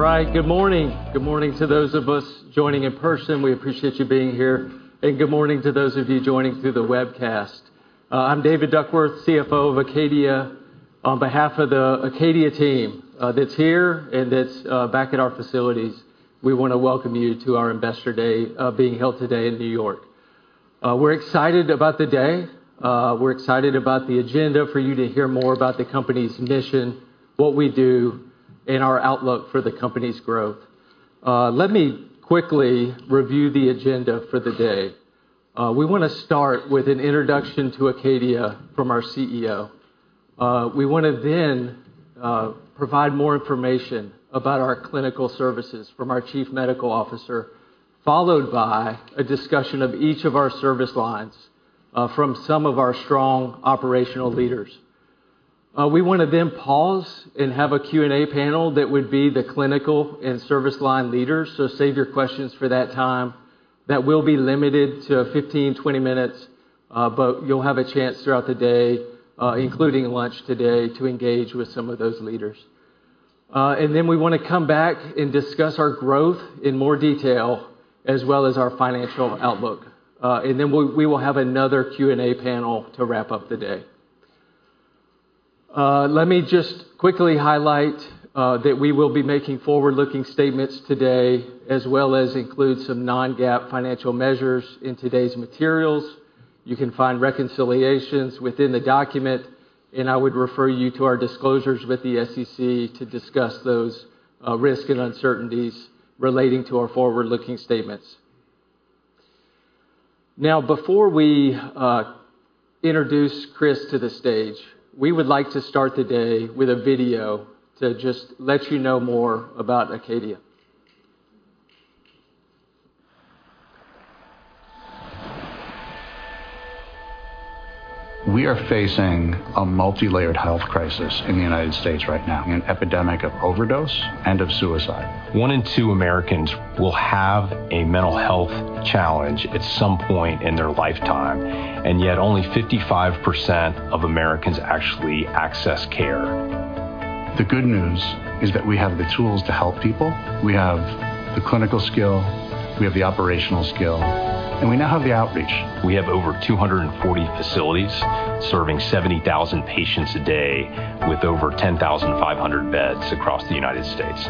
All right. Good morning. Good morning to those of us joining in person. We appreciate you being here. Good morning to those of you joining through the webcast. I'm David Duckworth, CFO of Acadia. On behalf of the Acadia team that's here and that's back at our facilities, we wanna welcome you to our Investor Day being held today in New York. We're excited about the day. We're excited about the agenda for you to hear more about the company's mission, what we do, and our outlook for the company's growth. Let me quickly review the agenda for the day. We wanna start with an introduction to Acadia from our CEO. We wanna then provide more information about our clinical services from our Chief Medical Officer, followed by a discussion of each of our service lines from some of our strong operational leaders. We wanna then pause and have a Q&A panel that would be the clinical and service line leaders. Save your questions for that time. That will be limited to 15-20 minutes, but you'll have a chance throughout the day, including lunch today, to engage with some of those leaders. We wanna come back and discuss our growth in more detail as well as our financial outlook. We will have another Q&A panel to wrap up the day. Let me just quickly highlight that we will be making forward-looking statements today as well as include some non-GAAP financial measures in today's materials. You can find reconciliations within the document. I would refer you to our disclosures with the SEC to discuss those, risks and uncertainties relating to our forward-looking statements. Before we introduce Chris to the stage, we would like to start the day with a video to just let you know more about Acadia. We are facing a multilayered health crisis in the United States right now, an epidemic of overdose and of suicide. One in two Americans will have a mental health challenge at some point in their lifetime, and yet only 55% of Americans actually access care. The good news is that we have the tools to help people. We have the clinical skill, we have the operational skill. We now have the outreach. We have over 240 facilities serving 70,000 patients a day with over 10,500 beds across the United States.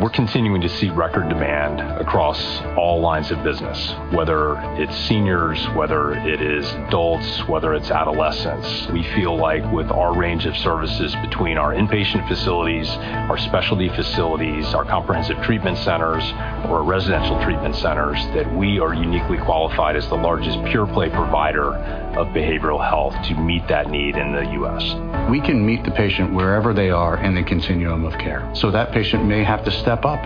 We're continuing to see record demand across all lines of business, whether it's seniors, whether it is adults, whether it's adolescents. We feel like with our range of services between our inpatient facilities, our specialty facilities, our comprehensive treatment centers, or our residential treatment centers, that we are uniquely qualified as the largest pure-play provider of behavioral health to meet that need in the U.S. We can meet the patient wherever they are in the continuum of care. That patient may have to step up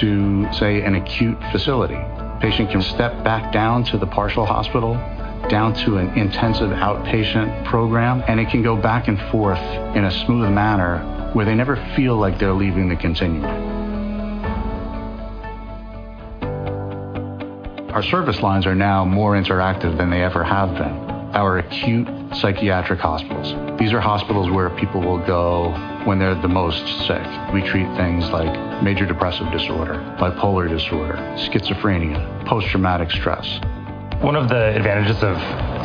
to, say, an acute facility. Patient can step back down to the partial hospital, down to an intensive outpatient program, and it can go back and forth in a smooth manner where they never feel like they're leaving the continuum. Our service lines are now more interactive than they ever have been. Our acute psychiatric hospitals, these are hospitals where people will go when they're the most sick. We treat things like major depressive disorder, bipolar disorder, schizophrenia, post-traumatic stress. One of the advantages of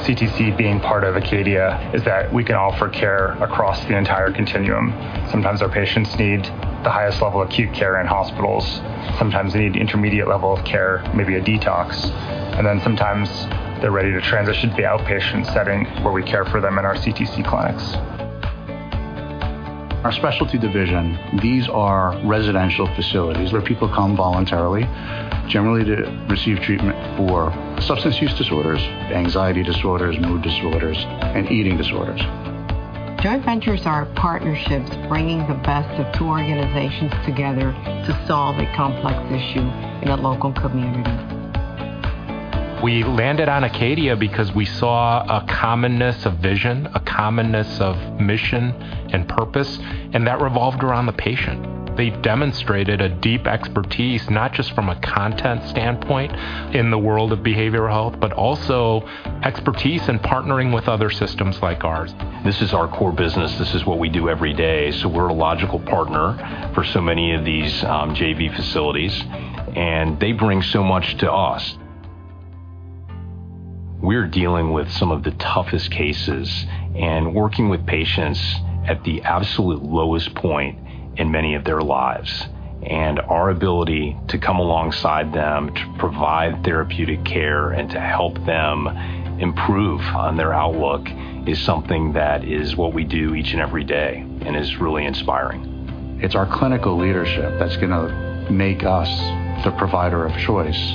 CTC being part of Acadia is that we can offer care across the entire continuum. Sometimes our patients need the highest level acute care in hospitals. Sometimes they need intermediate level of care, maybe a detox. Sometimes they're ready to transition to the outpatient setting, where we care for them in our CTC clinics. Our Specialty Division, these are residential facilities where people come voluntarily, generally to receive treatment for substance use disorders, anxiety disorders, mood disorders, and eating disorders. Joint ventures are partnerships bringing the best of two organizations together to solve a complex issue in a local community. We landed on Acadia because we saw a commonness of vision, a commonness of mission and purpose, and that revolved around the patient. They've demonstrated a deep expertise, not just from a content standpoint in the world of behavioral health, but also expertise in partnering with other systems like ours. This is our core business. This is what we do every day, we're a logical partner for so many of these JV facilities, and they bring so much to us. We're dealing with some of the toughest cases and working with patients at the absolute lowest point in many of their lives. Our ability to come alongside them to provide therapeutic care and to help them improve on their outlook is something that is what we do each and every day and is really inspiring. It's our clinical leadership that's gonna make us the provider of choice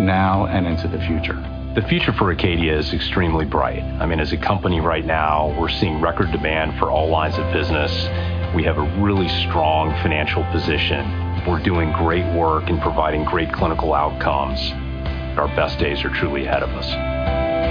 now and into the future. The future for Acadia is extremely bright. I mean, as a company right now, we're seeing record demand for all lines of business. We have a really strong financial position. We're doing great work and providing great clinical outcomes. Our best days are truly ahead of us.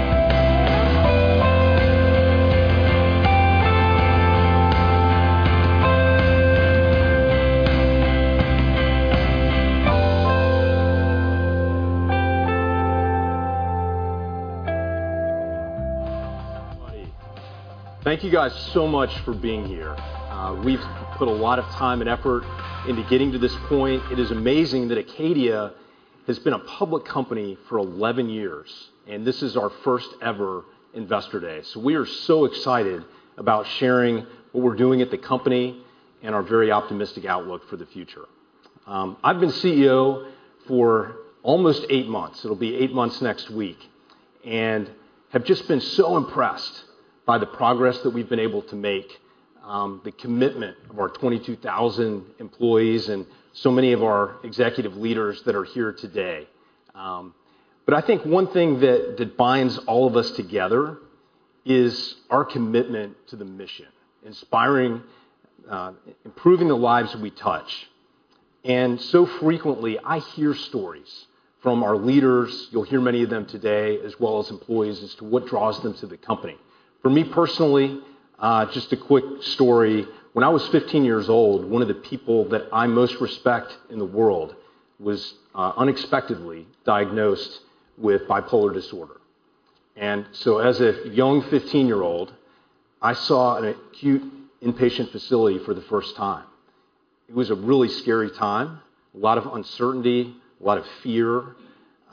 Thank you guys so much for being here. We've put a lot of time and effort into getting to this point. It is amazing that Acadia has been a public company for 11 years, and this is our first ever investor day. We are so excited about sharing what we're doing at the company and our very optimistic outlook for the future. I've been CEO for almost 8 months, it'll be 8 months next week, and have just been so impressed by the progress that we've been able to make, the commitment of our 22,000 employees and so many of our executive leaders that are here today. I think one thing that binds all of us together is our commitment to the mission: inspiring, improving the lives we touch. Frequently, I hear stories from our leaders, you'll hear many of them today, as well as employees as to what draws them to the company. For me personally, just a quick story. When I was 15 years old, one of the people that I most respect in the world was unexpectedly diagnosed with bipolar disorder. As a young 15-year-old, I saw an acute inpatient facility for the first time. It was a really scary time, a lot of uncertainty, a lot of fear,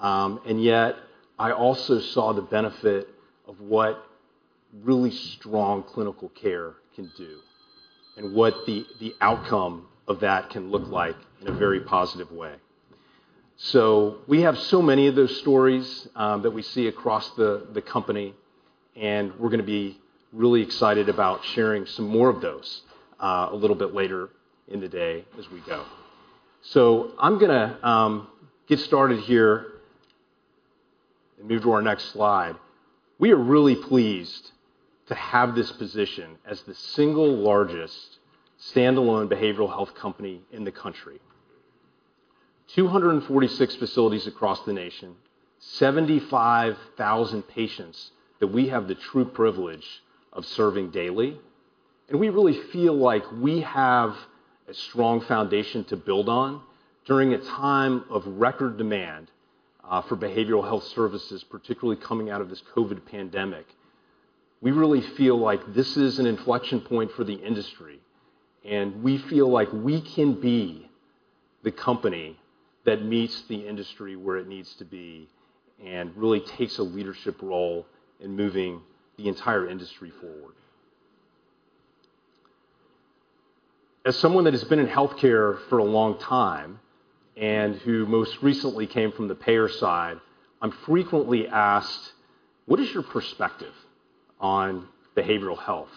and yet I also saw the benefit of what really strong clinical care can do and what the outcome of that can look like in a very positive way. We have so many of those stories that we see across the company, and we're gonna be really excited about sharing some more of those a little bit later in the day as we go. I'm gonna get started here and move to our next slide. We are really pleased to have this position as the single largest standalone behavioral health company in the country. 246 facilities across the nation, 75,000 patients that we have the true privilege of serving daily, and we really feel like we have a strong foundation to build on during a time of record demand for behavioral health services, particularly coming out of this COVID pandemic. We really feel like this is an inflection point for the industry, and we feel like we can be the company that meets the industry where it needs to be and really takes a leadership role in moving the entire industry forward. As someone that has been in healthcare for a long time, and who most recently came from the payer side, I'm frequently asked, "What is your perspective on behavioral health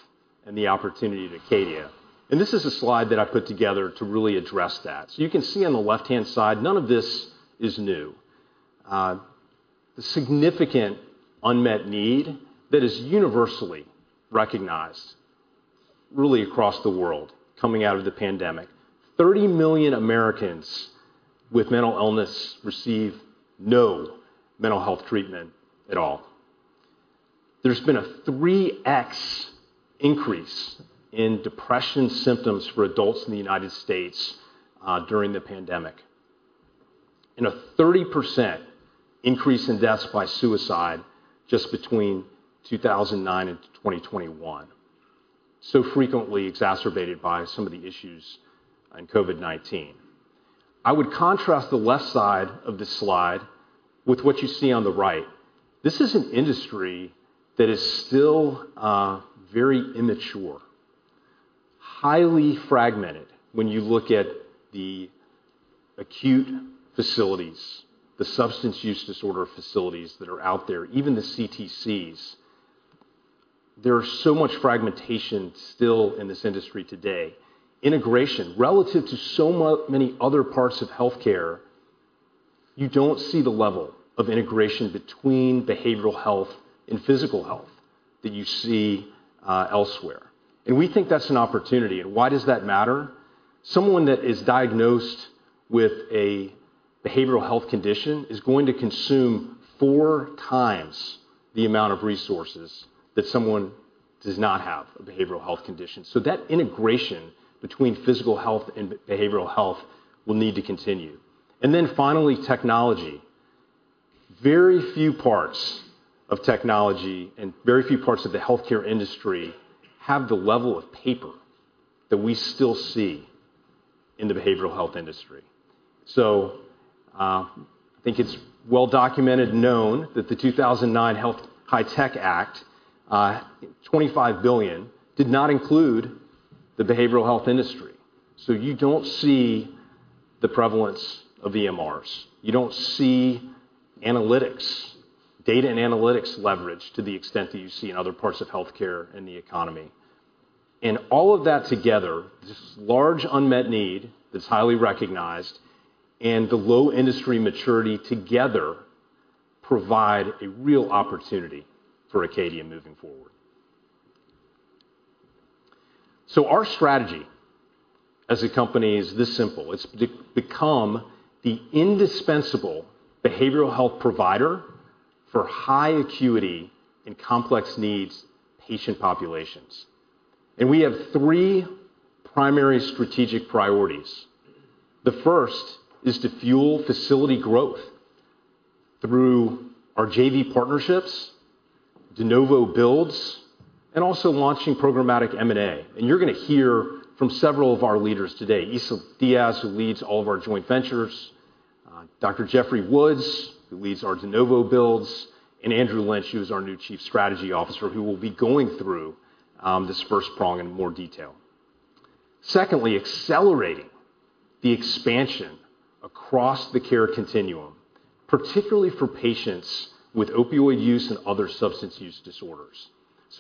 and the opportunity at Acadia?" This is a slide that I put together to really address that. You can see on the left-hand side, none of this is new. The significant unmet need that is universally recognized really across the world coming out of the pandemic. 30 million Americans with mental illness receive no mental health treatment at all. There's been a 3x increase in depression symptoms for adults in the United States during the pandemic. A 30% increase in deaths by suicide just between 2009 and 2021, frequently exacerbated by some of the issues on COVID-19. I would contrast the left side of this slide with what you see on the right. This is an industry that is still very immature, highly fragmented when you look at the acute facilities, the substance use disorder facilities that are out there, even the CTCs. There is so much fragmentation still in this industry today. Integration. Relative to many other parts of healthcare, you don't see the level of integration between behavioral health and physical health that you see elsewhere, and we think that's an opportunity. Why does that matter? Someone that is diagnosed with a behavioral health condition is going to consume four times the amount of resources that someone does not have a behavioral health condition. That integration between physical health and behavioral health will need to continue. Finally, technology. Very few parts of technology and very few parts of the healthcare industry have the level of paper that we still see in the behavioral health industry. I think it's well documented and known that the 2009 HITECH Act, $25 billion, did not include the behavioral health industry. You don't see the prevalence of EMRs. You don't see analytics, data and analytics leverage to the extent that you see in other parts of healthcare and the economy. All of that together, this large unmet need that's highly recognized and the low industry maturity together provide a real opportunity for Acadia moving forward. Our strategy as a company is this simple: It's become the indispensable behavioral health provider for high acuity and complex needs patient populations. We have three primary strategic priorities. The first is to fuel facility growth through our JV partnerships, de novo builds, and also launching programmatic M&A. You're gonna hear from several of our leaders today, Isa Diaz, who leads all of our joint ventures, Dr. Jeffrey Woods, who leads our de novo builds, and Andrew Lynch, who is our new Chief Strategy Officer, who will be going through this first prong in more detail. Secondly, accelerating the expansion across the care continuum, particularly for patients with opioid use and other substance use disorders.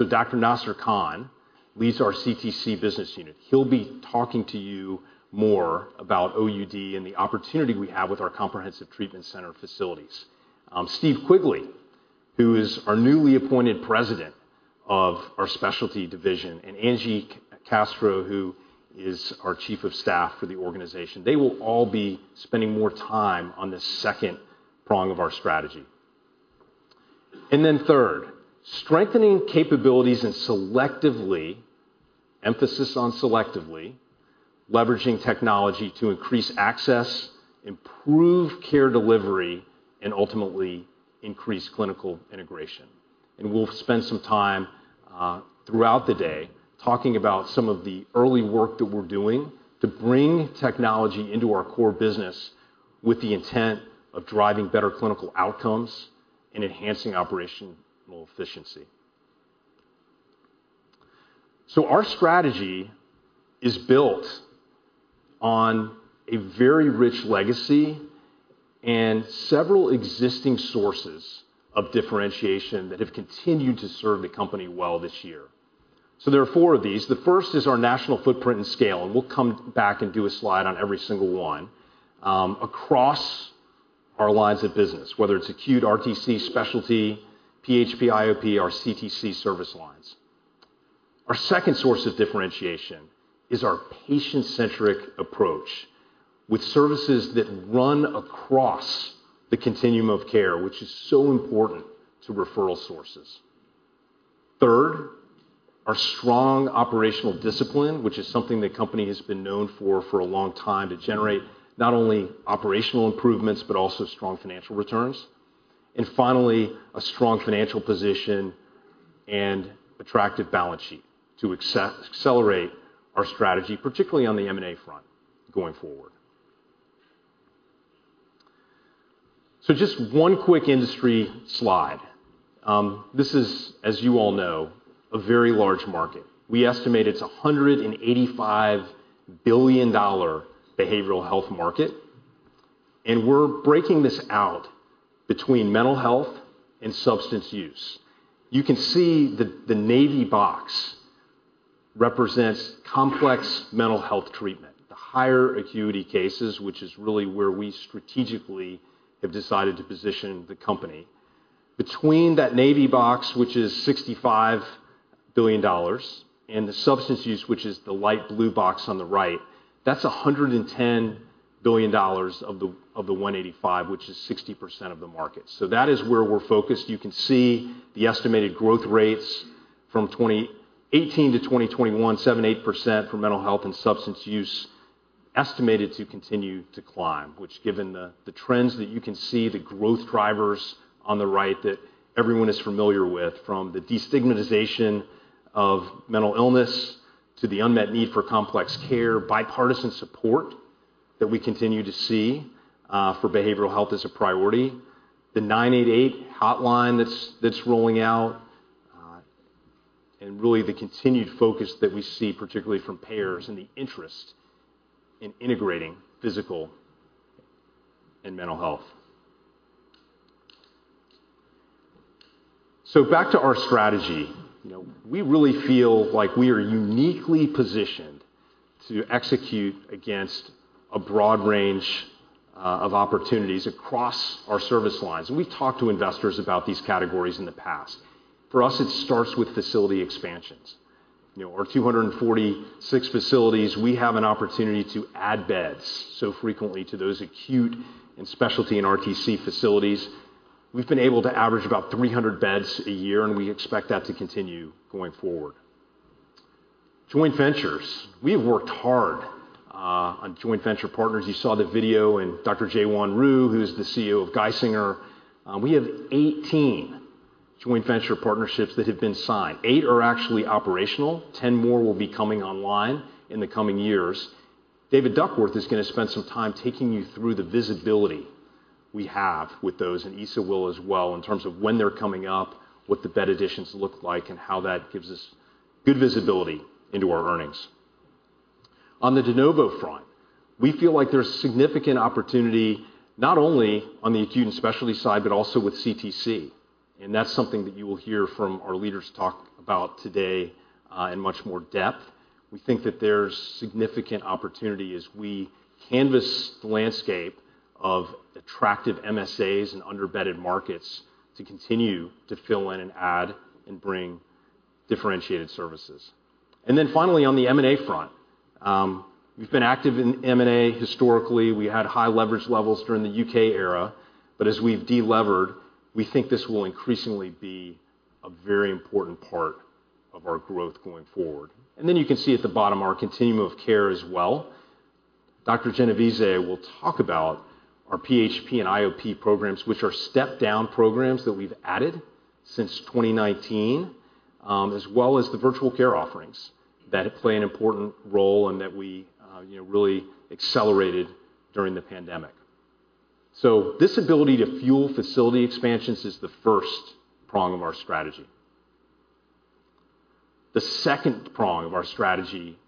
Dr. Nasser Khan leads our CTC business unit. He'll be talking to you more about OUD and the opportunity we have with our comprehensive treatment center facilities. Steve Quigley, who is our newly appointed President of our Specialty Division, and Angie Castro, who is our Chief of Staff for the organization, they will all be spending more time on this second prong of our strategy. Third, strengthening capabilities and selectively, emphasis on selectively, leveraging technology to increase access, improve care delivery, and ultimately increase clinical integration. We'll spend some time throughout the day talking about some of the early work that we're doing to bring technology into our core business with the intent of driving better clinical outcomes and enhancing operational efficiency. Our strategy is built on a very rich legacy and several existing sources of differentiation that have continued to serve the company well this year. There are four of these. The first is our national footprint and scale, and we'll come back and do a slide on every single one, across our lines of business, whether it's acute RTC specialty, PHP, IOP, or CTC service lines. Our second source of differentiation is our patient-centric approach with services that run across the continuum of care, which is so important to referral sources. Third, our strong operational discipline, which is something the company has been known for for a long time to generate not only operational improvements, but also strong financial returns. Finally, a strong financial position and attractive balance sheet to accelerate our strategy, particularly on the M&A front going forward. Just one quick industry slide. This is, as you all know, a very large market. We estimate it's a $185 billion behavioral health market, and we're breaking this out between mental health and substance use. You can see the navy box represents complex mental health treatment, the higher acuity cases, which is really where we strategically have decided to position the company. Between that navy box, which is $65 billion, and the substance use, which is the light blue box on the right, that's $110 billion of the 185, which is 60% of the market. That is where we're focused. You can see the estimated growth rates from 2018-2021, 7%-8% for mental health and substance use estimated to continue to climb, which given the trends that you can see, the growth drivers on the right that everyone is familiar with, from the destigmatization of mental illness to the unmet need for complex care, bipartisan support that we continue to see for behavioral health as a priority. The 988 hotline that's rolling out and really the continued focus that we see particularly from payers and the interest in integrating physical and mental health. Back to our strategy. You know, we really feel like we are uniquely positioned to execute against a broad range of opportunities across our service lines, and we've talked to investors about these categories in the past. For us, it starts with facility expansions. You know, our 246 facilities, we have an opportunity to add beds, so frequently to those acute and specialty and RTC facilities. We've been able to average about 300 beds a year, and we expect that to continue going forward. Joint ventures. We have worked hard on joint venture partners. You saw the video and Dr. Jaewon Ryu, who is the CEO of Geisinger. We have 18 joint venture partnerships that have been signed. Eight are actually operational. 10 more will be coming online in the coming years. David Duckworth is gonna spend some time taking you through the visibility we have with those, and Isa will as well, in terms of when they're coming up, what the bed additions look like, and how that gives us good visibility into our earnings. On the de novo front, we feel like there's significant opportunity not only on the acute and specialty side, but also with CTC, and that's something that you will hear from our leaders talk about today, in much more depth. We think that there's significant opportunity as we canvas the landscape of attractive MSAs and under-bedded markets to continue to fill in and add and bring differentiated services. Finally, on the M&A front, we've been active in M&A historically. We had high leverage levels during the U.K. era, but as we've de-levered, we think this will increasingly be a very important part of our growth going forward. You can see at the bottom our continuum of care as well. Genovese will talk about our PHP and IOP programs, which are step-down programs that we've added since 2019, as well as the virtual care offerings that play an important role and that we, you know, really accelerated during the pandemic. This ability to fuel facility expansions is the first prong of our strategy. The second prong of our strategy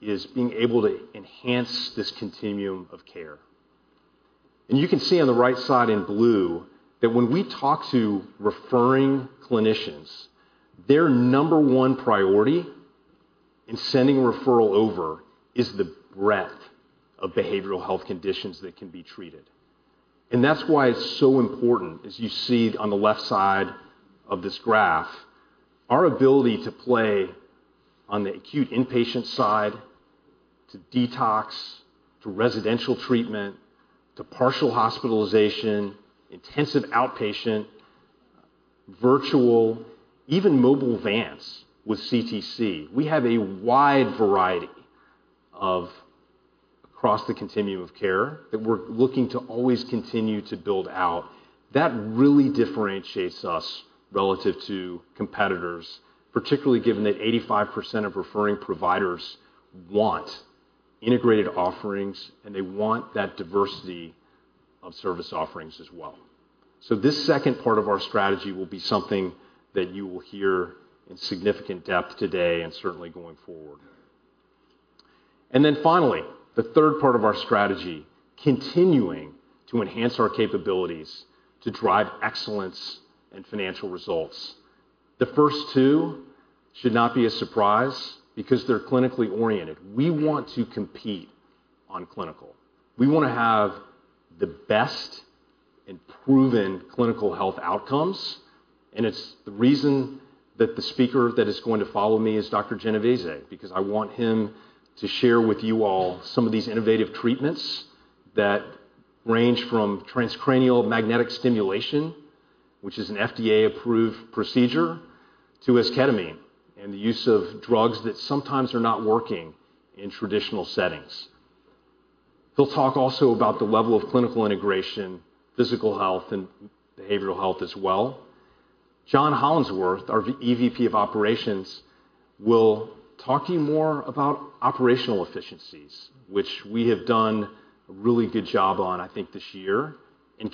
is being able to enhance this continuum of care. You can see on the right side in blue that when we talk to referring clinicians, their number one priority in sending a referral over is the breadth of behavioral health conditions that can be treated. And that's why it's so important, as you see on the left side of this graph, our ability to play on the acute inpatient side, to detox, to residential treatment, to partial hospitalization, intensive outpatient, virtual, even mobile vans with CTC. We have a wide variety of across the continuum of care that we're looking to always continue to build out. That really differentiates us relative to competitors, particularly given that 85% of referring providers want integrated offerings, and they want that diversity of service offerings as well. This second part of our strategy will be something that you will hear in significant depth today and certainly going forward. Finally, the third part of our strategy, continuing to enhance our capabilities to drive excellence and financial results. The first two should not be a surprise because they're clinically oriented. We want to compete on clinical. We wanna have the best and proven clinical health outcomes, and it's the reason that the speaker that is going to follow me is Dr. Genovese because I want him to share with you all some of these innovative treatments that range from transcranial magnetic stimulation, which is an FDA-approved procedure, to esketamine and the use of drugs that sometimes are not working in traditional settings. He'll talk also about the level of clinical integration, physical health, and behavioral health as well. John Hollinsworth, our VP of operations, will talk to you more about operational efficiencies, which we have done a really good job on, I think, this year, and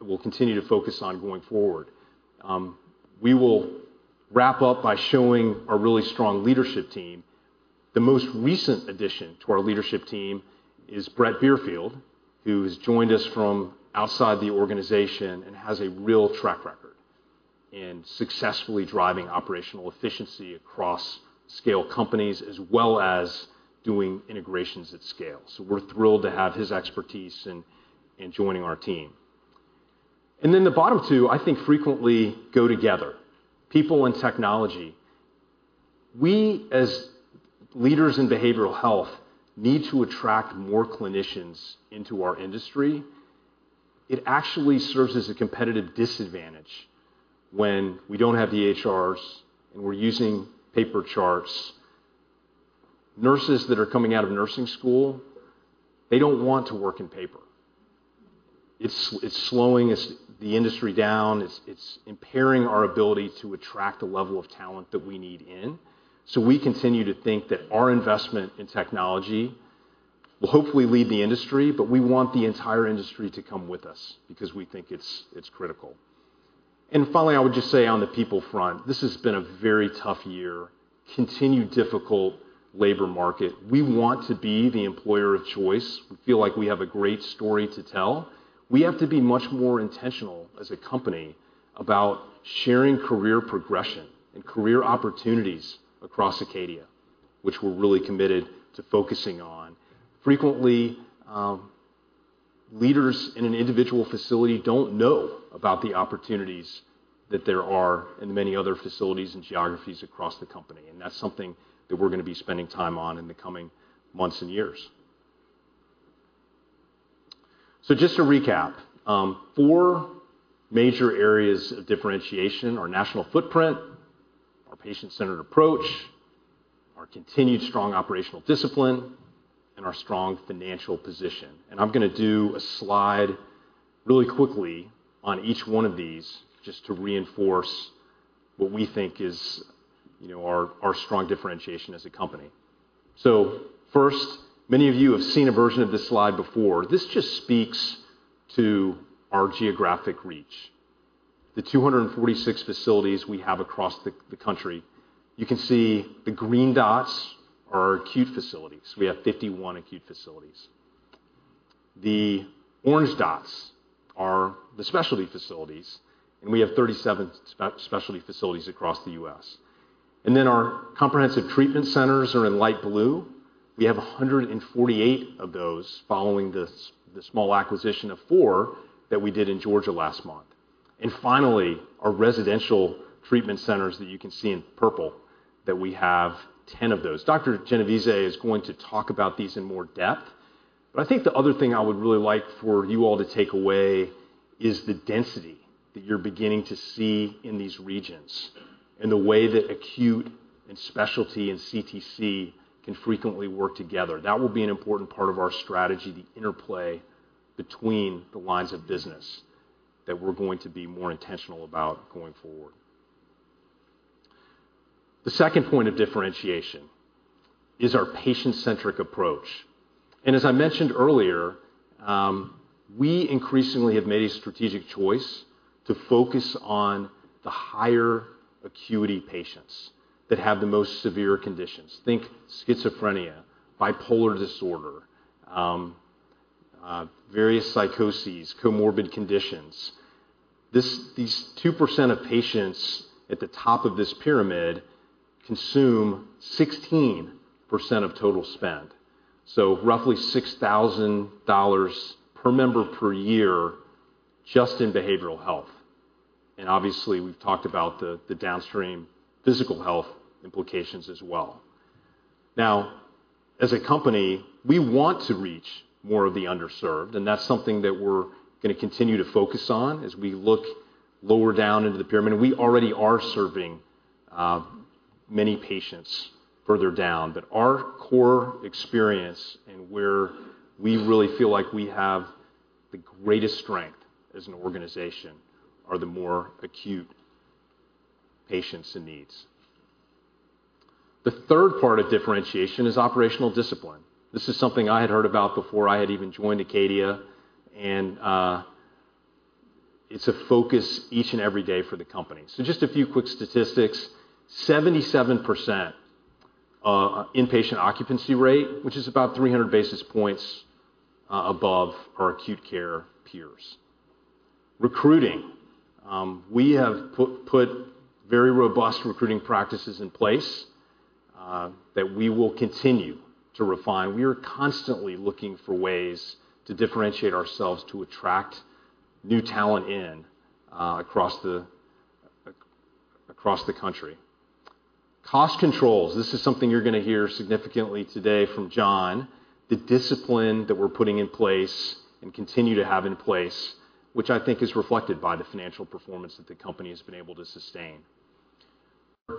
we'll continue to focus on going forward. We will wrap up by showing our really strong leadership team. The most recent addition to our leadership team is Brett Biersmith, who has joined us from outside the organization and has a real track record in successfully driving operational efficiency across scale companies as well as doing integrations at scale. We're thrilled to have his expertise in joining our team. The bottom two, I think, frequently go together, people and technology. We, as leaders in behavioral health, need to attract more clinicians into our industry. It actually serves as a competitive disadvantage when we don't have the HRs, and we're using paper charts. Nurses that are coming out of nursing school, they don't want to work in paper. It's slowing the industry down. It's impairing our ability to attract the level of talent that we need in. We continue to think that our investment in technology will hopefully lead the industry, but we want the entire industry to come with us because we think it's critical. Finally, I would just say on the people front, this has been a very tough year, continued difficult labor market. We want to be the employer of choice. We feel like we have a great story to tell. We have to be much more intentional as a company about sharing career progression and career opportunities across Acadia, which we're really committed to focusing on. Frequently, leaders in an individual facility don't know about the opportunities that there are in many other facilities and geographies across the company, and that's something that we're gonna be spending time on in the coming months and years. Just to recap, four major areas of differentiation: our national footprint, our patient-centered approach, our continued strong operational discipline, and our strong financial position. I'm gonna do a slide really quickly on each one of these just to reinforce what we think is, you know, our strong differentiation as a company. First, many of you have seen a version of this slide before. This just speaks to our geographic reach. The 246 facilities we have across the country. You can see the green dots are our acute facilities. We have 51 acute facilities. The orange dots are the specialty facilities, and we have 37 specialty facilities across the U.S. Then our comprehensive treatment centers are in light blue. We have 148 of those following the small acquisition of four that we did in Georgia last month. Finally, our residential treatment centers that you can see in purple, that we have 10 of those. Dr. Genovese is going to talk about these in more depth. I think the other thing I would really like for you all to take away is the density that you're beginning to see in these regions. The way that acute and specialty and CTC can frequently work together. That will be an important part of our strategy, the interplay between the lines of business that we're going to be more intentional about going forward. The second point of differentiation is our patient-centric approach. As I mentioned earlier, we increasingly have made a strategic choice to focus on the higher acuity patients that have the most severe conditions. Think schizophrenia, bipolar disorder, various psychoses, comorbid conditions. These 2% of patients at the top of this pyramid consume 16% of total spend. Roughly $6,000 per member per year just in behavioral health. Obviously, we've talked about the downstream physical health implications as well. As a company, we want to reach more of the underserved, and that's something that we're gonna continue to focus on as we look lower down into the pyramid. We already are serving many patients further down, but our core experience and where we really feel like we have the greatest strength as an organization are the more acute patients and needs. The third part of differentiation is operational discipline. This is something I had heard about before I had even joined Acadia, and it's a focus each and every day for the company. Just a few quick statistics. 77% inpatient occupancy rate, which is about 300 basis points above our acute care peers. Recruiting. We have put very robust recruiting practices in place that we will continue to refine. We are constantly looking for ways to differentiate ourselves to attract new talent in across the country. Cost controls. This is something you're gonna hear significantly today from John. The discipline that we're putting in place and continue to have in place, which I think is reflected by the financial performance that the company has been able to sustain.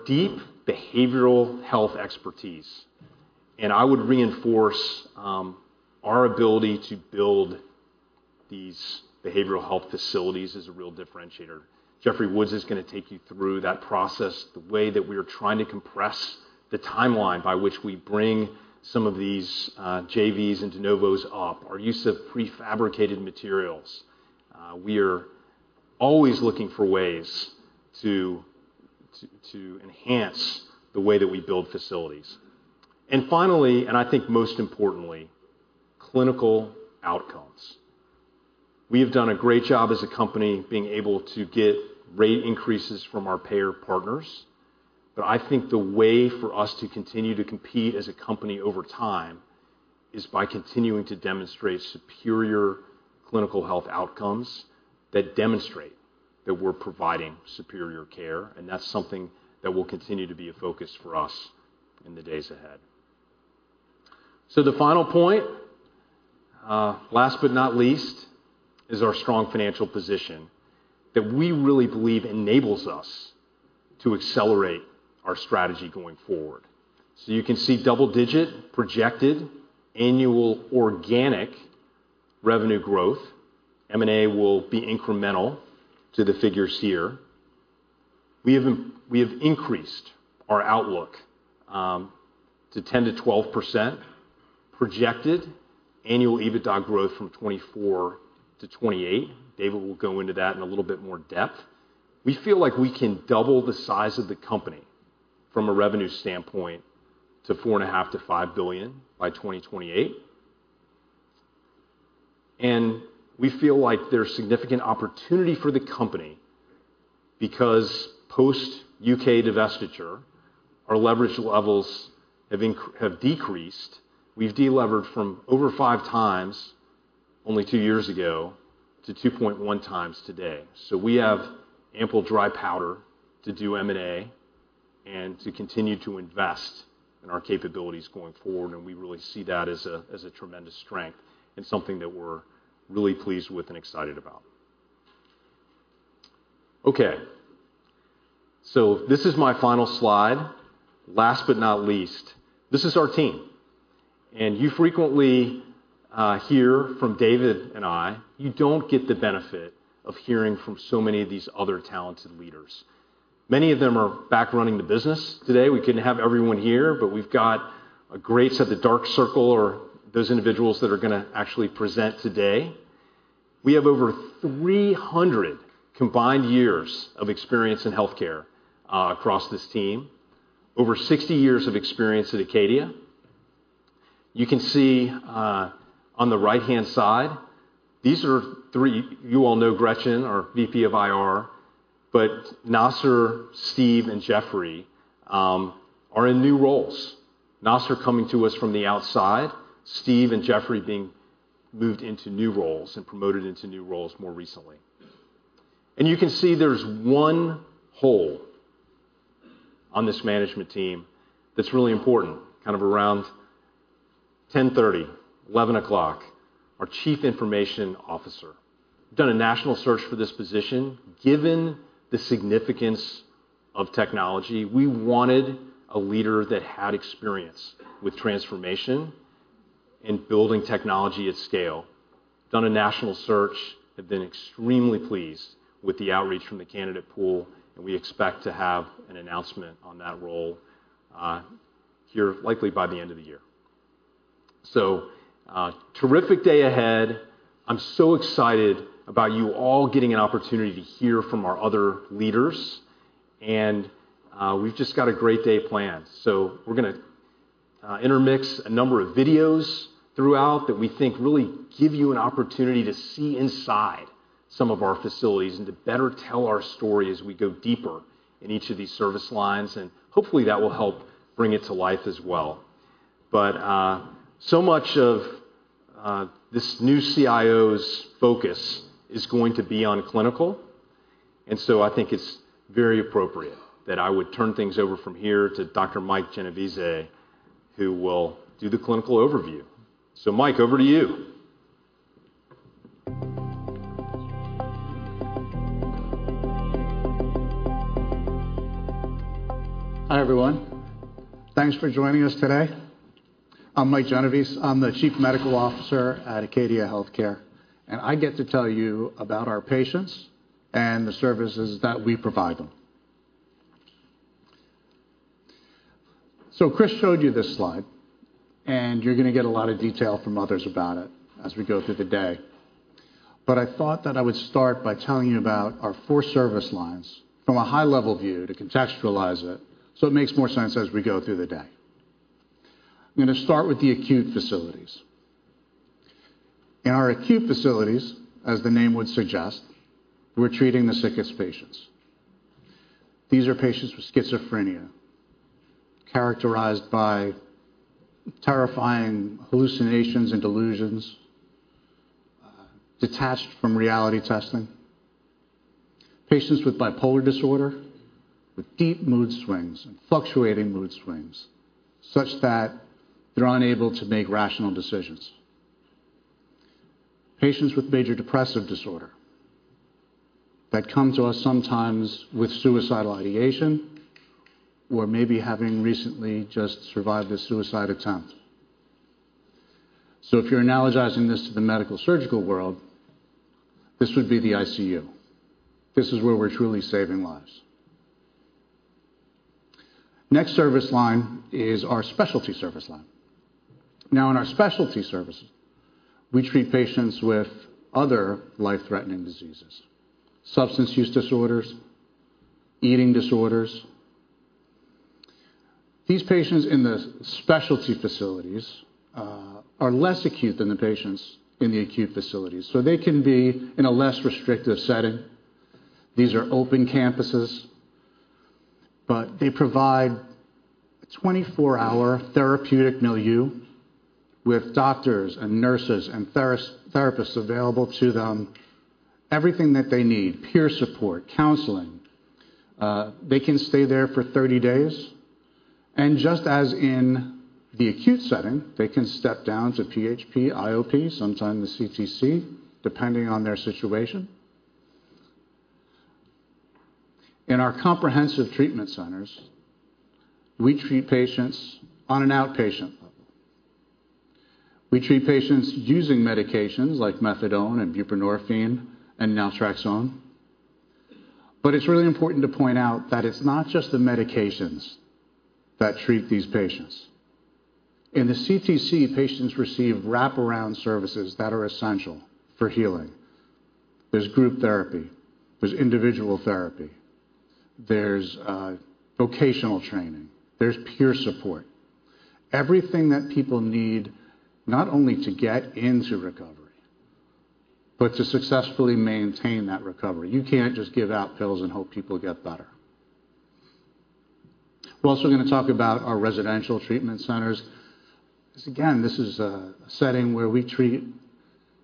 Deep behavioral health expertise, and I would reinforce our ability to build these behavioral health facilities as a real differentiator. Jeffrey Woods is gonna take you through that process, the way that we are trying to compress the timeline by which we bring some of these JVs and de novos up, our use of prefabricated materials. We are always looking for ways to enhance the way that we build facilities. Finally, and I think most importantly, clinical outcomes. We have done a great job as a company being able to get rate increases from our payer partners, but I think the way for us to continue to compete as a company over time is by continuing to demonstrate superior clinical health outcomes that demonstrate that we're providing superior care, and that's something that will continue to be a focus for us in the days ahead. The final point, last but not least, is our strong financial position that we really believe enables us to accelerate our strategy going forward. You can see double-digit projected annual organic revenue growth. M&A will be incremental to the figures here. We have increased our outlook, to 10%-12% projected annual EBITDA growth from 2024-2028. David will go into that in a little bit more depth. We feel like we can double the size of the company from a revenue standpoint to $4.5 billion-$5 billion by 2028. We feel like there's significant opportunity for the company because post U.K. divestiture, our leverage levels have decreased. We've delevered from over 5x only years ago to 2.1 times today. We have ample dry powder to do M&A and to continue to invest in our capabilities going forward, and we really see that as a tremendous strength and something that we're really pleased with and excited about. This is my final slide. Last but not least, this is our team. You frequently hear from David and I. You don't get the benefit of hearing from so many of these other talented leaders. Many of them are back running the business today. We couldn't have everyone here, we've got a great set. The dark circle are those individuals that are going to actually present today. We have over 300 combined years of experience in healthcare across this team, over 60 years of experience at Acadia. You can see on the right-hand side, you all know Gretchen, our VP of IR. Nasser, Steve, and Jeffrey are in new roles. Nasser coming to us from the outside, Steve and Jeffrey being moved into new roles and promoted into new roles more recently. You can see there's one hole on this management team that's really important, kind of around 10:30 to 11:00 A.M., our Chief Information Officer. We've done a national search for this position. Given the significance of technology, we wanted a leader that had experience with transformation and building technology at scale. Done a national search. Have been extremely pleased with the outreach from the candidate pool, and we expect to have an announcement on that role here likely by the end of the year. Terrific day ahead. I'm so excited about you all getting an opportunity to hear from our other leaders and we've just got a great day planned. We're gonna intermix a number of videos throughout that we think really give you an opportunity to see inside some of our facilities and to better tell our story as we go deeper in each of these service lines, and hopefully that will help bring it to life as well. Much of this new CIO's focus is going to be on clinical, and so I think it's very appropriate that I would turn things over from here to Dr. Mike Genovese, who will do the clinical overview. Mike, over to you. Hi, everyone. Thanks for joining us today. I'm Mike Genovese. I'm the Chief Medical Officer at Acadia Healthcare, I get to tell you about our patients and the services that we provide them. Chris showed you this slide, you're gonna get a lot of detail from others about it as we go through the day. I thought that I would start by telling you about our four service lines from a high-level view to contextualize it so it makes more sense as we go through the day. I'm gonna start with the acute facilities. In our acute facilities, as the name would suggest, we're treating the sickest patients. These are patients with schizophrenia, characterized by terrifying hallucinations and delusions, detached from reality testing. Patients with bipolar disorder, with deep mood swings and fluctuating mood swings such that they're unable to make rational decisions. Patients with major depressive disorder that come to us sometimes with suicidal ideation or maybe having recently just survived a suicide attempt. If you're analogizing this to the medical surgical world, this would be the ICU. This is where we're truly saving lives. Next service line is our specialty service line. In our specialty services, we treat patients with other life-threatening diseases, substance use disorders, eating disorders. These patients in the specialty facilities are less acute than the patients in the acute facilities, so they can be in a less restrictive setting. These are open campuses. They provide 24-hour therapeutic milieu with doctors and nurses and therapists available to them. Everything that they need, peer support, counseling. They can stay there for 30 days, and just as in the acute setting, they can step down to PHP, IOP, sometimes the CTC, depending on their situation. In our comprehensive treatment centers, we treat patients on an outpatient level. We treat patients using medications like methadone and buprenorphine and naltrexone. It's really important to point out that it's not just the medications that treat these patients. In the CTC, patients receive wraparound services that are essential for healing. There's group therapy. There's individual therapy. There's vocational training. There's peer support. Everything that people need not only to get into recovery, but to successfully maintain that recovery. You can't just give out pills and hope people get better. We're also gonna talk about our residential treatment centers 'cause, again, this is a setting where we treat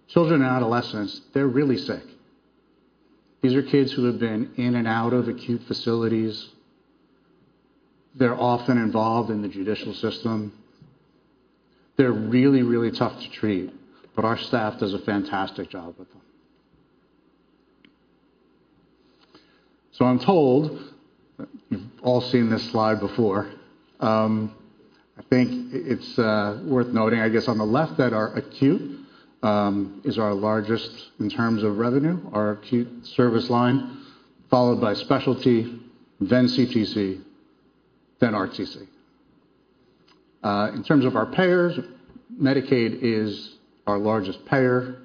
children and adolescents. They're really sick. These are kids who have been in and out of acute facilities. They're often involved in the judicial system. They're really, really tough to treat, but our staff does a fantastic job with them. I'm told, you've all seen this slide before, I think it's worth noting, I guess, on the left that our acute is our largest in terms of revenue, our acute service line, followed by specialty, then CTC, then RTC. In terms of our payers, Medicaid is our largest payer.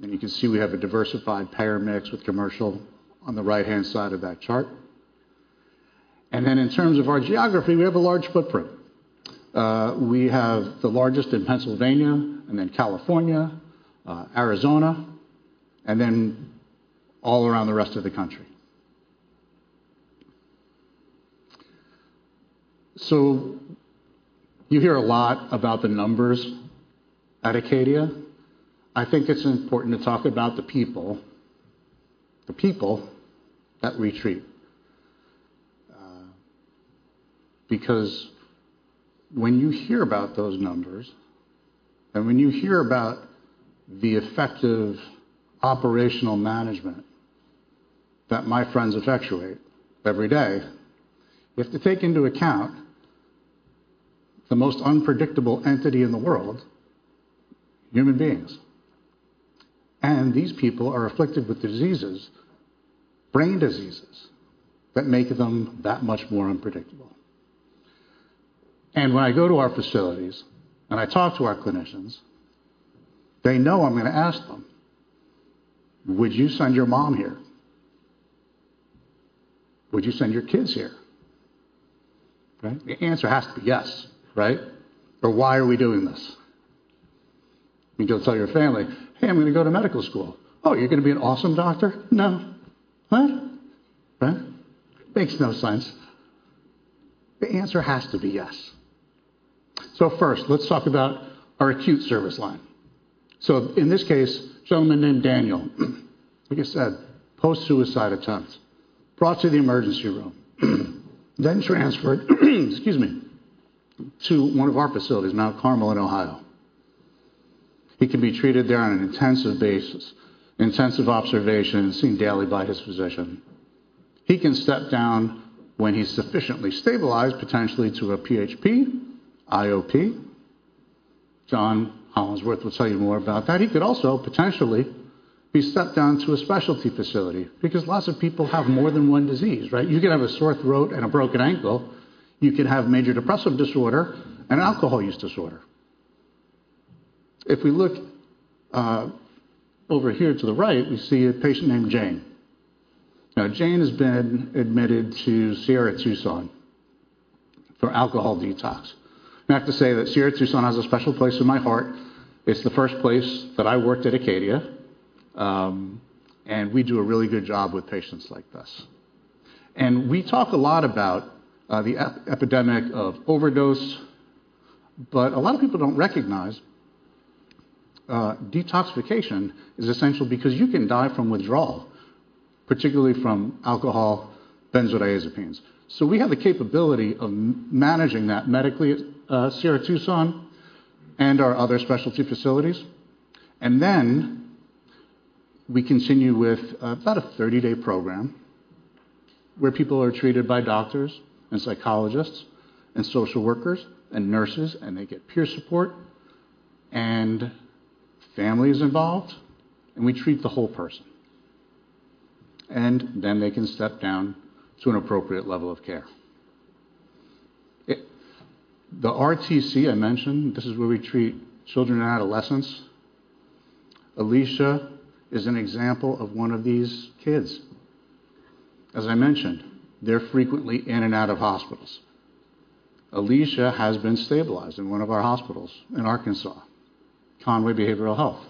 You can see we have a diversified payer mix with commercial on the right-hand side of that chart. In terms of our geography, we have a large footprint. We have the largest in Pennsylvania and then California, Arizona, and then all around the rest of the country. You hear a lot about the numbers at Acadia. I think it's important to talk about the people, the people that we treat. Because when you hear about those numbers, and when you hear about the effective operational management that my friends effectuate every day, you have to take into account the most unpredictable entity in the world, human beings. These people are afflicted with diseases, brain diseases, that make them that much more unpredictable. When I go to our facilities and I talk to our clinicians, they know I'm gonna ask them, "Would you send your mom here? Would you send your kids here?" Right? The answer has to be yes, right? Or why are we doing this? You don't tell your family, "Hey, I'm gonna go to medical school." "Oh, you're gonna be an awesome doctor?" "No." "What?" Right? Makes no sense. The answer has to be yes. First, let's talk about our acute service line. In this case, a gentleman named Daniel, like I said, post-suicide attempt, brought to the emergency room, transferred, excuse me, to one of our facilities, Mount Carmel in Ohio. He can be treated there on an intensive basis, intensive observation, and seen daily by his physician. He can step down when he's sufficiently stabilized, potentially to a PHP, IOP. John Hollinsworth will tell you more about that. He could also potentially be stepped down to a specialty facility because lots of people have more than one disease, right? You could have a sore throat and a broken ankle. You could have major depressive disorder and alcohol use disorder. If we look over here to the right, we see a patient named Jane. Jane has been admitted to Sierra Tucson for alcohol detox. I have to say that Sierra Tucson has a special place in my heart. It's the first place that I worked at Acadia. We do a really good job with patients like this. We talk a lot about the epidemic of overdose. A lot of people don't recognize detoxification is essential because you can die from withdrawal, particularly from alcohol, benzodiazepines. We have the capability of managing that medically at Sierra Tucson and our other specialty facilities. We continue with about a 30-day program where people are treated by doctors and psychologists and social workers and nurses. They get peer support. Family is involved. We treat the whole person. They can step down to an appropriate level of care. The RTC I mentioned, this is where we treat children and adolescents. Alicia is an example of 1 of these kids. As I mentioned, they're frequently in and out of hospitals. Alicia has been stabilized in 1 of our hospitals in Arkansas, Conway Behavioral Health.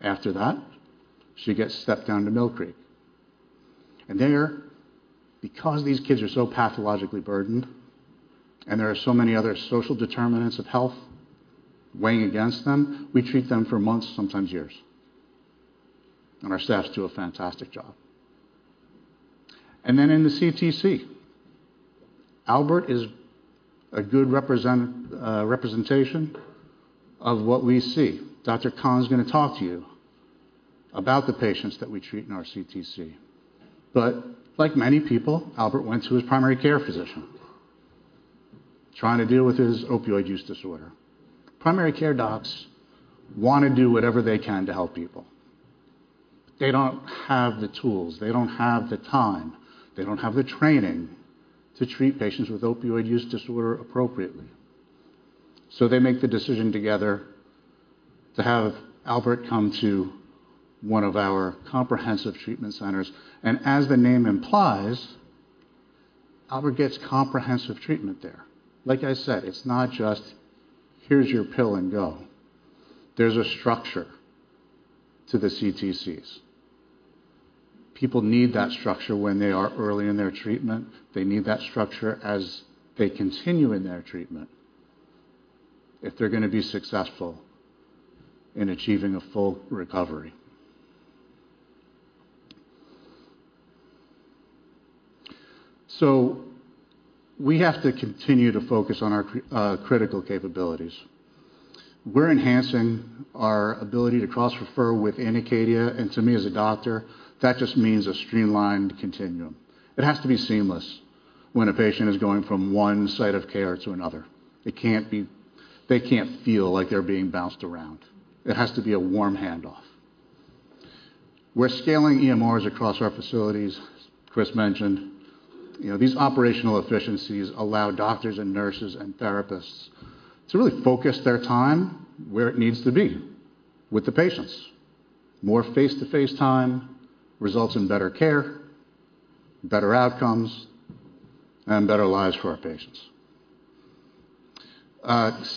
After that, she gets stepped down to Mill Creek. There, because these kids are so pathologically burdened and there are so many other social determinants of health weighing against them, we treat them for months, sometimes years, and our staffs do a fantastic job. In the CTC, Albert is a good representation of what we see. Dr. Khan's gonna talk to you about the patients that we treat in our CTC. Like many people, Albert went to his primary care physician trying to deal with his opioid use disorder. Primary care docs wanna do whatever they can to help people. They don't have the tools, they don't have the time, they don't have the training to treat patients with opioid use disorder appropriately. They make the decision together to have Albert come to one of our comprehensive treatment centers, and as the name implies, Albert gets comprehensive treatment there. Like I said, it's not just, "Here's your pill," and go. There's a structure to the CTCs. People need that structure when they are early in their treatment. They need that structure as they continue in their treatment if they're gonna be successful in achieving a full recovery. We have to continue to focus on our critical capabilities. We're enhancing our ability to cross-refer within Acadia, and to me as a doctor, that just means a streamlined continuum. It has to be seamless when a patient is going from one site of care to another. They can't feel like they're being bounced around. It has to be a warm handoff. We're scaling EMRs across our facilities, as Chris mentioned. You know, these operational efficiencies allow doctors and nurses and therapists to really focus their time where it needs to be: with the patients. More face-to-face time results in better care, better outcomes, and better lives for our patients.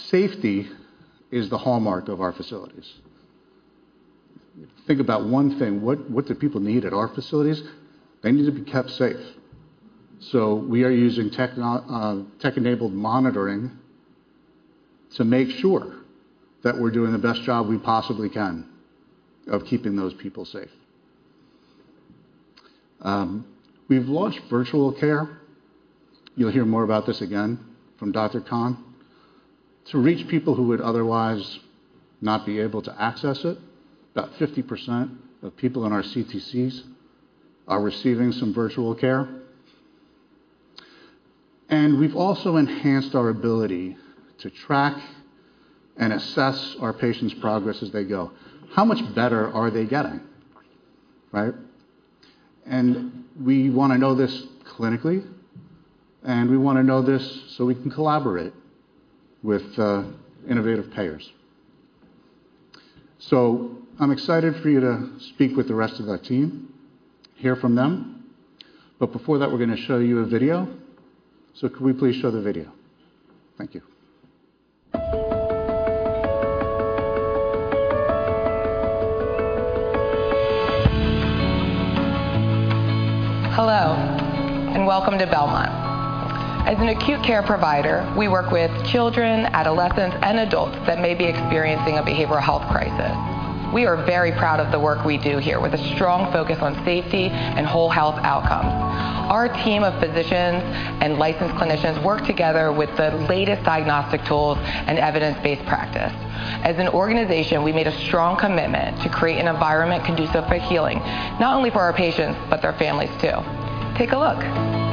Safety is the hallmark of our facilities. Think about one thing. What do people need at our facilities? They need to be kept safe. We are using tech-enabled monitoring To make sure that we're doing the best job we possibly can of keeping those people safe. We've launched virtual care, you'll hear more about this again from Dr. Khan, to reach people who would otherwise not be able to access it. About 50% of people in our CTCs are receiving some virtual care. We've also enhanced our ability to track and assess our patients' progress as they go. How much better are they getting, right? We wanna know this clinically, and we wanna know this so we can collaborate with innovative payers. I'm excited for you to speak with the rest of our team, hear from them. Before that, we're gonna show you a video. Could we please show the video? Thank you. Hello, and welcome to Belmont. As an acute care provider, we work with children, adolescents, and adults that may be experiencing a behavioral health crisis. We are very proud of the work we do here, with a strong focus on safety and whole health outcomes. Our team of physicians and licensed clinicians work together with the latest diagnostic tools and evidence-based practice. As an organization, we made a strong commitment to create an environment conducive for healing, not only for our patients, but their families too. Take a look.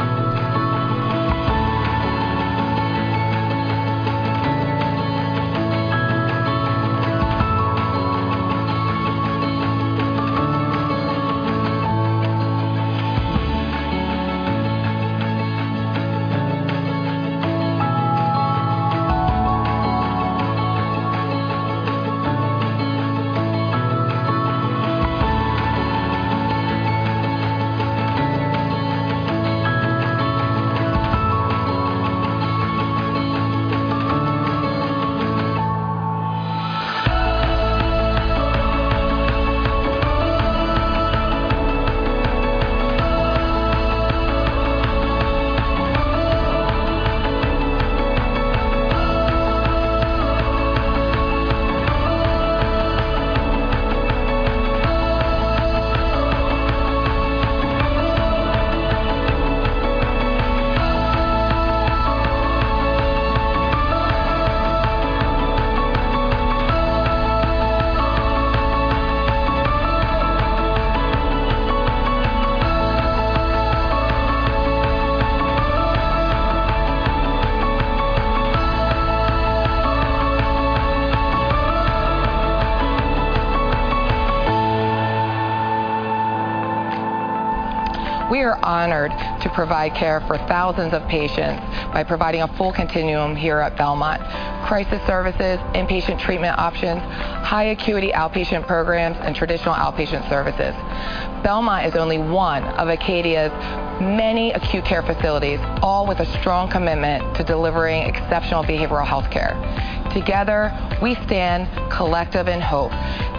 We are honored to provide care for thousands of patients by providing a full continuum here at Belmont. Crisis services, inpatient treatment options, high acuity outpatient programs, and traditional outpatient services. Belmont is only one of Acadia's many acute care facilities, all with a strong commitment to delivering exceptional behavioral health care. Together, we stand collective in hope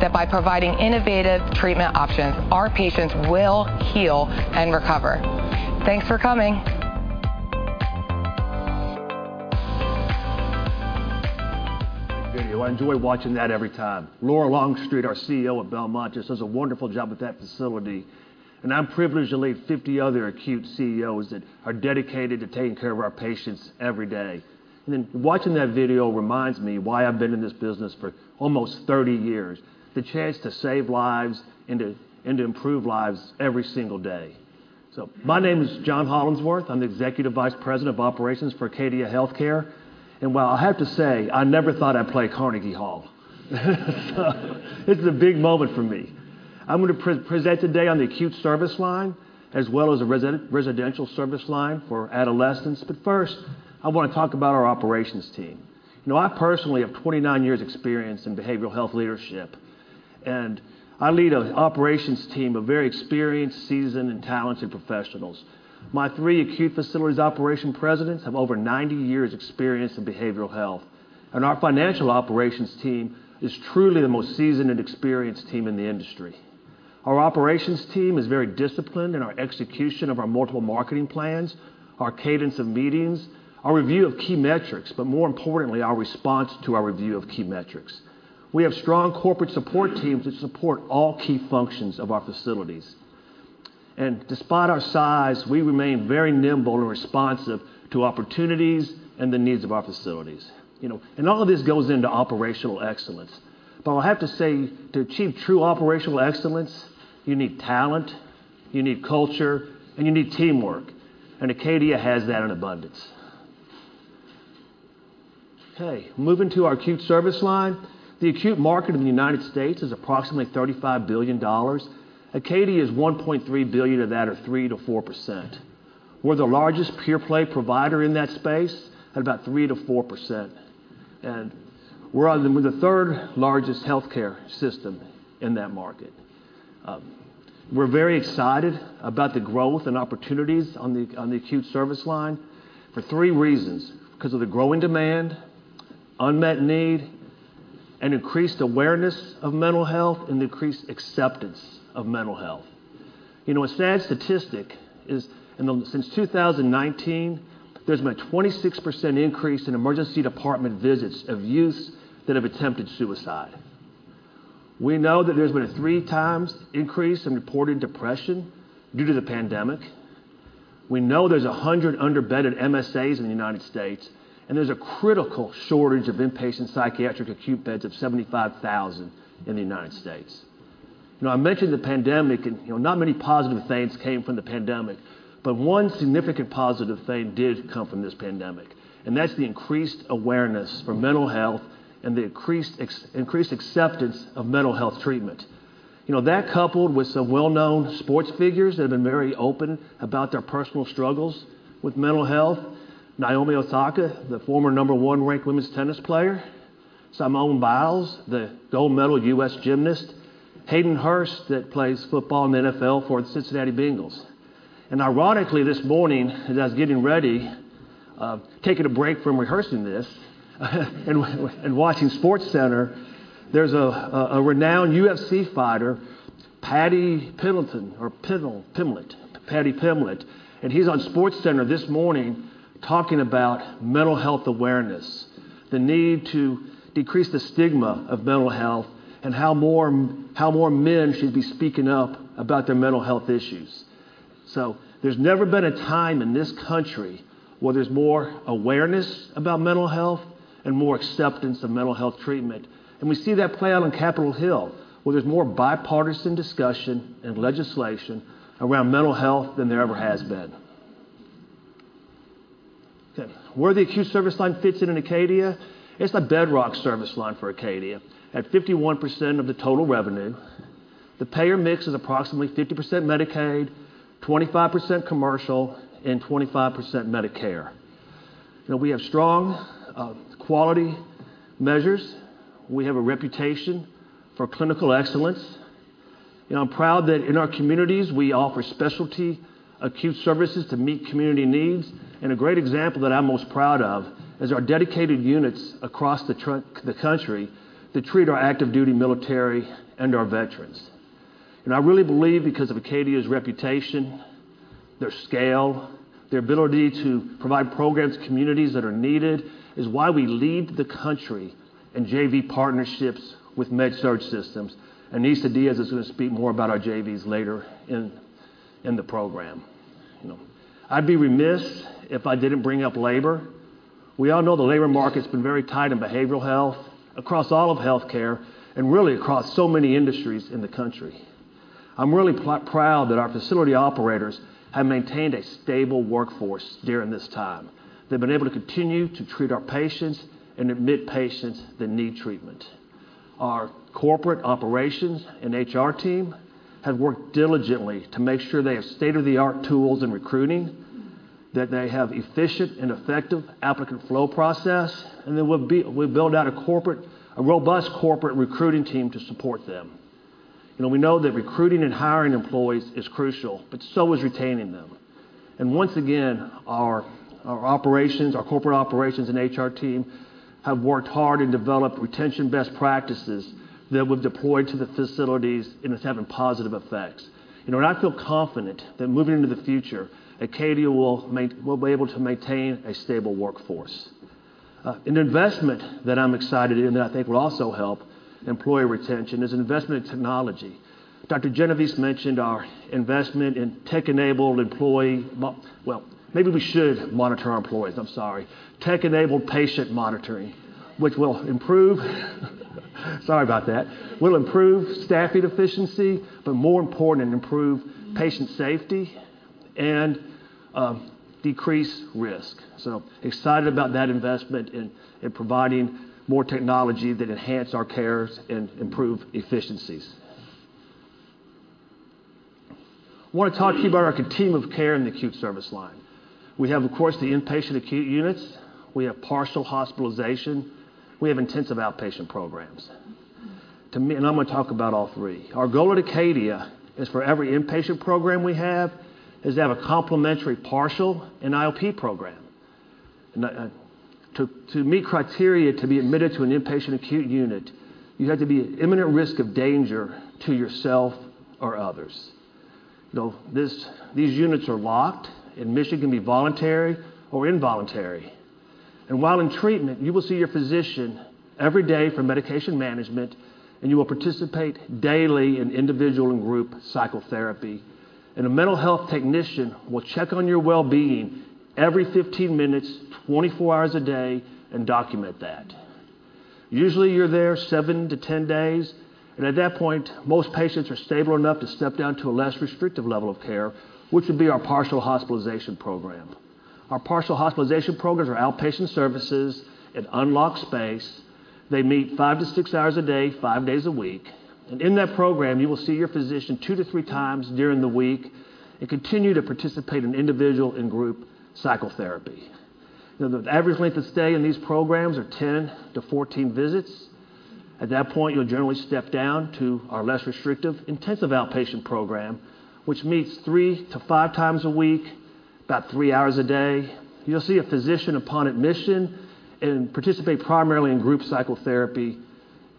that by providing innovative treatment options, our patients will heal and recover. Thanks for coming. I enjoy watching that every time. Laura Longstreet, our CEO of Belmont, just does a wonderful job with that facility. I'm privileged to lead 50 other acute CEOs that are dedicated to taking care of our patients every day. Watching that video reminds me why I've been in this business for almost 30 years, the chance to save lives and to improve lives every single day. My name is John Hollinsworth. I'm the Executive Vice President of Operations for Acadia Healthcare. Well, I have to say, I never thought I'd play Carnegie Hall. It's a big moment for me. I'm gonna pre-present today on the acute service line as well as a residential service line for adolescents. First, I wanna talk about our operations team. You know, I personally have 29 years' experience in behavioral health leadership, and I lead a operations team of very experienced, seasoned, and talented professionals. My three acute facilities operation presidents have over 90 years' experience in behavioral health. Our financial operations team is truly the most seasoned and experienced team in the industry. Our operations team is very disciplined in our execution of our multiple marketing plans, our cadence of meetings, our review of key metrics, but more importantly, our response to our review of key metrics. We have strong corporate support teams that support all key functions of our facilities. Despite our size, we remain very nimble and responsive to opportunities and the needs of our facilities. You know, all of this goes into operational excellence. I have to say, to achieve true operational excellence, you need talent, you need culture, and you need teamwork, and Acadia has that in abundance. Okay, moving to our acute service line. The acute market in the United States is approximately $35 billion. Acadia is $1.3 billion of that or 3%-4%. We're the largest pure-play provider in that space at about 3%-4%, and we're on the third largest healthcare system in that market. We're very excited about the growth and opportunities on the acute service line for three reasons. 'Cause of the growing demand, unmet need, an increased awareness of mental health and increased acceptance of mental health. You know, a sad statistic is since 2019, there's been a 26% increase in emergency department visits of youths that have attempted suicide. We know that there's been a 3x increase in reported depression due to the pandemic. We know there's 100 underbedded MSAs in the U.S. There's a critical shortage of inpatient psychiatric acute beds of 75,000 in the U.S. You know, I mentioned the pandemic and, you know, not many positive things came from the pandemic, but one significant positive thing did come from this pandemic, that's the increased awareness for mental health and the increased acceptance of mental health treatment. You know, that coupled with some well-known sports figures that have been very open about their personal struggles with mental health. Naomi Osaka, the former number one ranked women's tennis player. Simone Biles, the gold medal U.S. gymnast. Hayden Hurst, that plays football in the NFL for the Cincinnati Bengals. Ironically, this morning, as I was getting ready, taking a break from rehearsing this and watching SportsCenter, there's a renowned UFC fighter, Paddy Pimblett, and he's on SportsCenter this morning talking about mental health awareness, the need to decrease the stigma of mental health, and how more men should be speaking up about their mental health issues. There's never been a time in this country where there's more awareness about mental health and more acceptance of mental health treatment. We see that play out on Capitol Hill, where there's more bipartisan discussion and legislation around mental health than there ever has been. Okay. Where the acute service line fits in in Acadia, it's the bedrock service line for Acadia. At 51% of the total revenue, the payer mix is approximately 50% Medicaid, 25% commercial, and 25% Medicare. You know, we have strong quality measures. We have a reputation for clinical excellence. You know, I'm proud that in our communities, we offer specialty acute services to meet community needs. A great example that I'm most proud of is our dedicated units across the country that treat our active-duty military and our veterans. I really believe because of Acadia's reputation, their scale, their ability to provide programs to communities that are needed is why we lead the country in JV partnerships with MedSurg systems. Isa Diaz is gonna speak more about our JVs later in the program. You know, I'd be remiss if I didn't bring up labor. We all know the labor market's been very tight in behavioral health across all of healthcare and really across so many industries in the country. I'm really proud that our facility operators have maintained a stable workforce during this time. They've been able to continue to treat our patients and admit patients that need treatment. Our corporate operations and HR team have worked diligently to make sure they have state-of-the-art tools in recruiting, that they have efficient and effective applicant flow process, and then we've built out a robust corporate recruiting team to support them. You know, we know that recruiting and hiring employees is crucial, but so is retaining them. Once again, our operations, our corporate operations and HR team have worked hard and developed retention best practices that we've deployed to the facilities, and it's having positive effects. You know, I feel confident that moving into the future, Acadia will be able to maintain a stable workforce. An investment that I'm excited and that I think will also help employee retention is investment in technology. Dr. Genovese mentioned our investment in tech-enabled patient monitoring, which will improve staffing efficiency, but more important, improve patient safety and decrease risk. Excited about that investment in providing more technology that enhance our cares and improve efficiencies. I wanna talk to you about our continuum of care in the acute service line. We have, of course, the inpatient acute units. We have partial hospitalization. We have intensive outpatient programs. I'm gonna talk about all three. Our goal at Acadia is for every inpatient program we have is to have a complementary partial and IOP program. To meet criteria to be admitted to an inpatient acute unit, you have to be at imminent risk of danger to yourself or others. You know, these units are locked. Admission can be voluntary or involuntary. While in treatment, you will see your physician every day for medication management, and you will participate daily in individual and group psychotherapy. A mental health technician will check on your wellbeing every 15 minutes, 24 hours a day and document that. Usually, you're there seven to 10 days, and at that point, most patients are stable enough to step down to a less restrictive level of care, which would be our partial hospitalization program. Our partial hospitalization programs are outpatient services in unlocked space. They meet five to six hours a day, five days a week. In that program, you will see your physician two to three times during the week and continue to participate in individual and group psychotherapy. You know, the average length of stay in these programs are 10-14 visits. At that point, you'll generally step down to our less restrictive intensive outpatient program, which meets three to five times a week. About three hours a day. You'll see a physician upon admission and participate primarily in group psychotherapy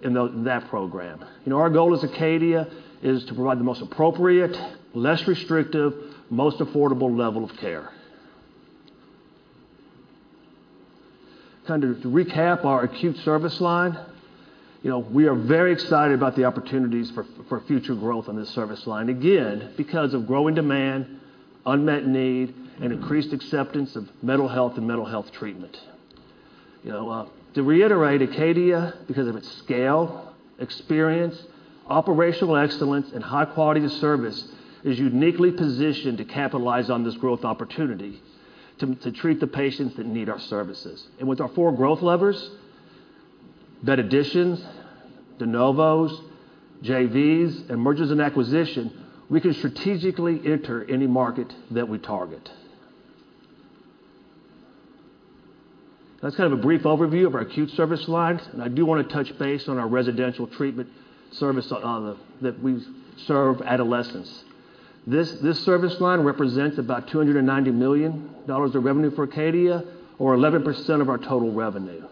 in that program. You know, our goal as Acadia is to provide the most appropriate, less restrictive, most affordable level of care. Kinda to recap our acute service line, you know, we are very excited about the opportunities for future growth on this service line, again, because of growing demand, unmet need, and increased acceptance of mental health and mental health treatment. You know, to reiterate Acadia, because of its scale, experience, operational excellence, and high quality of service is uniquely positioned to capitalize on this growth opportunity to treat the patients that need our services. With our four growth levers, bed additions, de novos, JVs, and mergers and acquisition, we can strategically enter any market that we target. That's kind of a brief overview of our acute service lines, and I do wanna touch base on our residential treatment service that we serve adolescents. This service line represents about $290 million of revenue for Acadia or 11% of our total revenue.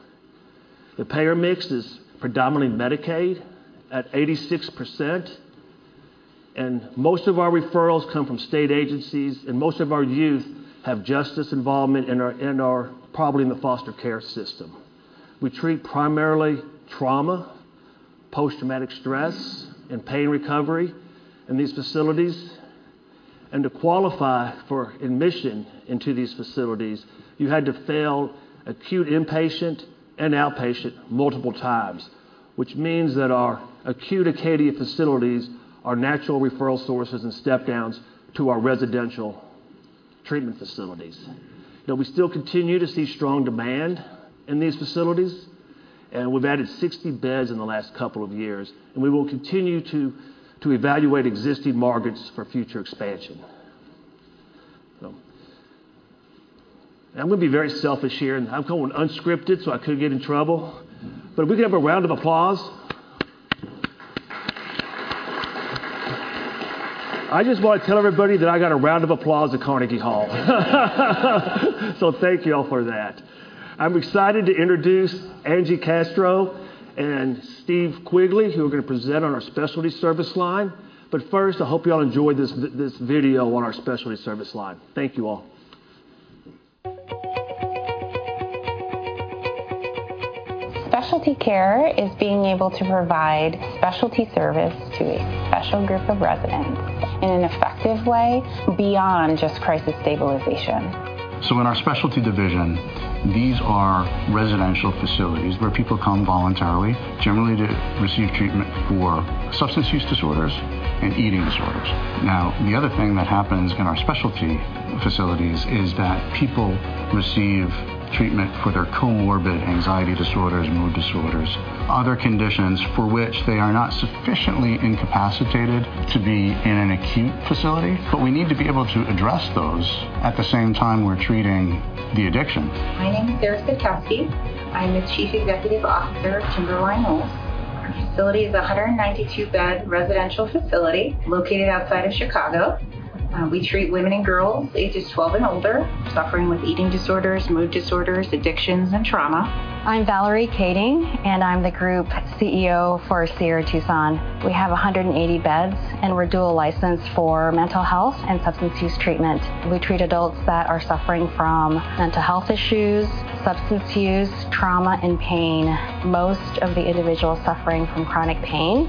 The payer mix is predominantly Medicaid at 86%. Most of our referrals come from state agencies. Most of our youth have justice involvement and are probably in the foster care system. We treat primarily trauma, post-traumatic stress, and pain recovery in these facilities. To qualify for admission into these facilities, you had to fail acute inpatient and outpatient multiple times, which means that our acute Acadia facilities are natural referral sources and step downs to our residential treatment facilities. You know, we still continue to see strong demand in these facilities. We've added 60 beds in the last couple of years. We will continue to evaluate existing markets for future expansion. I'm gonna be very selfish here, and I'm going unscripted, so I could get in trouble. If we could have a round of applause. I just wanna tell everybody that I got a round of applause at Carnegie Hall. Thank you all for that. I'm excited to introduce Angie Castro and Steve Quigley, who are gonna present on our specialty service line. First, I hope you all enjoy this video on our specialty service line. Thank you all. Specialty care is being able to provide specialty service to a special group of residents in an effective way beyond just crisis stabilization. In our Specialty Division, these are residential facilities where people come voluntarily, generally to receive treatment for substance use disorders and eating disorders. The other thing that happens in our specialty facilities is that people receive treatment for their comorbid anxiety disorders, mood disorders, other conditions for which they are not sufficiently incapacitated to be in an acute facility, but we need to be able to address those at the same time we're treating the addiction. My name is Erica Keske. I'm the Chief Executive Officer of Timberline Knolls. Our facility is a 192-bed residential facility located outside of Chicago. We treat women and girls ages 12 and older, suffering with eating disorders, mood disorders, addictions, and trauma. I'm Valerie Kading, and I'm the Group CEO for Sierra Tucson. We have 180 beds, and we're dual licensed for mental health and substance use treatment. We treat adults that are suffering from mental health issues, substance use, trauma, and pain. Most of the individuals suffering from chronic pain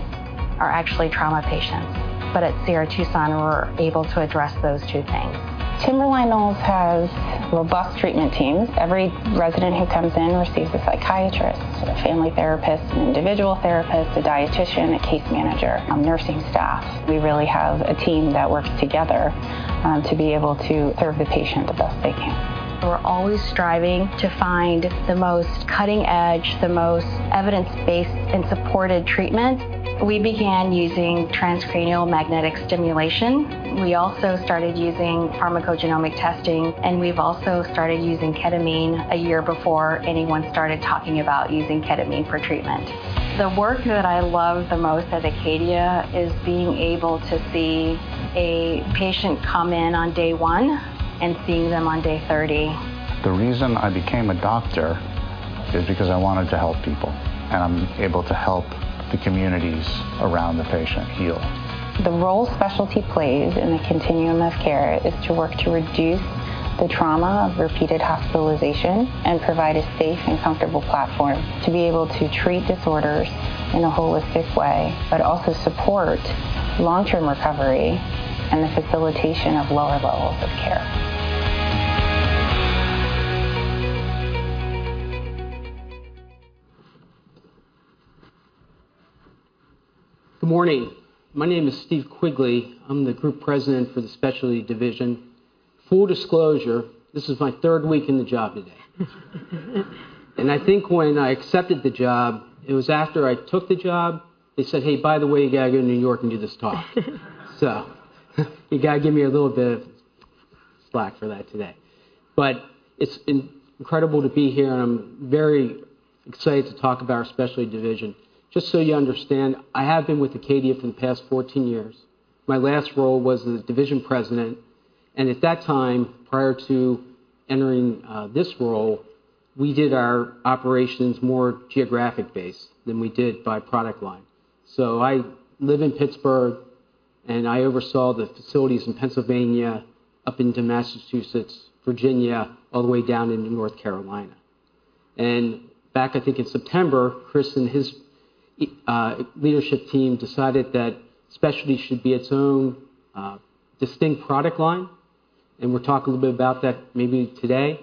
are actually trauma patients. At Sierra Tucson, we're able to address those two things. Timberline Knolls has robust treatment teams. Every resident who comes in receives a psychiatrist, a family therapist, an individual therapist, a dietician, a case manager, nursing staff. We really have a team that works together to be able to serve the patient the best they can. We're always striving to find the most cutting-edge, the most evidence-based and supported treatment. We began using transcranial magnetic stimulation. We also started using pharmacogenomic testing. We've also started using ketamine a year before anyone started talking about using ketamine for treatment. The work that I love the most at Acadia is being able to see a patient come in on day 1 and seeing them on day 30. The reason I became a doctor is because I wanted to help people. I'm able to help the communities around the patient heal. The role specialty plays in the continuum of care is to work to reduce the trauma of repeated hospitalization and provide a safe and comfortable platform to be able to treat disorders in a holistic way, but also support long-term recovery and the facilitation of lower levels of care. Good morning. My name is Steve Quigley. I'm the group president for the specialty division. Full disclosure, this is my third week in the job today. I think when I accepted the job, it was after I took the job, they said, "Hey, by the way, you gotta go to New York and do this talk." You gotta give me a little bit of slack for that today. It's incredible to be here, and I'm very excited to talk about our Specialty Division. Just so you understand, I have been with Acadia for the past 14 years. My last role was as division president. At that time, prior to entering this role, we did our operations more geographic based than we did by product line. I live in Pittsburgh, and I oversaw the facilities in Pennsylvania up into Massachusetts, Virginia, all the way down into North Carolina. Back, I think, in September, Chris and his leadership team decided that Specialty should be its own distinct product line, and we'll talk a little bit about that maybe today.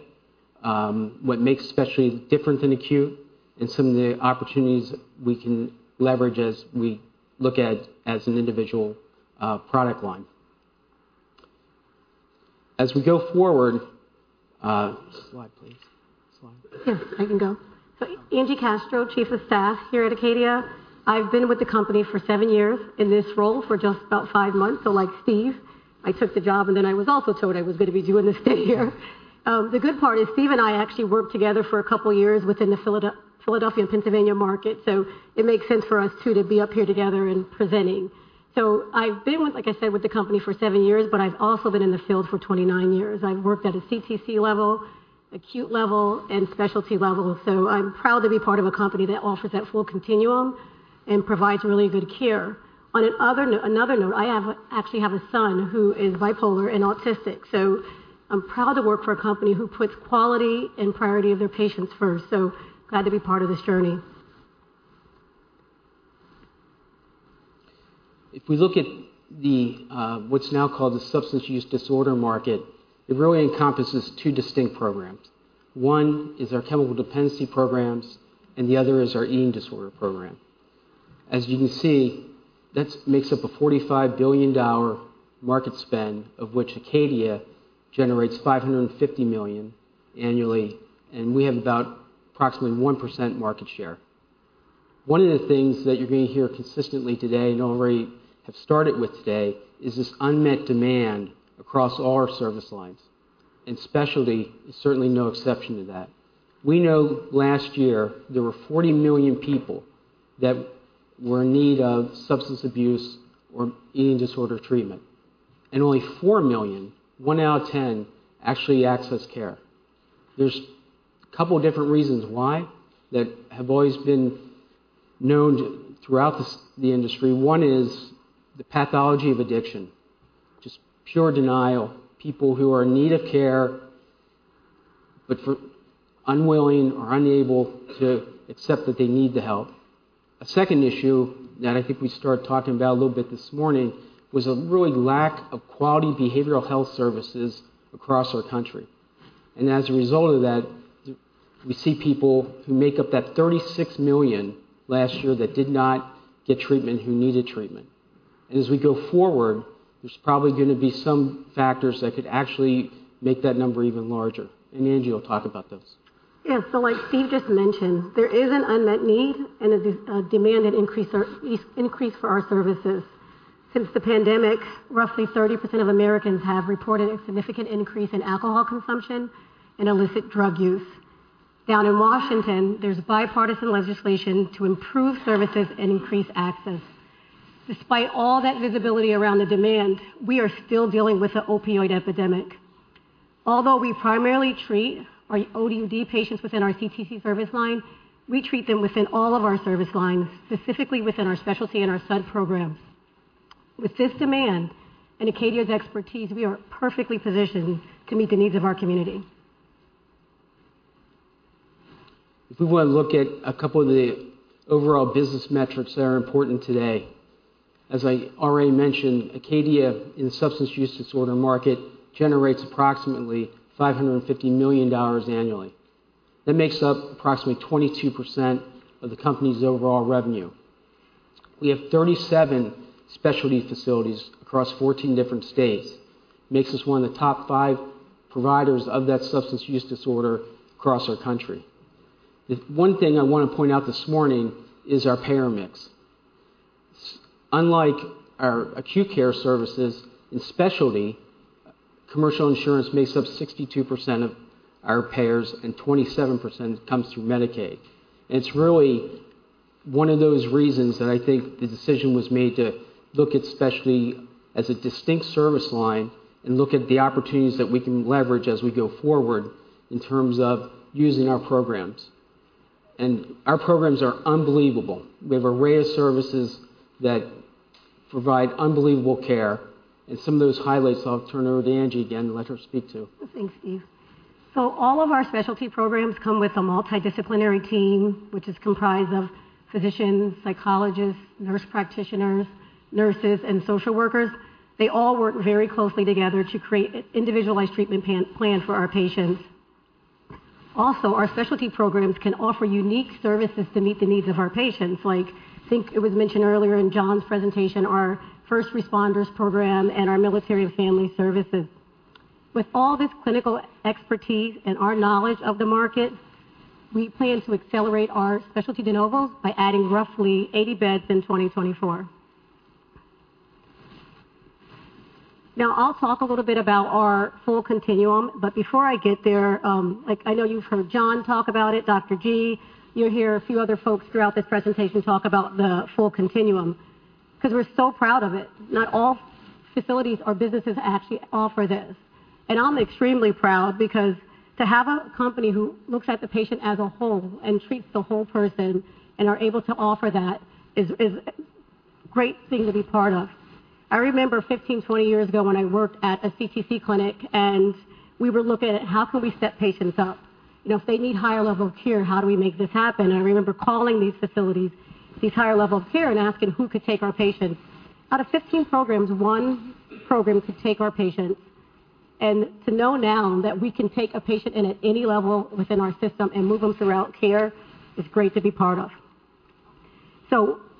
What makes Specialty different than acute, and some of the opportunities we can leverage as we look at as an individual product line. As we go forward. Slide, please. Slide. Yeah, I can go. Angela Castro, Chief of Staff here at Acadia. I've been with the company for seven years, in this role for just about five months. Like Steve, I took the job, and then I was also told I was gonna be doing this day here. The good part is Steve and I actually worked together for a couple years within the Philadelphia and Pennsylvania market, it makes sense for us two to be up here together and presenting. I've been with, like I said, with the company for seven years, but I've also been in the field for 29 years. I've worked at a CTC level, acute level, and specialty level. I'm proud to be part of a company that offers that full continuum and provides really good care. On another note, I actually have a son who is bipolar and autistic, I'm proud to work for a company who puts quality and priority of their patients first. Glad to be part of this journey. If we look at the what's now called the substance use disorder market, it really encompasses two distinct programs. One is our chemical dependency programs, the other is our eating disorder program. As you can see, that makes up a $45 billion market spend, of which Acadia generates $550 million annually, and we have about approximately 1% market share. One of the things that you're gonna hear consistently today, already have started with today, is this unmet demand across all our service lines, specialty is certainly no exception to that. We know last year there were 40 million people that were in need of substance abuse or eating disorder treatment, only 4 million, one out of 10, actually access care. There's a couple different reasons why that have always been known throughout the industry. One is the pathology of addiction, just pure denial. People who are in need of care, but unwilling or unable to accept that they need the help. A second issue that I think we started talking about a little bit this morning was a really lack of quality behavioral health services across our country. As a result of that, we see people who make up that 36 million last year that did not get treatment, who needed treatment. As we go forward, there's probably gonna be some factors that could actually make that number even larger, and Angie will talk about those. Yeah. Like Steve just mentioned, there is an unmet need and a demand and increase for our services. Since the pandemic, roughly 30% of Americans have reported a significant increase in alcohol consumption and illicit drug use. Down in Washington, there's bipartisan legislation to improve services and increase access. Despite all that visibility around the demand, we are still dealing with the opioid epidemic. Although we primarily treat our OUD patients within our CTC service line, we treat them within all of our service lines, specifically within our specialty and our SUD programs. With this demand and Acadia's expertise, we are perfectly positioned to meet the needs of our community. If we wanna look at a couple of the overall business metrics that are important today. As I already mentioned, Acadia, in the substance use disorder market, generates approximately $550 million annually. That makes up approximately 22% of the company's overall revenue. We have 37 specialty facilities across 14 different states. Makes us one of the top five providers of that substance use disorder across our country. The one thing I wanna point out this morning is our payer mix. Unlike our acute care services and specialty, commercial insurance makes up 62% of our payers, and 27% comes through Medicaid. It's really one of those reasons that I think the decision was made to look at specialty as a distinct service line and look at the opportunities that we can leverage as we go forward in terms of using our programs. Our programs are unbelievable. We have array of services that provide unbelievable care, and some of those highlights I'll turn over to Angie again and let her speak to. Thanks, Steve. All of our specialty programs come with a multidisciplinary team, which is comprised of physicians, psychologists, nurse practitioners, nurses, and social workers. They all work very closely together to create a individualized treatment plan for our patients. Also, our specialty programs can offer unique services to meet the needs of our patients. Like, I think it was mentioned earlier in John's presentation, our first responders program and our military and family services. With all this clinical expertise and our knowledge of the market, we plan to accelerate our specialty de novos by adding roughly 80 beds in 2024. I'll talk a little bit about our full continuum, but before I get there, like I know you've heard John talk about it, Dr. G, you'll hear a few other folks throughout this presentation talk about the full continuum 'cause we're so proud of it. Not all facilities or businesses actually offer this. I'm extremely proud because to have a company who looks at the patient as a whole and treats the whole person and are able to offer that is a great thing to be part of. I remember 15-20 years ago when I worked at a CTC clinic, we were looking at how can we set patients up. You know, if they need higher levels of care, how do we make this happen? I remember calling these facilities, these higher levels of care, and asking who could take our patients. Out of 15 programs, one program could take our patients. To know now that we can take a patient in at any level within our system and move them throughout care is great to be part of.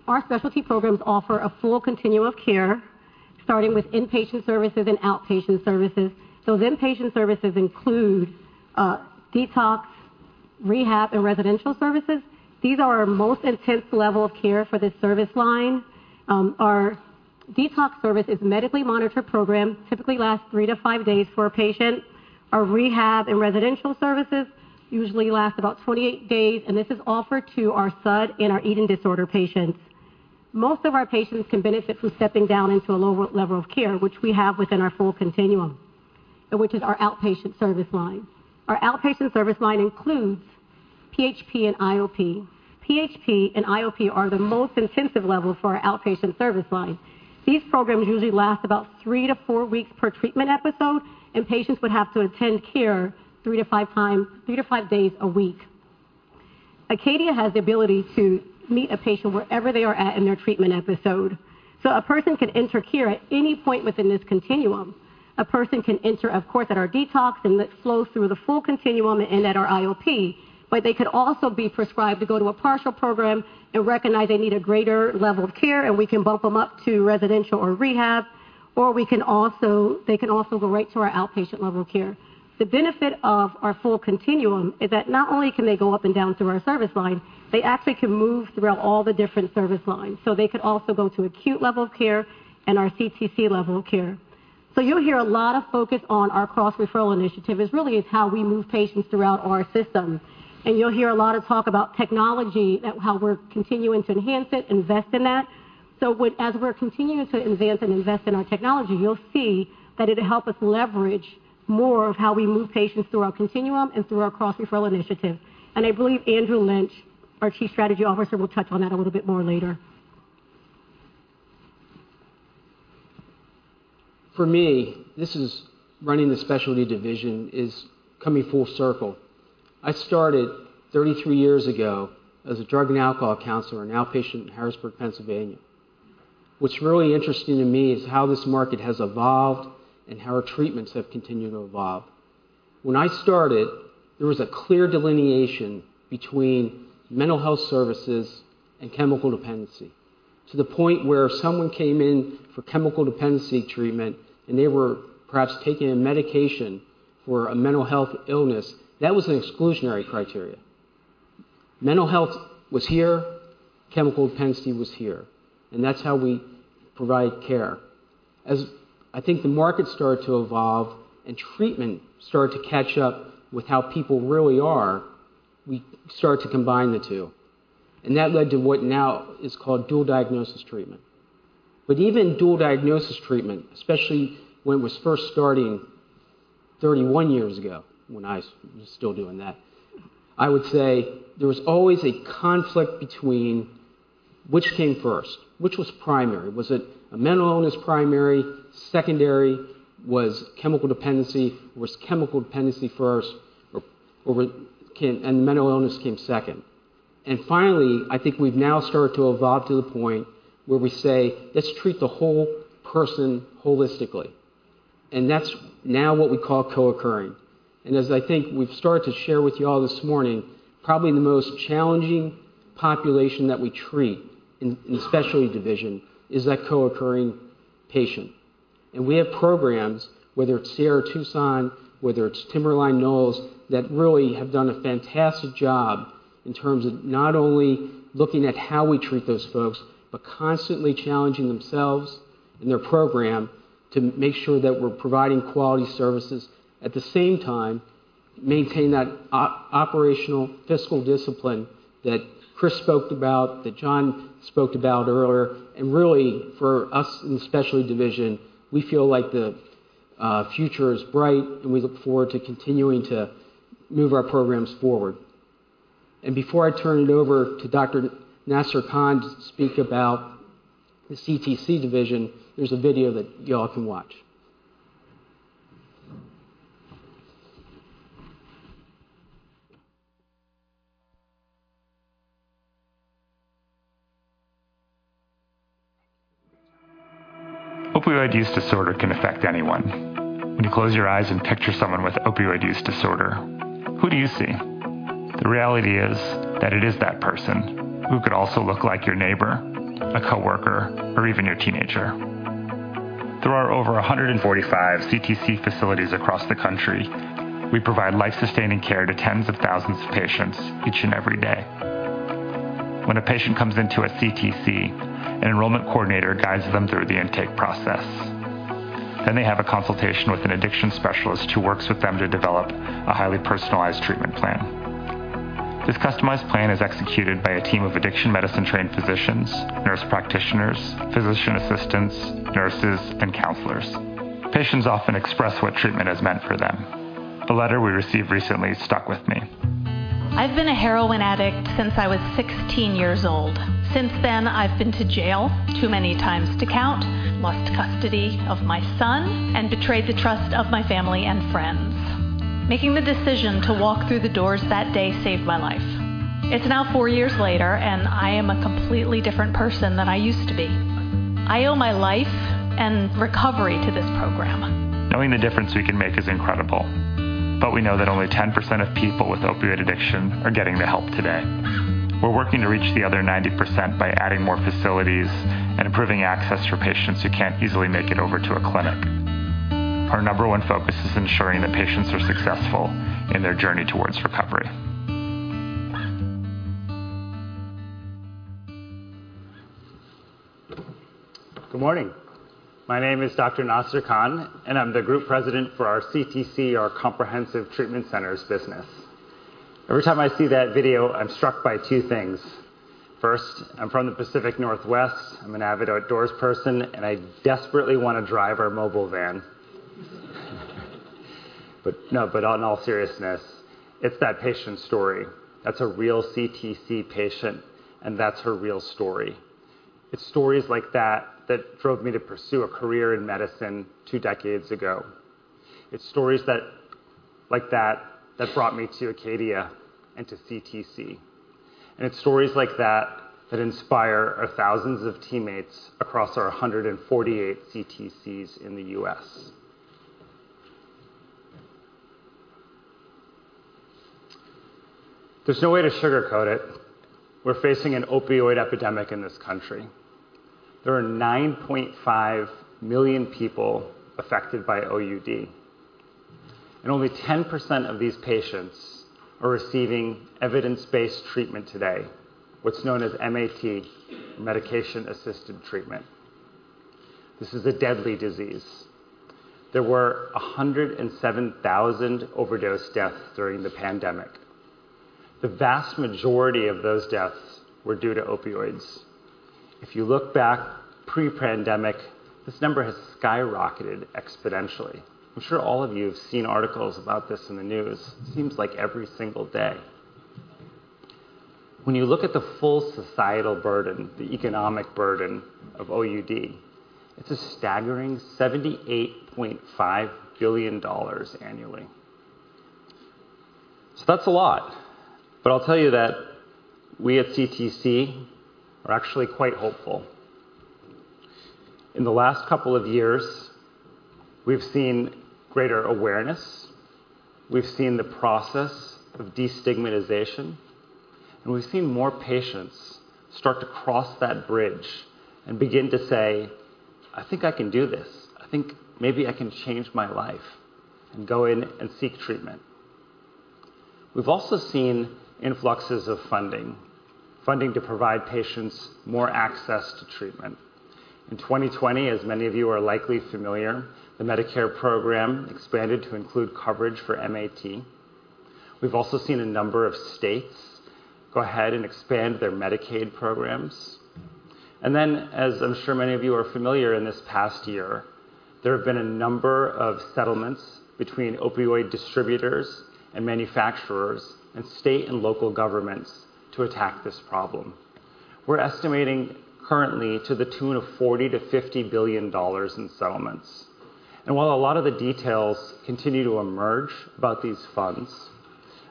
Our specialty programs offer a full continuum of care, starting with inpatient services and outpatient services. Those inpatient services include detox, rehab, and residential services. These are our most intense level of care for this service line. Our detox service is a medically monitored program, typically lasts three-five days for a patient. Our rehab and residential services usually last about 28 days, and this is offered to our SUD and our eating disorder patients. Most of our patients can benefit from stepping down into a lower level of care, which we have within our full continuum, which is our outpatient service line. Our outpatient service line includes PHP and IOP. PHP and IOP are the most intensive level for our outpatient service line. These programs usually last about three-four weeks per treatment episode. Patients would have to attend care three-five days a week. Acadia has the ability to meet a patient wherever they are at in their treatment episode. A person can enter care at any point within this continuum. A person can enter, of course, at our detox and then flow through the full continuum and end at our IOP. They could also be prescribed to go to a partial program and recognize they need a greater level of care, and we can bump them up to residential or rehab, or they can also go right to our outpatient level of care. The benefit of our full continuum is that not only can they go up and down through our service line, they actually can move throughout all the different service lines. They could also go to acute level of care and our CTC level of care. You'll hear a lot of focus on our cross-referral initiative. It really is how we move patients throughout our system. You'll hear a lot of talk about technology and how we're continuing to enhance it, invest in that. As we're continuing to advance and invest in our technology, you'll see that it'll help us leverage more of how we move patients through our continuum and through our cross-referral initiative. I believe Andrew Lynch, our Chief Strategy Officer, will touch on that a little bit more later. For me, this is running the specialty division is coming full circle. I started 33 years ago as a drug and alcohol counselor in outpatient in Harrisburg, Pennsylvania. What's really interesting to me is how this market has evolved and how our treatments have continued to evolve. When I started, there was a clear delineation between mental health services and chemical dependency, to the point where if someone came in for chemical dependency treatment and they were perhaps taking a medication for a mental health illness, that was an exclusionary criteria. Mental health was here, chemical dependency was here, that's how we provided care. As I think the market started to evolve and treatment started to catch up with how people really are, we started to combine the two, and that led to what now is called dual diagnosis treatment. Even dual diagnosis treatment, especially when it was first starting 31 years ago, when I was still doing that, I would say there was always a conflict between which came first, which was primary. Was it a mental illness primary, secondary was chemical dependency? Was chemical dependency first or was mental illness came second? Finally, I think we've now started to evolve to the point where we say, "Let's treat the whole person holistically." That's now what we call co-occurring. As I think we've started to share with you all this morning, probably the most challenging population that we treat in Specialty Division is that co-occurring patient. We have programs, whether it's Sierra Tucson, whether it's Timberline Knolls, that really have done a fantastic job in terms of not only looking at how we treat those folks but constantly challenging themselves and their program to make sure that we're providing quality services. At the same time, maintain that operational fiscal discipline that Chris spoke about, that John spoke about earlier. Really, for us in the specialty division, we feel like the future is bright, and we look forward to continuing to move our programs forward. Before I turn it over to Dr. Nasser Khan to speak about the CTC division, there's a video that y'all can watch. Opioid use disorder can affect anyone. When you close your eyes and picture someone with opioid use disorder, who do you see? The reality is that it is that person who could also look like your neighbor, a coworker, or even your teenager. Through our over 145 CTC facilities across the country, we provide life-sustaining care to tens of thousands of patients each and every day. When a patient comes into a CTC, an enrollment coordinator guides them through the intake process. They have a consultation with an addiction specialist who works with them to develop a highly personalized treatment plan. This customized plan is executed by a team of addiction medicine-trained physicians, nurse practitioners, physician assistants, nurses, and counselors. Patients often express what treatment has meant for them. A letter we received recently stuck with me. I've been a heroin addict since I was 16 years old. Since then, I've been to jail too many times to count, lost custody of my son, and betrayed the trust of my family and friends. Making the decision to walk through the doors that day saved my life. It's now four years later, and I am a completely different person than I used to be. I owe my life and recovery to this program. Knowing the difference we can make is incredible. We know that only 10% of people with opioid addiction are getting the help today. We're working to reach the other 90% by adding more facilities and improving access for patients who can't easily make it over to a clinic. Our number 1 focus is ensuring that patients are successful in their journey towards recovery. Good morning. My name is Dr. Nasser Khan. I'm the group president for our CTC, our Comprehensive Treatment Centers business. Every time I see that video, I'm struck by two things. First, I'm from the Pacific Northwest. I'm an avid outdoors person. I desperately wanna drive our mobile van. No, but in all seriousness, it's that patient's story. That's a real CTC patient. That's her real story. It's stories like that that drove me to pursue a career in medicine two decades ago. It's stories like that that brought me to Acadia and to CTC. It's stories like that that inspire our thousands of teammates across our 148 CTCs in the U.S. There's no way to sugarcoat it. We're facing an opioid epidemic in this country. There are 9.5 million people affected by OUD, only 10% of these patients are receiving evidence-based treatment today, what's known as MAT, medication-assisted treatment. This is a deadly disease. There were 107,000 overdose deaths during the pandemic. The vast majority of those deaths were due to opioids. If you look back pre-pandemic, this number has skyrocketed exponentially. I'm sure all of you have seen articles about this in the news. It seems like every single day. When you look at the full societal burden, the economic burden of OUD, it's a staggering $78.5 billion annually. That's a lot. I'll tell you that we at CTC are actually quite hopeful. In the last couple of years, we've seen greater awareness. We've seen the process of destigmatization, we've seen more patients start to cross that bridge and begin to say, "I think I can do this. I think maybe I can change my life and go in and seek treatment." We've also seen influxes of funding to provide patients more access to treatment. In 2020, as many of you are likely familiar, the Medicare program expanded to include coverage for MAT. We've also seen a number of states go ahead and expand their Medicaid programs. Then, as I'm sure many of you are familiar, in this past year, there have been a number of settlements between opioid distributors and manufacturers and state and local governments to attack this problem. We're estimating currently to the tune of $40 billion-$50 billion in settlements. While a lot of the details continue to emerge about these funds,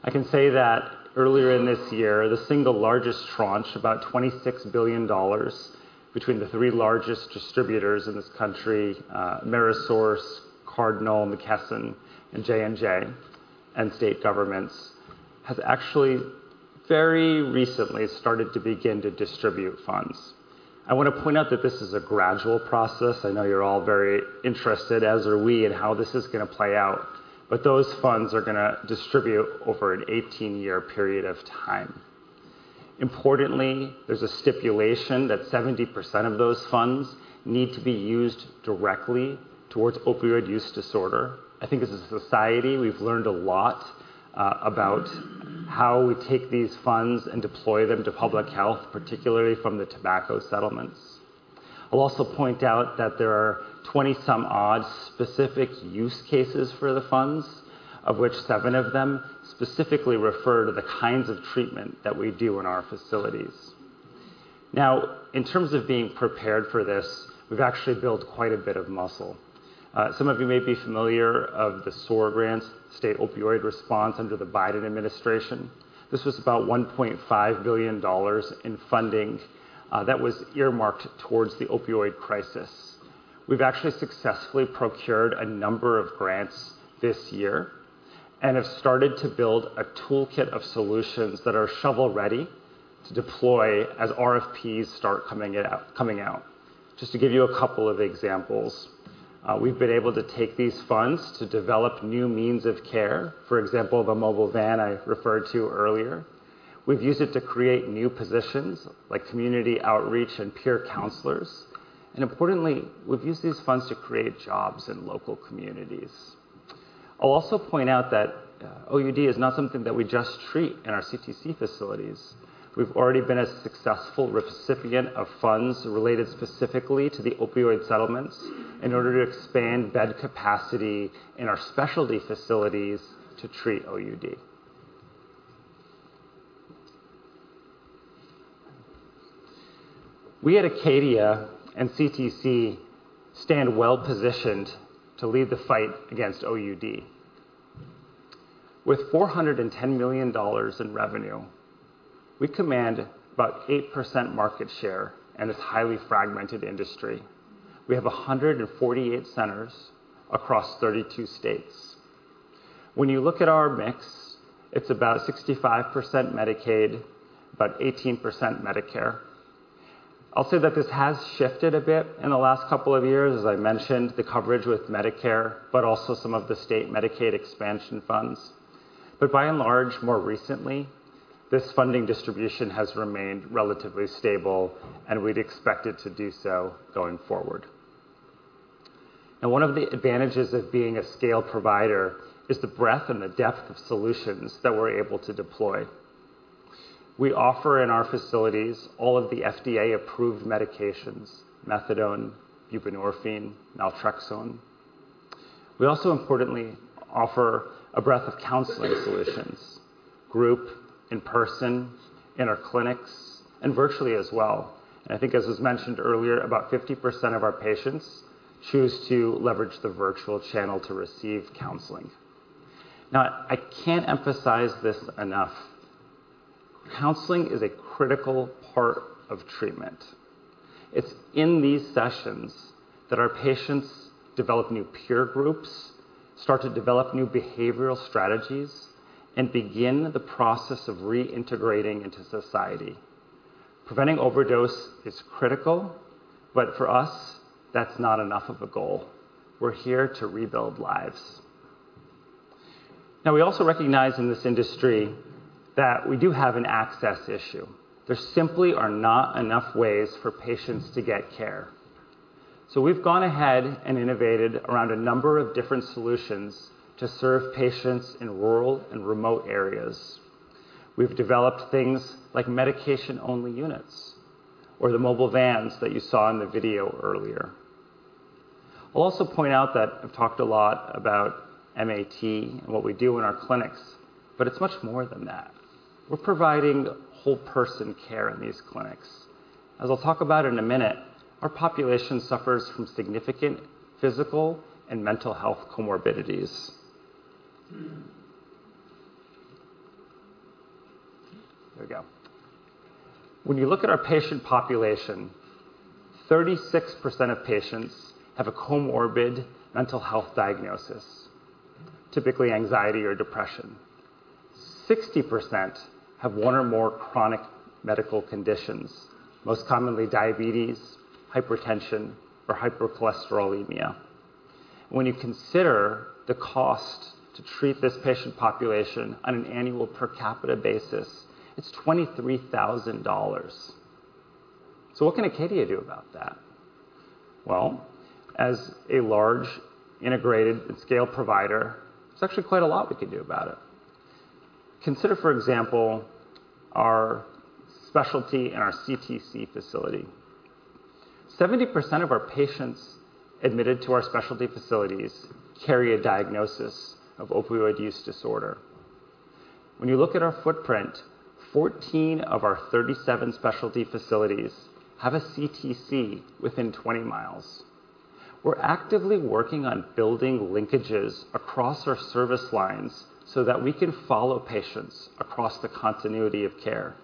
I can say that earlier in this year, the single largest tranche, about $26 billion between the three largest distributors in this country, Amerisource, Cardinal, McKesson, and J&J, and state governments, have actually very recently started to begin to distribute funds. I wanna point out that this is a gradual process. I know you're all very interested, as are we, in how this is gonna play out. Those funds are gonna distribute over an 18-year period of time. Importantly, there's a stipulation that 70% of those funds need to be used directly towards opioid use disorder. I think as a society, we've learned a lot about how we take these funds and deploy them to public health, particularly from the tobacco settlements. I'll also point out that there are twenty-some odd specific use cases for the funds, of which seven of them specifically refer to the kinds of treatment that we do in our facilities. Now, in terms of being prepared for this, we've actually built quite a bit of muscle. Some of you may be familiar of the SOR grants, State Opioid Response under the Biden administration. This was about $1.5 billion in funding that was earmarked towards the opioid crisis. We've actually successfully procured a number of grants this year and have started to build a toolkit of solutions that are shovel-ready to deploy as RFPs start coming out. Just to give you a couple of examples. We've been able to take these funds to develop new means of care, for example, the mobile van I referred to earlier. We've used it to create new positions like community outreach and peer counselors. Importantly, we've used these funds to create jobs in local communities. I'll also point out that OUD is not something that we just treat in our CTC facilities. We've already been a successful recipient of funds related specifically to the opioid settlements in order to expand bed capacity in our specialty facilities to treat OUD. We at Acadia and CTC stand well-positioned to lead the fight against OUD. With $410 million in revenue, we command about 8% market share in this highly fragmented industry. We have 148 centers across 32 states. When you look at our mix, it's about 65% Medicaid, about 18% Medicare. I'll say that this has shifted a bit in the last couple of years, as I mentioned, the coverage with Medicare, but also some of the state Medicaid expansion funds. By and large, more recently, this funding distribution has remained relatively stable, and we'd expect it to do so going forward. Now, one of the advantages of being a scale provider is the breadth and the depth of solutions that we're able to deploy. We offer in our facilities all of the FDA-approved medications, methadone, buprenorphine, naltrexone. We also importantly offer a breadth of counseling solutions, group, in-person, in our clinics, and virtually as well. I think as was mentioned earlier, about 50% of our patients choose to leverage the virtual channel to receive counseling. Now, I can't emphasize this enough. Counseling is a critical part of treatment. It's in these sessions that our patients develop new peer groups, start to develop new behavioral strategies, and begin the process of reintegrating into society. Preventing overdose is critical, but for us, that's not enough of a goal. We're here to rebuild lives. We also recognize in this industry that we do have an access issue. There simply are not enough ways for patients to get care. We've gone ahead and innovated around a number of different solutions to serve patients in rural and remote areas. We've developed things like medication-only units or the mobile vans that you saw in the video earlier. I'll also point out that I've talked a lot about MAT and what we do in our clinics, but it's much more than that. We're providing whole-person care in these clinics. As I'll talk about in a minute, our population suffers from significant physical and mental health comorbidities. There we go. When you look at our patient population, 36% of patients have a comorbid mental health diagnosis, typically anxiety or depression. 60% have one or more chronic medical conditions, most commonly diabetes, hypertension, or hypercholesterolemia. When you consider the cost to treat this patient population on an annual per capita basis, it's $23,000. What can Acadia do about that? Well, as a large integrated and scale provider, there's actually quite a lot we can do about it. Consider, for example, our specialty and our CTC facility. 70% of our patients admitted to our specialty facilities carry a diagnosis of opioid use disorder. When you look at our footprint, 14 of our 37 specialty facilities have a CTC within 20 miles. We're actively working on building linkages across our service lines so that we can follow patients across the continuity of care.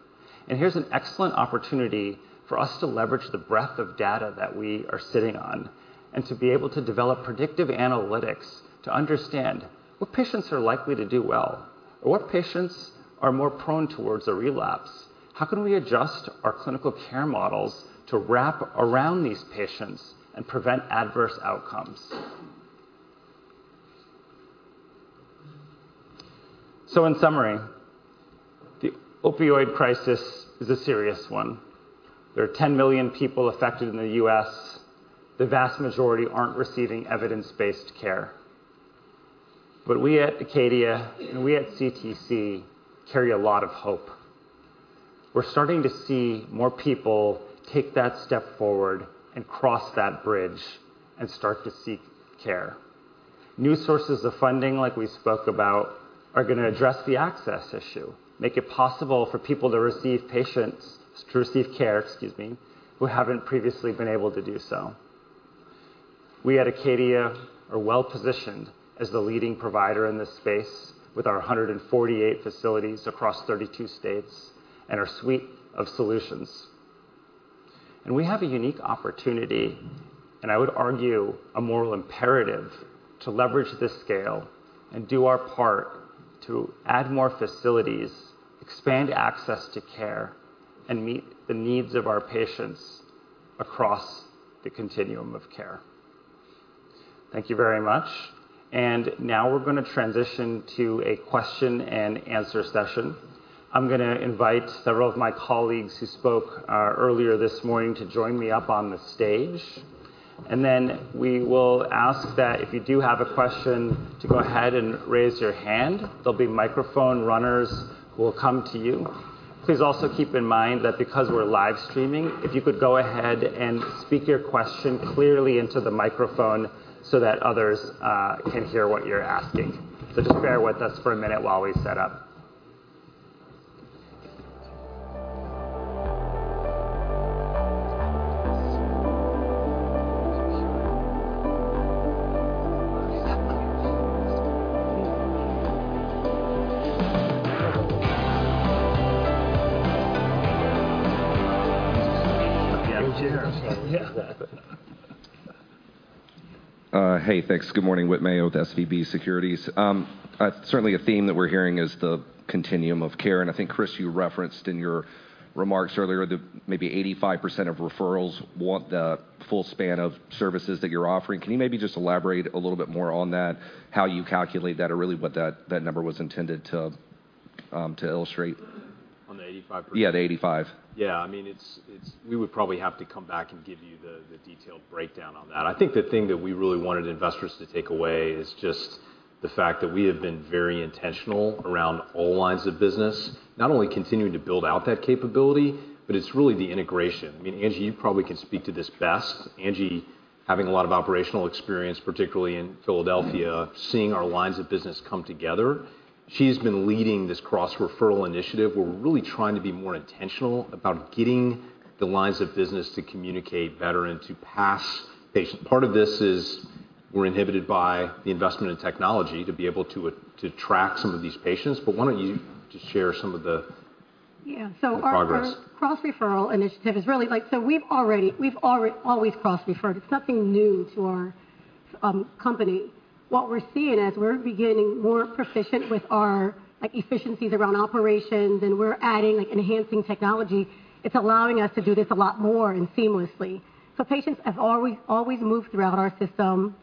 Here's an excellent opportunity for us to leverage the breadth of data that we are sitting on, and to be able to develop predictive analytics to understand what patients are likely to do well, or what patients are more prone towards a relapse. How can we adjust our clinical care models to wrap around these patients and prevent adverse outcomes? In summary, the opioid crisis is a serious one. There are 10 million people affected in the U.S. The vast majority aren't receiving evidence-based care. We at Acadia and we at CTC carry a lot of hope. We're starting to see more people take that step forward and cross that bridge and start to seek care. New sources of funding, like we spoke about, are gonna address the access issue, make it possible for people to receive care, excuse me, who haven't previously been able to do so. We at Acadia are well-positioned as the leading provider in this space with our 148 facilities across 32 states and our suite of solutions. We have a unique opportunity, and I would argue a moral imperative, to leverage this scale and do our part to add more facilities, expand access to care and meet the needs of our patients across the continuum of care. Thank you very much. Now we're gonna transition to a question-and-answer session. I'm gonna invite several of my colleagues who spoke earlier this morning to join me up on the stage. We will ask that if you do have a question, to go ahead and raise your hand. There'll be microphone runners who will come to you. Please also keep in mind that because we're live streaming, if you could go ahead and speak your question clearly into the microphone so that others can hear what you're asking. Just bear with us for a minute while we set up. Hey, thanks. Good morning. Whit Mayo with SVB Securities. Certainly a theme that we're hearing is the continuum of care, and I think, Chris, you referenced in your remarks earlier that maybe 85% of referrals want the full span of services that you're offering. Can you maybe just elaborate a little bit more on that, how you calculate that, or really what that number was intended to illustrate? On the 85%? Yeah, the 85. Yeah. I mean, we would probably have to come back and give you the detailed breakdown on that. I think the thing that we really wanted investors to take away is just the fact that we have been very intentional around all lines of business, not only continuing to build out that capability, but it's really the integration. I mean, Angie, you probably can speak to this best. Angie, having a lot of operational experience, particularly in Philadelphia, seeing our lines of business come together. She's been leading this cross-referral initiative, where we're really trying to be more intentional about getting the lines of business to communicate better and to pass patient. Part of this is we're inhibited by the investment in technology to be able to track some of these patients, but why don't you just share. Yeah. the progress. Our cross-referral initiative is really like, we've always cross-referred. It's nothing new to our company. What we're seeing as we're beginning more proficient with our, like, efficiencies around operations, and we're adding, like, enhancing technology, it's allowing us to do this a lot more and seamlessly. Patients have always moved throughout our system,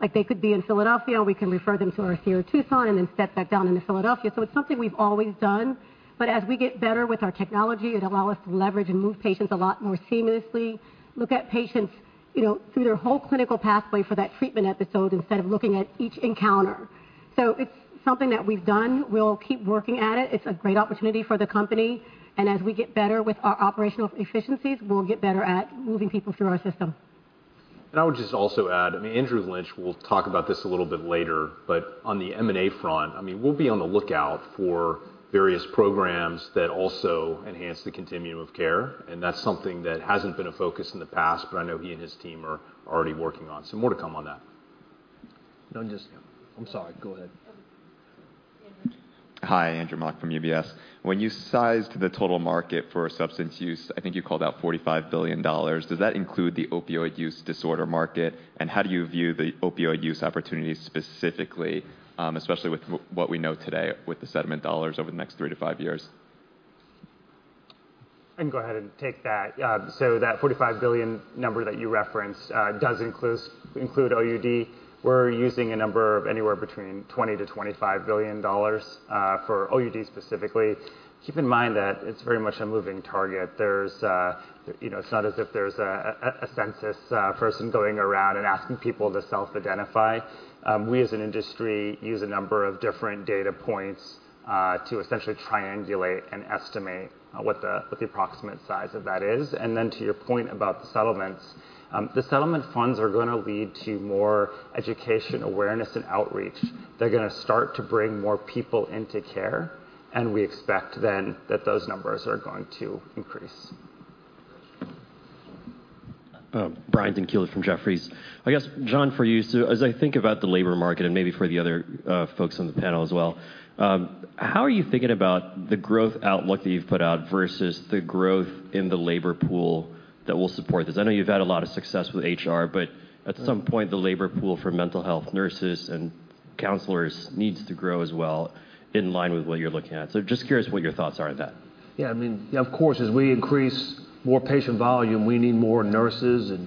like they could be in Philadelphia, and we can refer them to our Sierra Tucson and then step back down into Philadelphia. It's something we've always done, but as we get better with our technology, it allow us to leverage and move patients a lot more seamlessly. Look at patients, you know, through their whole clinical pathway for that treatment episode instead of looking at each encounter. It's something that we've done. We'll keep working at it. It's a great opportunity for the company, and as we get better with our operational efficiencies, we'll get better at moving people through our system. I would just also add, I mean, Andrew Lynch will talk about this a little bit later, but on the M&A front, I mean, we'll be on the lookout for various programs that also enhance the continuum of care, and that's something that hasn't been a focus in the past, but I know he and his team are already working on. More to come on that. No, I'm sorry. Go ahead. Hi. Andrew Mok from UBS. When you sized the total market for substance use, I think you called out $45 billion. Does that include the opioid use disorder market? How do you view the opioid use opportunity specifically, especially with what we know today, with the settlement dollars over the next three-five years? I can go ahead and take that. That $45 billion number that you referenced does include OUD. We're using a number of anywhere between $20 billion-$25 billion for OUD specifically. Keep in mind that it's very much a moving target. There's, you know, it's not as if there's a census person going around and asking people to self-identify. We as an industry use a number of different data points to essentially triangulate and estimate what the approximate size of that is. To your point about the settlements, the settlement funds are gonna lead to more education, awareness, and outreach. They're gonna start to bring more people into care, and we expect then that those numbers are going to increase. Brian Tanquilut from Jefferies. I guess, John, for you. As I think about the labor market and maybe for the other folks on the panel as well, how are you thinking about the growth outlook that you've put out versus the growth in the labor pool that will support this? I know you've had a lot of success with HR, but at some point, the labor pool for mental health nurses and counselors needs to grow as well in line with what you're looking at. Just curious what your thoughts are on that. I mean, of course, as we increase more patient volume, we need more nurses and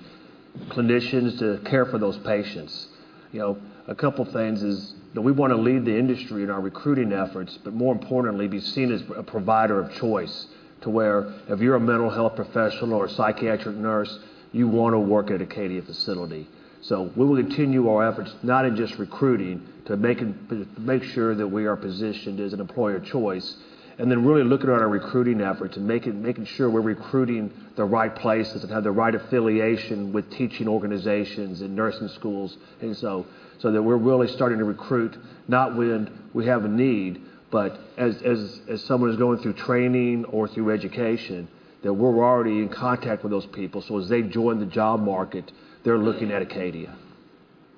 clinicians to care for those patients. You know, a couple things is that we wanna lead the industry in our recruiting efforts, but more importantly, be seen as a provider of choice to where if you're a mental health professional or a psychiatric nurse, you wanna work at Acadia facility. We will continue our efforts, not in just recruiting, to make sure that we are positioned as an employer choice, and then really looking at our recruiting efforts and making sure we're recruiting the right places and have the right affiliation with teaching organizations and nursing schools and so that we're really starting to recruit not when we have a need, but as someone is going through training or through education, that we're already in contact with those people, so as they join the job market, they're looking at Acadia.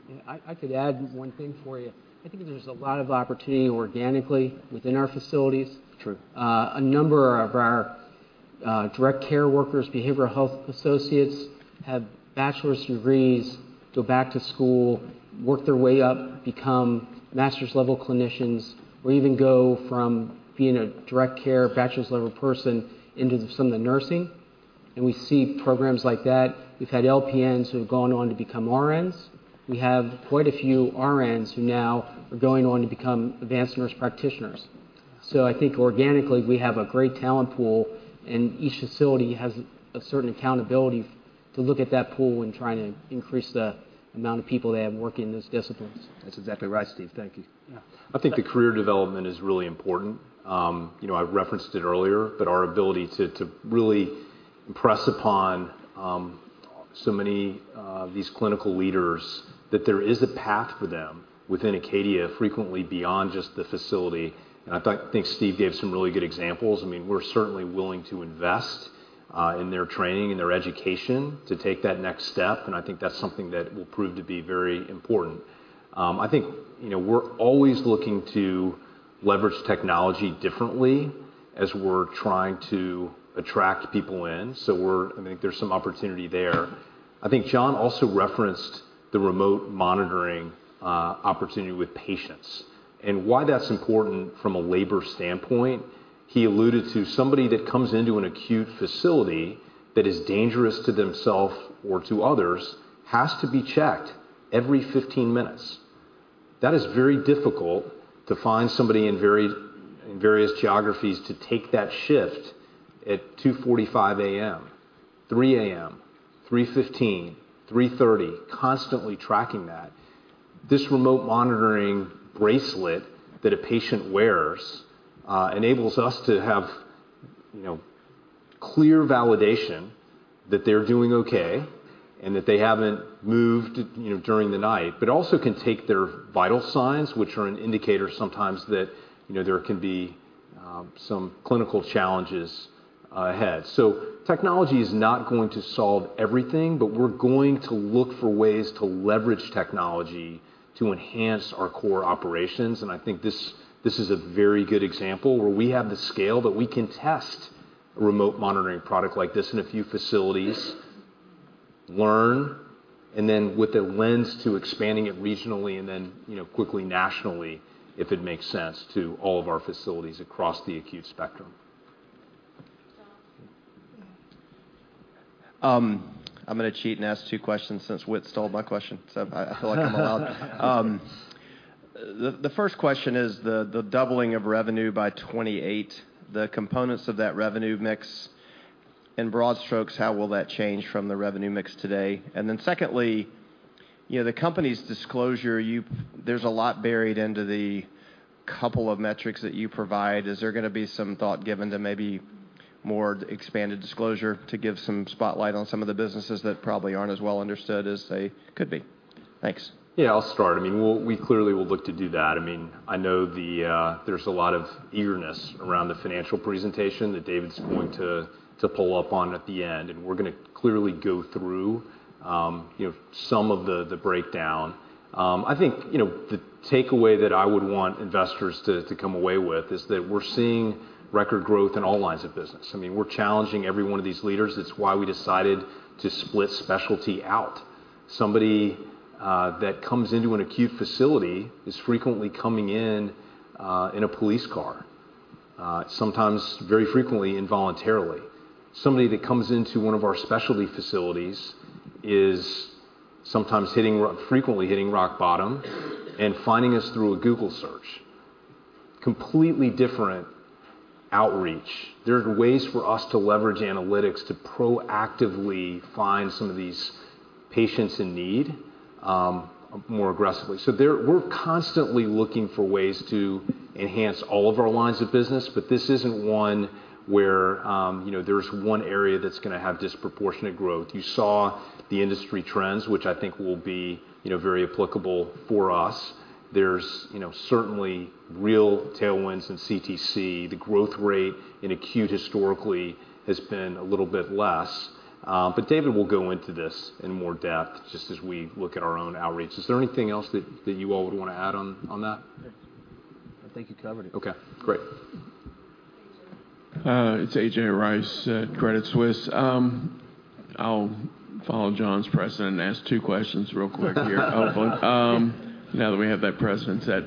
Yeah. I could add one thing for you. I think there's a lot of opportunity organically within our facilities. True. A number of our direct care workers, behavioral health associates have bachelor's degrees, go back to school, work their way up, become master's level clinicians, or even go from being a direct care bachelor's level person into some of the nursing. We see programs like that. We've had LPNs who have gone on to become RNs. We have quite a few RNs who now are going on to become advanced nurse practitioners. I think organically, we have a great talent pool, and each facility has a certain accountability to look at that pool and try to increase the amount of people they have working in those disciplines. That's exactly right, Steve. Thank you. Yeah. I think the career development is really important. You know, I referenced it earlier, but our ability to really impress upon so many these clinical leaders that there is a path for them within Acadia, frequently beyond just the facility. I think Steve gave some really good examples. I mean, we're certainly willing to invest in their training and their education to take that next step, and I think that's something that will prove to be very important. I think, you know, we're always looking to leverage technology differently as we're trying to attract people in. I think there's some opportunity there. I think John also referenced the remote monitoring opportunity with patients. Why that's important from a labor standpoint, he alluded to somebody that comes into an acute facility that is dangerous to themself or to others, has to be checked every 15 minutes. That is very difficult to find somebody in various geographies to take that shift at 2:45 A.M., 3:00 A.M., 3:15, 3:30, constantly tracking that. This remote monitoring bracelet that a patient wears, enables us to have, you know, clear validation that they're doing okay and that they haven't moved, you know, during the night. Also can take their vital signs, which are an indicator sometimes that, you know, there can be some clinical challenges ahead. Technology is not going to solve everything, but we're going to look for ways to leverage technology to enhance our core operations. I think this is a very good example where we have the scale that we can test a remote monitoring product like this in a few facilities, learn, and then with the lens to expanding it regionally and then, you know, quickly nationally, if it makes sense to all of our facilities across the acute spectrum. John? Yeah. I'm gonna cheat and ask two questions since Whit stole my question, so I feel like I'm allowed. The first question is the doubling of revenue by 2028. The components of that revenue mix, in broad strokes, how will that change from the revenue mix today? Secondly, you know, the company's disclosure, there's a lot buried into the couple of metrics that you provide. Is there gonna be some thought given to maybe more expanded disclosure to give some spotlight on some of the businesses that probably aren't as well understood as they could be? Thanks. Yeah, I'll start. I mean, we clearly will look to do that. I mean, I know the, there's a lot of eagerness around the financial presentation that David's going to pull up on at the end, and we're gonna clearly go through, you know, some of the breakdown. I think, you know, the takeaway that I would want investors to come away with is that we're seeing record growth in all lines of business. I mean, we're challenging every one of these leaders. It's why we decided to split specialty out. Somebody that comes into an acute facility is frequently coming in in a police car, sometimes very frequently involuntarily. Somebody that comes into one of our specialty facilities is sometimes frequently hitting rock bottom and finding us through a Google search. Completely different outreach. There's ways for us to leverage analytics to proactively find some of these patients in need, more aggressively. We're constantly looking for ways to enhance all of our lines of business, but this isn't one where, you know, there's one area that's gonna have disproportionate growth. You saw the industry trends, which I think will be, you know, very applicable for us. There's, you know, certainly real tailwinds in CTC. The growth rate in acute historically has been a little bit less. David will go into this in more depth just as we look at our own outreach. Is there anything else that you all would wanna add on that? I think you covered it. Okay. Great. AJ. It's A.J. Rice at Credit Suisse. I'll follow John's precedent and ask two questions real quick here. Hopefully, now that we have that precedent set.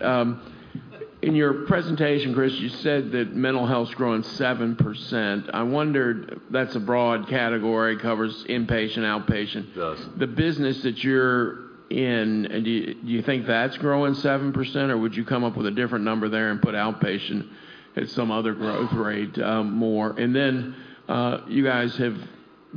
In your presentation, Chris, you said that mental health's growing 7%. I wondered, that's a broad category, covers inpatient, outpatient. It does. The business that you're in, do you think that's growing 7%, or would you come up with a different number there and put outpatient at some other growth rate, more? You guys have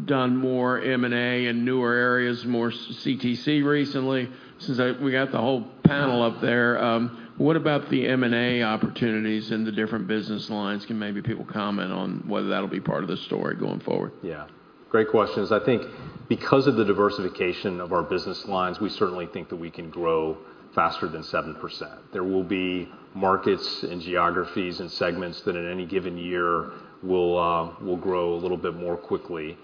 done more M&A in newer areas, more CTC recently. Since we got the whole panel up there, what about the M&A opportunities in the different business lines? Can maybe people comment on whether that'll be part of the story going forward? Yeah. Great questions. I think because of the diversification of our business lines, we certainly think that we can grow faster than 7%. There will be markets and geographies and segments that at any given year will grow a little bit more quickly.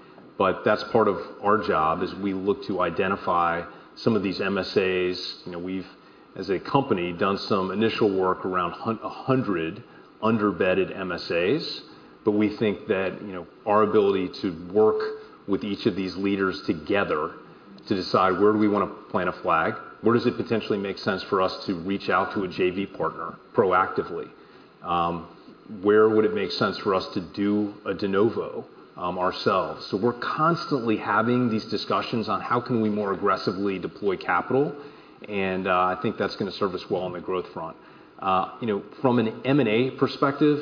That's part of our job, is we look to identify some of these MSAs. You know, we've as a company, done some initial work around a 100 under-bedded MSAs, but we think that, you know, our ability to work with each of these leaders together to decide where do we wanna plant a flag? Where does it potentially make sense for us to reach out to a JV partner proactively? Where would it make sense for us to do a de novo ourselves? We're constantly having these discussions on how can we more aggressively deploy capital, and I think that's gonna serve us well on the growth front. You know, from an M&A perspective,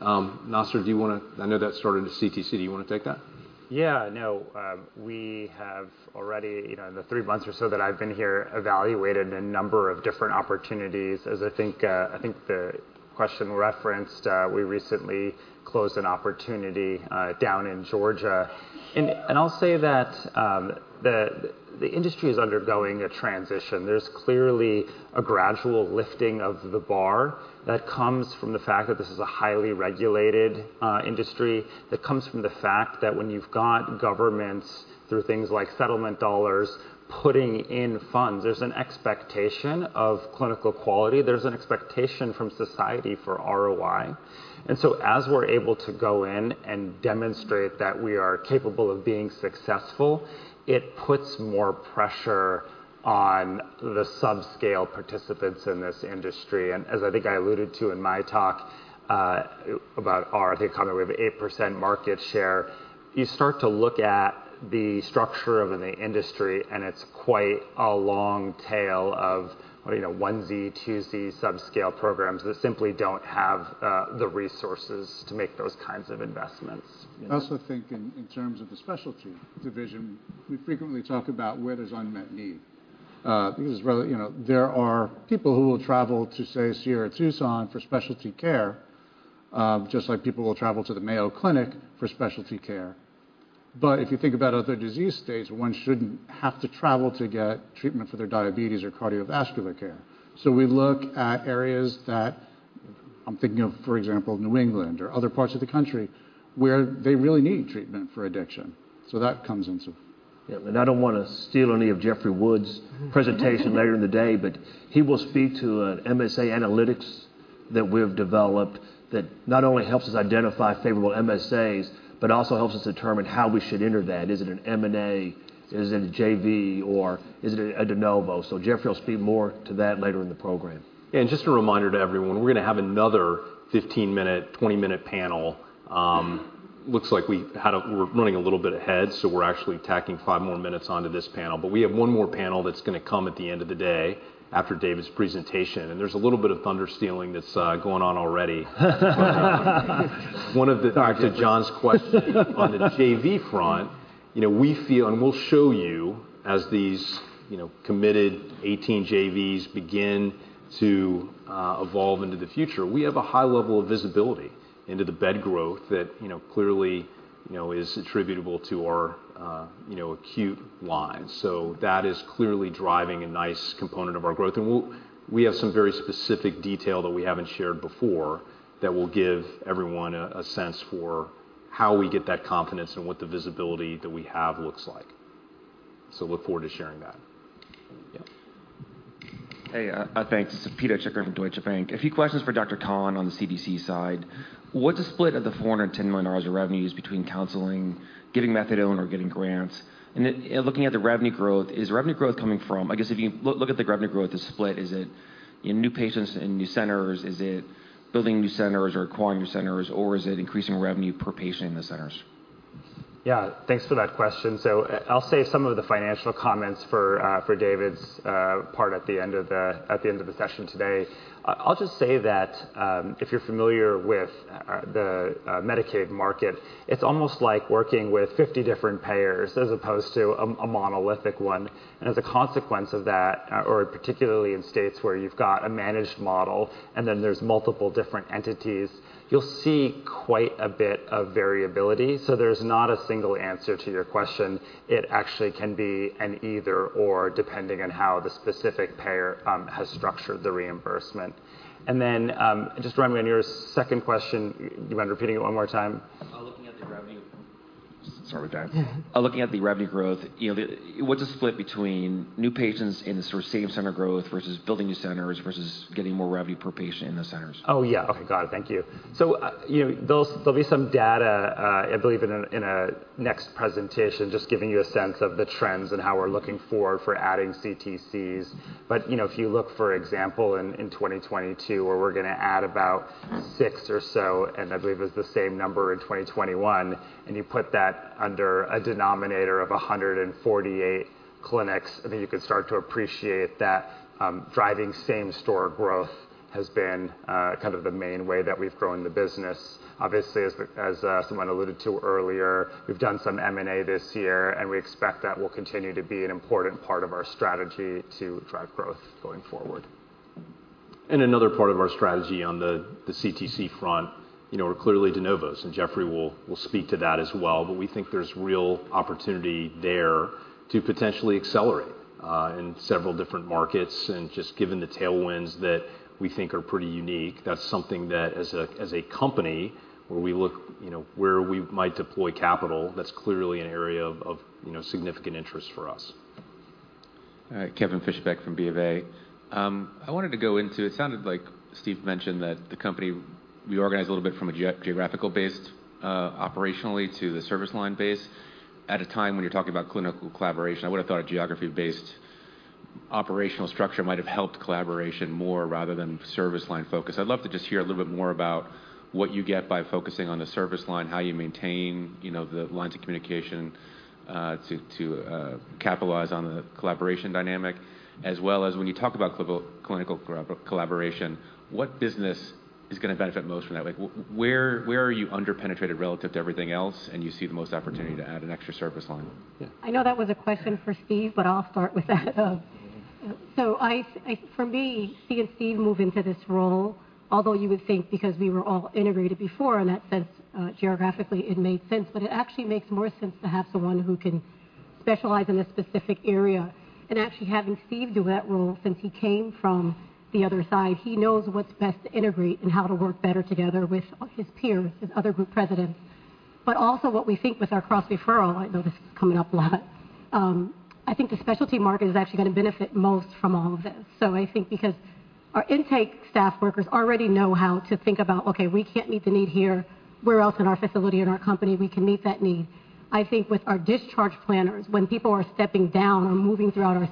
Nasser, I know that started as CTC, do you wanna take that? Yeah, no. We have already, you know, in the three months or so that I've been here, evaluated a number of different opportunities. As I think I think the question referenced, we recently closed an opportunity down in Georgia. I'll say that the industry is undergoing a transition. There's clearly a gradual lifting of the bar that comes from the fact that this is a highly regulated industry, that comes from the fact that when you've got governments through things like settlement dollars, putting in funds, there's an expectation of clinical quality. There's an expectation from society for ROI. As we're able to go in and demonstrate that we are capable of being successful, it puts more pressure on the subscale participants in this industry. As I think I alluded to in my talk about our... I think, comment, we have 8% market share. You start to look at the structure of in the industry, it's quite a long tail of, you know, onesie, twosie subscale programs that simply don't have the resources to make those kinds of investments. You know? I also think in terms of the specialty division, we frequently talk about where there's unmet need. Because rather, you know, there are people who will travel to, say, Sierra Tucson for specialty care, just like people will travel to the Mayo Clinic for specialty care. But if you think about other disease states, one shouldn't have to travel to get treatment for their diabetes or cardiovascular care. We look at areas that, I'm thinking of, for example, New England or other parts of the country, where they really need treatment for addiction. That comes into- I don't wanna steal any of Jeffrey Woods's presentation later in the day, but he will speak to a MSA analytics that we've developed that not only helps us identify favorable MSAs, but also helps us determine how we should enter that. Is it an M&A? Is it a JV or is it a de novo? Jeffrey will speak more to that later in the program. Just a reminder to everyone, we're gonna have another 15-minute, 20-minute panel. looks like we're running a little bit ahead, so we're actually tacking five more minutes onto this panel. We have one more panel that's gonna come at the end of the day after David's presentation, and there's a little bit of thunder stealing that's going on already. One of the... Back to John's question. On the JV front, you know, we feel, and we'll show you as these, you know, committed 18 JVs begin to evolve into the future, we have a high level of visibility into the bed growth that, you know, clearly, you know, is attributable to our, you know, acute lines. That is clearly driving a nice component of our growth. We have some very specific detail that we haven't shared before that will give everyone a sense for how we get that confidence and what the visibility that we have looks like. Look forward to sharing that. Yeah. Hey, thanks. This is Pito Chickering from Deutsche Bank. A few questions for Dr. Khan on the CTC side. What's the split of the $410 million of revenues between counseling, giving methadone or getting grants? Looking at the revenue growth, is revenue growth coming from... I guess if you look at the revenue growth, the split, is it in new patients and new centers? Is it building new centers or acquiring new centers, or is it increasing revenue per patient in the centers? Thanks for that question. I'll save some of the financial comments for David's part at the end of the session today. I'll just say that if you're familiar with the Medicaid market, it's almost like working with 50 different payers as opposed to a monolithic one. As a consequence of that, or particularly in states where you've got a managed model and then there's multiple different entities, you'll see quite a bit of variability. There's not a single answer to your question. It actually can be an either/or, depending on how the specific payer has structured the reimbursement. Then, just remind me on your second question. You mind repeating it one more time? Uh, looking at the revenue- Sorry, Dan. Looking at the revenue growth, you know, what's the split between new patients in the sort of same center growth versus building new centers, versus getting more revenue per patient in the centers? Yeah. Okay. Got it. Thank you. You know, there'll be some data, I believe in a next presentation, just giving you a sense of the trends and how we're looking forward for adding CTCs. You know, if you look, for example, in 2022 where we're gonna add about six or so, and I believe it's the same number in 2021, and you put that under a denominator of 148 clinics, I think you can start to appreciate that driving same store growth has been kind of the main way that we've grown the business. Obviously, as someone alluded to earlier, we've done some M&A this year, and we expect that will continue to be an important part of our strategy to drive growth going forward. Another part of our strategy on the CTC front, you know, are clearly de novos, and Jeffrey will speak to that as well. We think there's real opportunity there to potentially accelerate in several different markets. Just given the tailwinds that we think are pretty unique, that's something that as a company where we look, you know, where we might deploy capital, that's clearly an area of, you know, significant interest for us. Kevin Fischbeck from B of A. It sounded like Steve mentioned that the company reorganized a little bit from a geographical based operationally to the service line base. At a time when you're talking about clinical collaboration, I would have thought a geography-based operational structure might have helped collaboration more rather than service line focus. I'd love to just hear a little bit more about what you get by focusing on the service line, how you maintain, you know, the lines of communication to capitalize on the collaboration dynamic. When you talk about clinical collaboration, what business is gonna benefit most from that? Like, where are you under-penetrated relative to everything else, and you see the most opportunity to add an extra service line? Yeah. I know that was a question for Steve, but I'll start with that. I for me, seeing Steve move into this role, although you would think because we were all integrated before, in that sense, geographically it made sense, but it actually makes more sense to have someone who can specialize in a specific area. Actually, having Steve do that role, since he came from the other side, he knows what's best to integrate and how to work better together with his peers and other group presidents. Also, what we think with our cross-referral, I know this is coming up a lot, I think the specialty market is actually gonna benefit most from all of this. I think because our intake staff workers already know how to think about, "Okay, we can't meet the need here. Where else in our facility, in our company, we can meet that need?" I think with our discharge planners, when people are stepping down or moving throughout our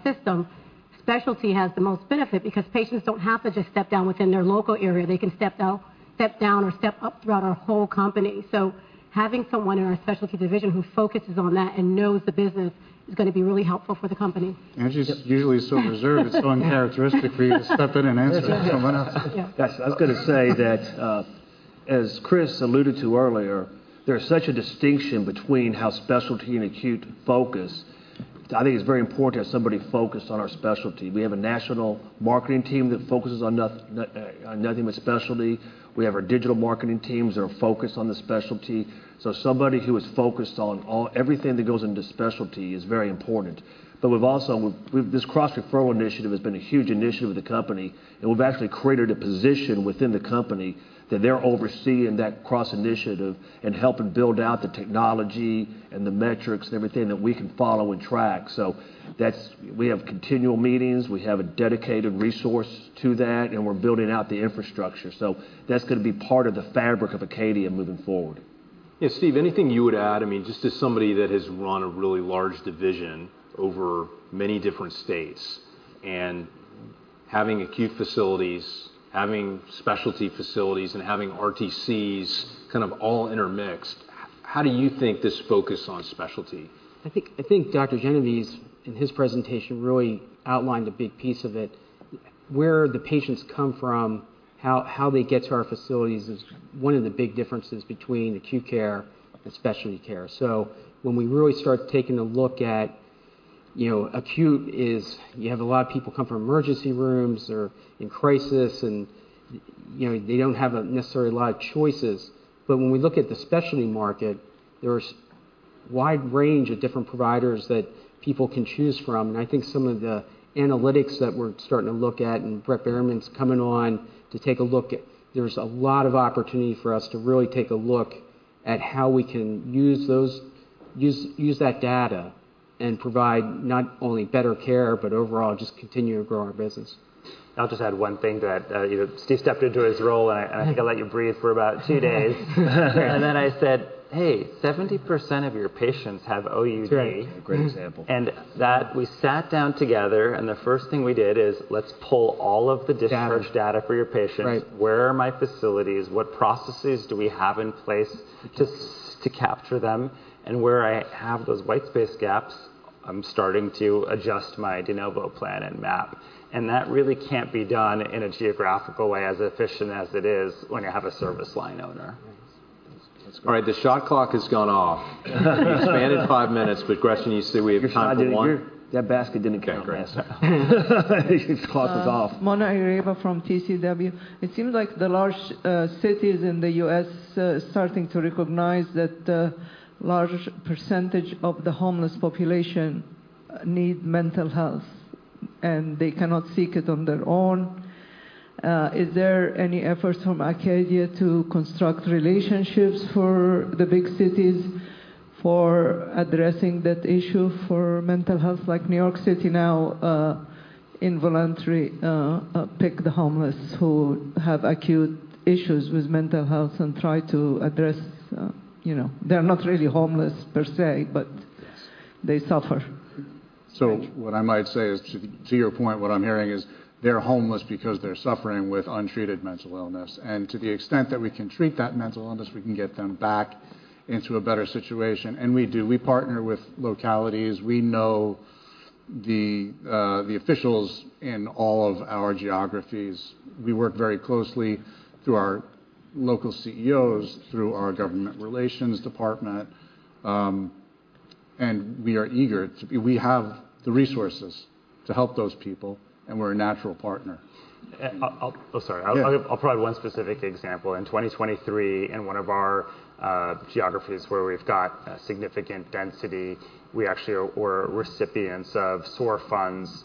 system, specialty has the most benefit because patients don't have to just step down within their local area. They can step down or step up throughout our whole company. Having someone in our specialty division who focuses on that and knows the business is gonna be really helpful for the company. Angela's usually so reserved. It's uncharacteristic for you to step in and answer. Go on. Yeah. Gosh, I was gonna say that, as Chris alluded to earlier, there's such a distinction between how specialty and acute focus. I think it's very important to have somebody focused on our specialty. We have a national marketing team that focuses on nothing but specialty. We have our digital marketing teams that are focused on the specialty. Somebody who is focused on everything that goes into specialty is very important. We've also This cross-referral initiative has been a huge initiative with the company, and we've actually created a position within the company that they're overseeing that cross initiative and helping build out the technology and the metrics and everything that we can follow and track. That's We have continual meetings. We have a dedicated resource to that, and we're building out the infrastructure. That's gonna be part of the fabric of Acadia moving forward. Yeah, Steve, anything you would add? I mean, just as somebody that has run a really large division over many different states and having acute facilities, having specialty facilities, and having RTCs kind of all intermixed, how do you think this focus on specialty? I think Dr. Genovese, in his presentation, really outlined a big piece of it. Where the patients come from, how they get to our facilities is one of the big differences between acute care and specialty care. When we really start taking a look at, you know, acute is you have a lot of people come from emergency rooms or in crisis and, you know, they don't have a necessarily lot of choices. When we look at the specialty market, there's wide range of different providers that people can choose from. I think some of the analytics that we're starting to look at, and Brent Turner's coming on to take a look at, there's a lot of opportunity for us to really take a look at how we can use that data and provide not only better care, but overall just continue to grow our business. I'll just add one thing to that. you know, Steve stepped into his role, I think I let you breathe for about two days. Then I said, "Hey, 70% of your patients have OUD. That's right. Great example. That we sat down together, and the first thing we did is let's pull all of the discharge- Data... data for your patients. Right. Where are my facilities? What processes do we have in place to capture them? Where I have those white space gaps, I'm starting to adjust my de novo plan and map. That really can't be done in a geographical way as efficient as it is when you have a service line owner. Right. That's great. All right, the shot clock has gone off. We expanded five minutes, Gretchen, you say we have time for. Your shot didn't hear. That basket didn't count. Okay, great. Clock is off. Mona Eraiba from TCW. It seems like the large cities in the U.S. are starting to recognize that a large percentage of the homeless population need mental health, and they cannot seek it on their own. Is there any efforts from Acadia to construct relationships for the big cities for addressing that issue for mental health like New York City now, involuntary pick the homeless who have acute issues with mental health and try to address, you know? They're not really homeless per se, but they suffer. What I might say is, to your point, what I'm hearing is they're homeless because they're suffering with untreated mental illness. To the extent that we can treat that mental illness, we can get them back into a better situation. We do. We partner with localities. We know the officials in all of our geographies. We work very closely through our local CEOs, through our government relations department. We have the resources to help those people, and we're a natural partner. Oh, sorry. Yeah. I'll provide one specific example. In 2023, in one of our geographies where we've got a significant density, we actually were recipients of SOAR funds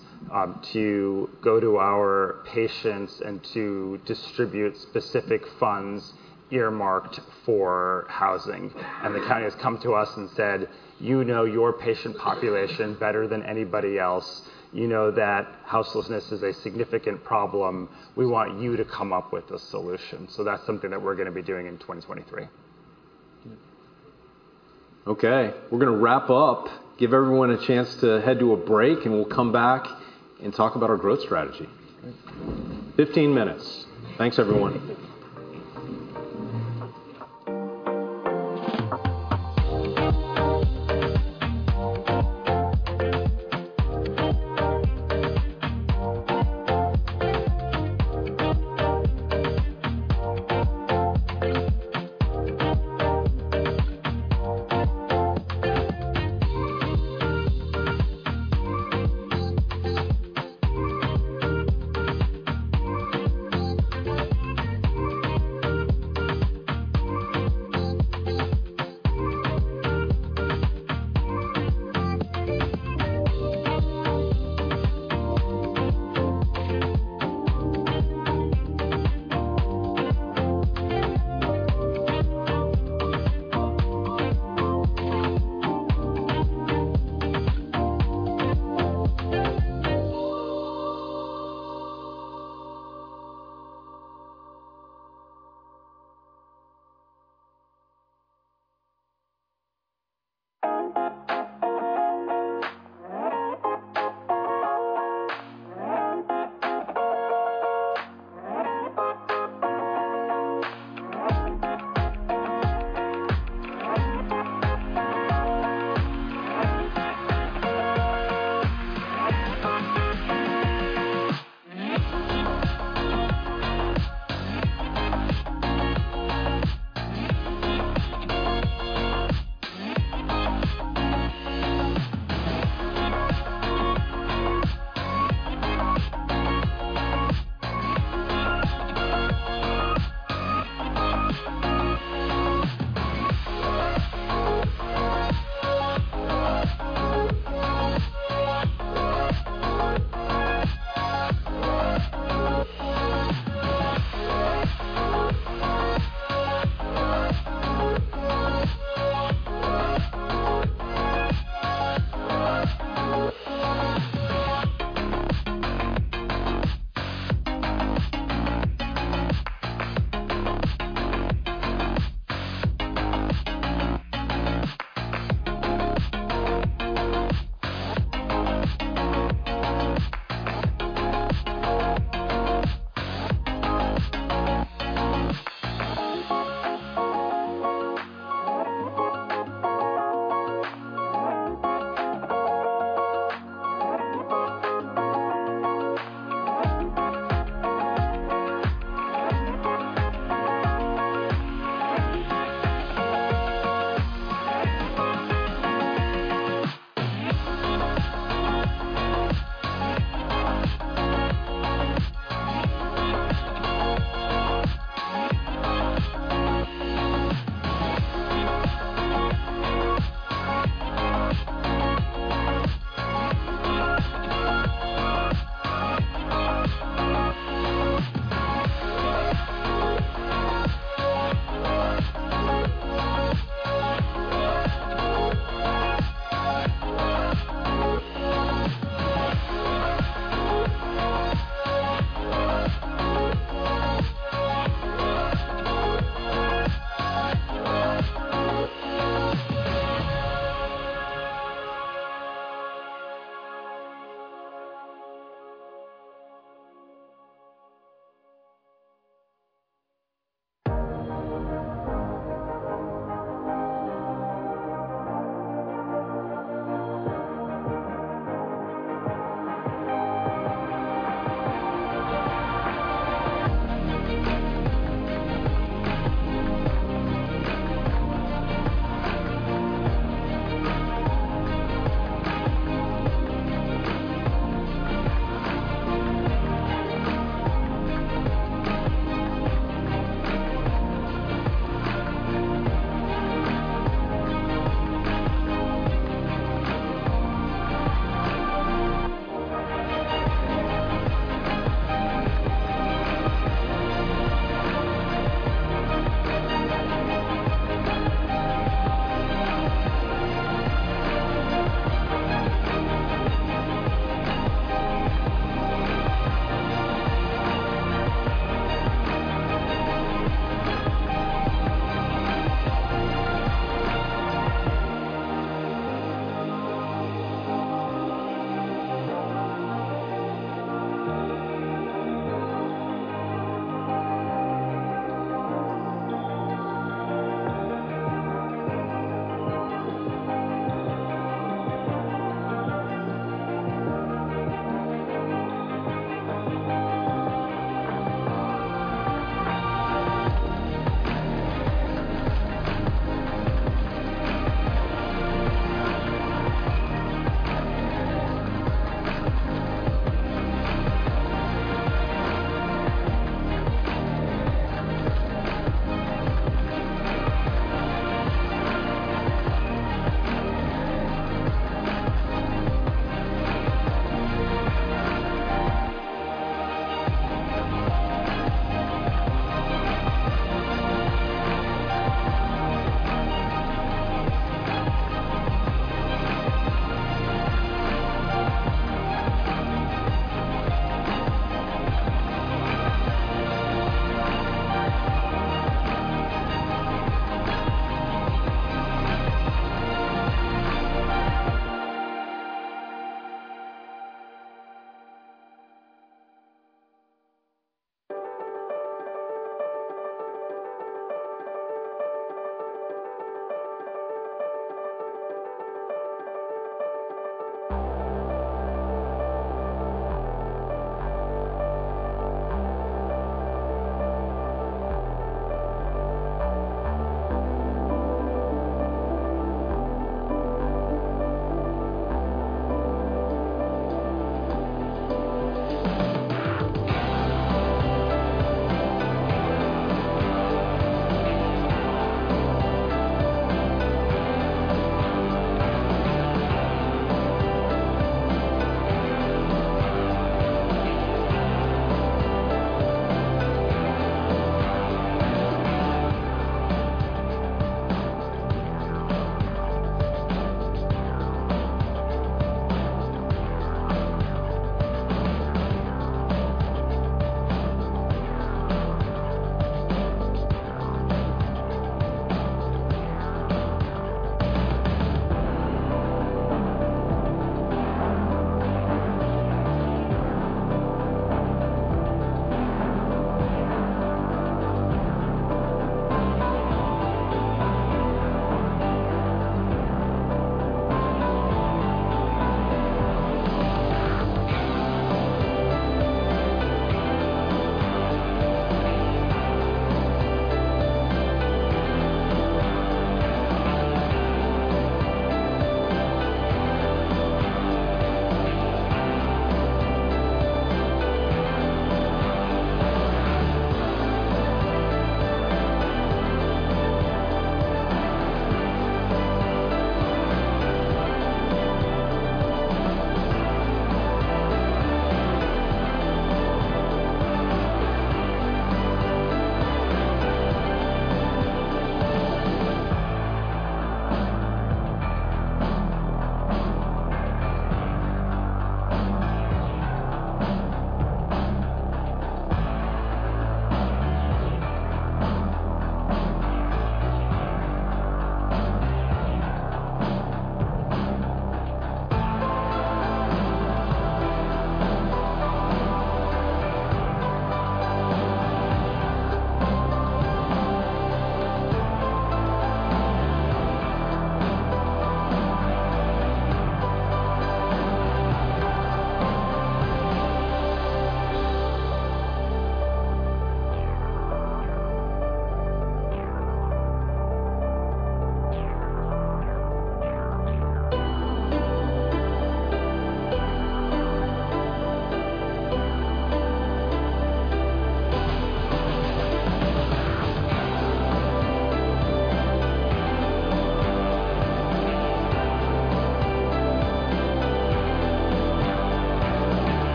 to go to our patients and to distribute specific funds earmarked for housing. The county has come to us and said, "You know your patient population better than anybody else. You know that houselessness is a significant problem. We want you to come up with a solution." That's something that we're gonna be doing in 2023. Good. Okay, we're gonna wrap up, give everyone a chance to head to a break, and we'll come back and talk about our growth strategy. 15 minutes. Thanks, everyone.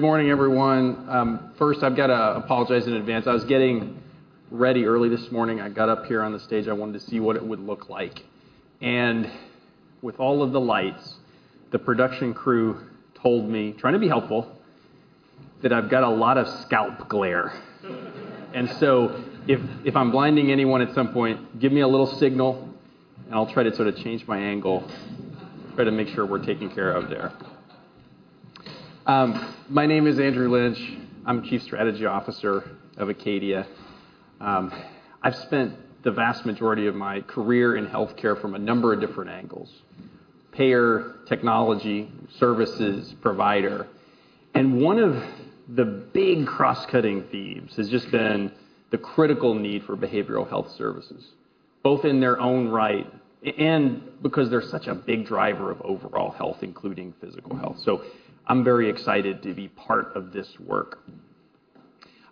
Good morning, everyone. First I've gotta apologize in advance. I was getting ready early this morning. I got up here on the stage, I wanted to see what it would look like. With all of the lights, the production crew told me, trying to be helpful, that I've got a lot of scalp glare. If I'm blinding anyone at some point, give me a little signal, and I'll try to sort of change my angle. Try to make sure we're taken care of there. My name is Andrew Lynch. I'm Chief Strategy Officer of Acadia. I've spent the vast majority of my career in healthcare from a number of different angles: payer, technology, services, provider. One of the big cross-cutting themes has just been the critical need for behavioral health services, both in their own right and because they're such a big driver of overall health, including physical health. I'm very excited to be part of this work.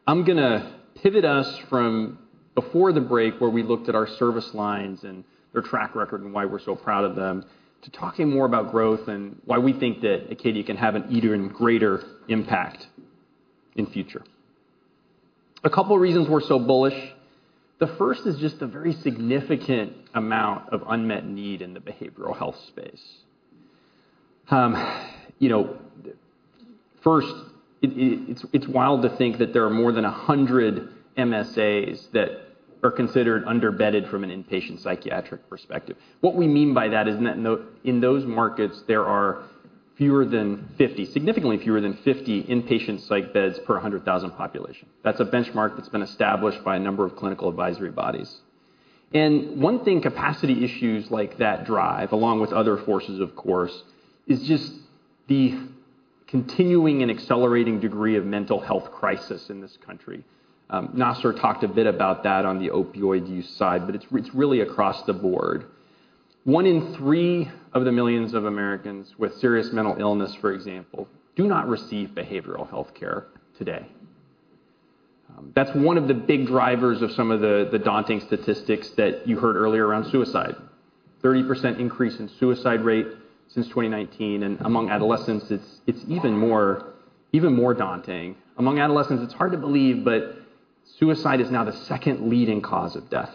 I'm gonna pivot us from before the break, where we looked at our service lines and their track record and why we're so proud of them, to talking more about growth and why we think that Acadia can have an even greater impact in future. A couple reasons we're so bullish. The first is just the very significant amount of unmet need in the behavioral health space. You know, first, it's wild to think that there are more than 100 MSAs that are considered under-bedded from an inpatient psychiatric perspective. What we mean by that is in those markets, there are fewer than 50, significantly fewer than 50 inpatient psych beds per 100,000 population. That's a benchmark that's been established by a number of clinical advisory bodies. One thing capacity issues like that drive, along with other forces, of course, is just the continuing and accelerating degree of mental health crisis in this country. Nasser talked a bit about that on the opioid use side, but it's really across the board. One in three of the millions of Americans with serious mental illness, for example, do not receive behavioral health care today. That's one of the big drivers of some of the daunting statistics that you heard earlier around suicide. 30% increase in suicide rate since 2019, and among adolescents, it's even more daunting. Among adolescents, it's hard to believe, but suicide is now the second leading cause of death.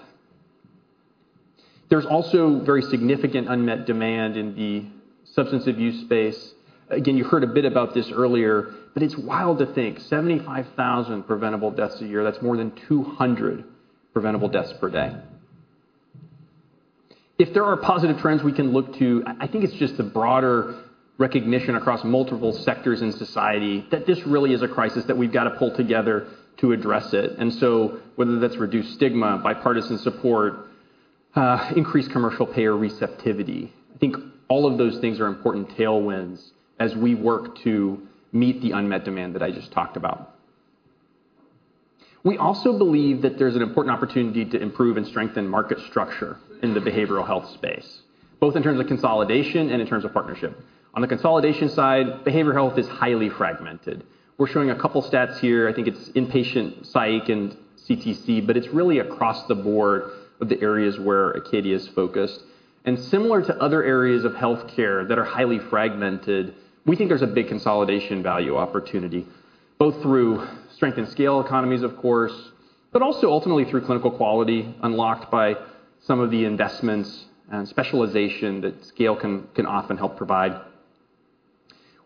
There's also very significant unmet demand in the substance abuse space. Again, you heard a bit about this earlier, but it's wild to think 75,000 preventable deaths a year, that's more than 200 preventable deaths per day. If there are positive trends we can look to, I think it's just the broader recognition across multiple sectors in society that this really is a crisis that we've got to pull together to address it. Whether that's reduced stigma, bipartisan support, increased commercial payer receptivity, I think all of those things are important tailwinds as we work to meet the unmet demand that I just talked about. We also believe that there's an important opportunity to improve and strengthen market structure in the behavioral health space, both in terms of consolidation and in terms of partnership. On the consolidation side, behavioral health is highly fragmented. We're showing a couple stats here. I think it's inpatient psych and CTC, but it's really across the board of the areas where Acadia is focused. Similar to other areas of healthcare that are highly fragmented, we think there's a big consolidation value opportunity, both through strength and scale economies, of course, but also ultimately through clinical quality unlocked by some of the investments and specialization that scale can often help provide.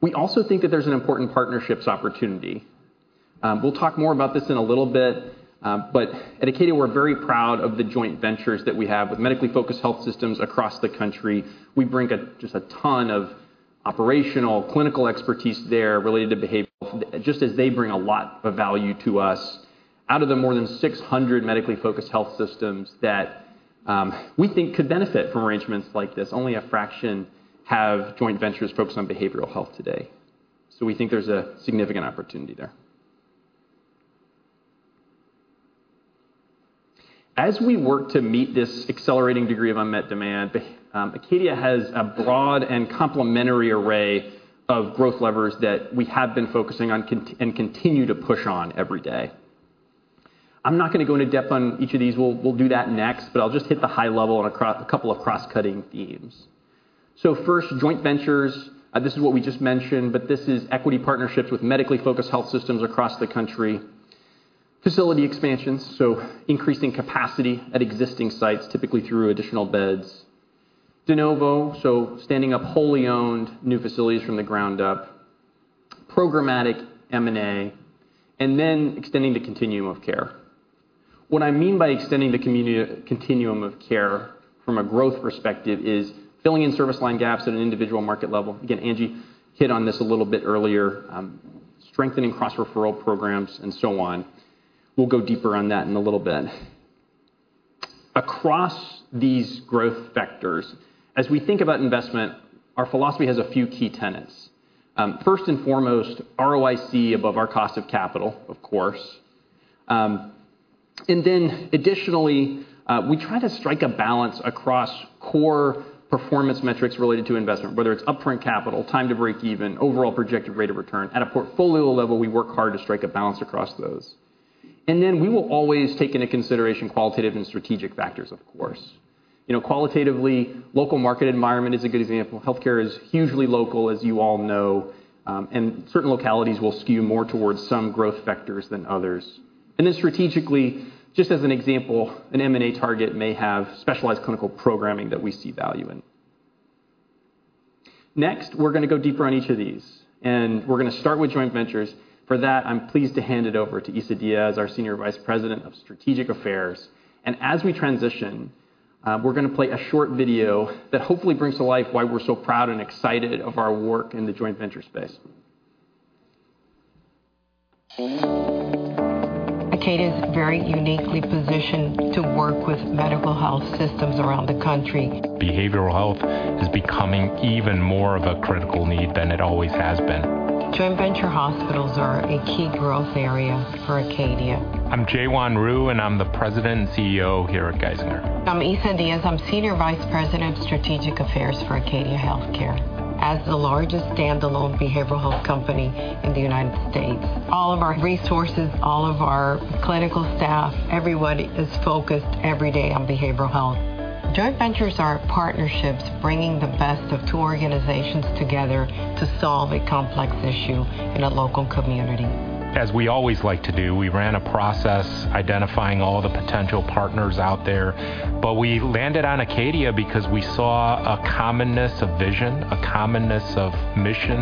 We also think that there's an important partnerships opportunity. We'll talk more about this in a little bit, at Acadia, we're very proud of the joint ventures that we have with medically focused health systems across the country. We bring just a ton of operational clinical expertise there related to behavioral just as they bring a lot of value to us. Out of the more than 600 medically focused health systems that we think could benefit from arrangements like this, only a fraction have joint ventures focused on behavioral health today. We think there's a significant opportunity there. As we work to meet this accelerating degree of unmet demand, Acadia has a broad and complementary array of growth levers that we have been focusing on and continue to push on every day. I'm not gonna go into depth on each of these. We'll do that next, but I'll just hit the high level on a couple of cross-cutting themes. First, joint ventures. This is what we just mentioned, but this is equity partnerships with medically focused health systems across the country. Facility expansions, so increasing capacity at existing sites, typically through additional beds. De novo, so standing up wholly owned new facilities from the ground up. Programmatic M&A, and then extending the continuum of care. What I mean by extending the continuum of care from a growth perspective is filling in service line gaps at an individual market level. Again, Angie hit on this a little bit earlier, strengthening cross-referral programs and so on. We'll go deeper on that in a little bit. Across these growth vectors, as we think about investment, our philosophy has a few key tenets. First and foremost, ROIC above our cost of capital, of course. Additionally, we try to strike a balance across core performance metrics related to investment, whether it's up-front capital, time to break even, overall projected rate of return. At a portfolio level, we work hard to strike a balance across those. We will always take into consideration qualitative and strategic factors, of course. You know, qualitatively, local market environment is a good example. Healthcare is hugely local, as you all know, and certain localities will skew more towards some growth vectors than others. Strategically, just as an example, an M&A target may have specialized clinical programming that we see value in. Next, we're gonna go deeper on each of these, and we're gonna start with joint ventures. For that, I'm pleased to hand it over to Isa Diaz, our Senior Vice President of Strategic Affairs. As we transition, we're gonna play a short video that hopefully brings to life why we're so proud and excited of our work in the joint venture space. Acadia is very uniquely positioned to work with medical health systems around the country. Behavioral health is becoming even more of a critical need than it always has been. Joint venture hospitals are a key growth area for Acadia. I'm Jaewon Ryu, and I'm the President and CEO here at Geisinger. I'm Isa Diaz. I'm Senior Vice President of Strategic Affairs for Acadia Healthcare. As the largest standalone behavioral health company in the United States, all of our resources, all of our clinical staff, everyone is focused every day on behavioral health. Joint ventures are partnerships bringing the best of two organizations together to solve a complex issue in a local community. As we always like to do, we ran a process identifying all the potential partners out there. We landed on Acadia because we saw a commonness of vision, a commonness of mission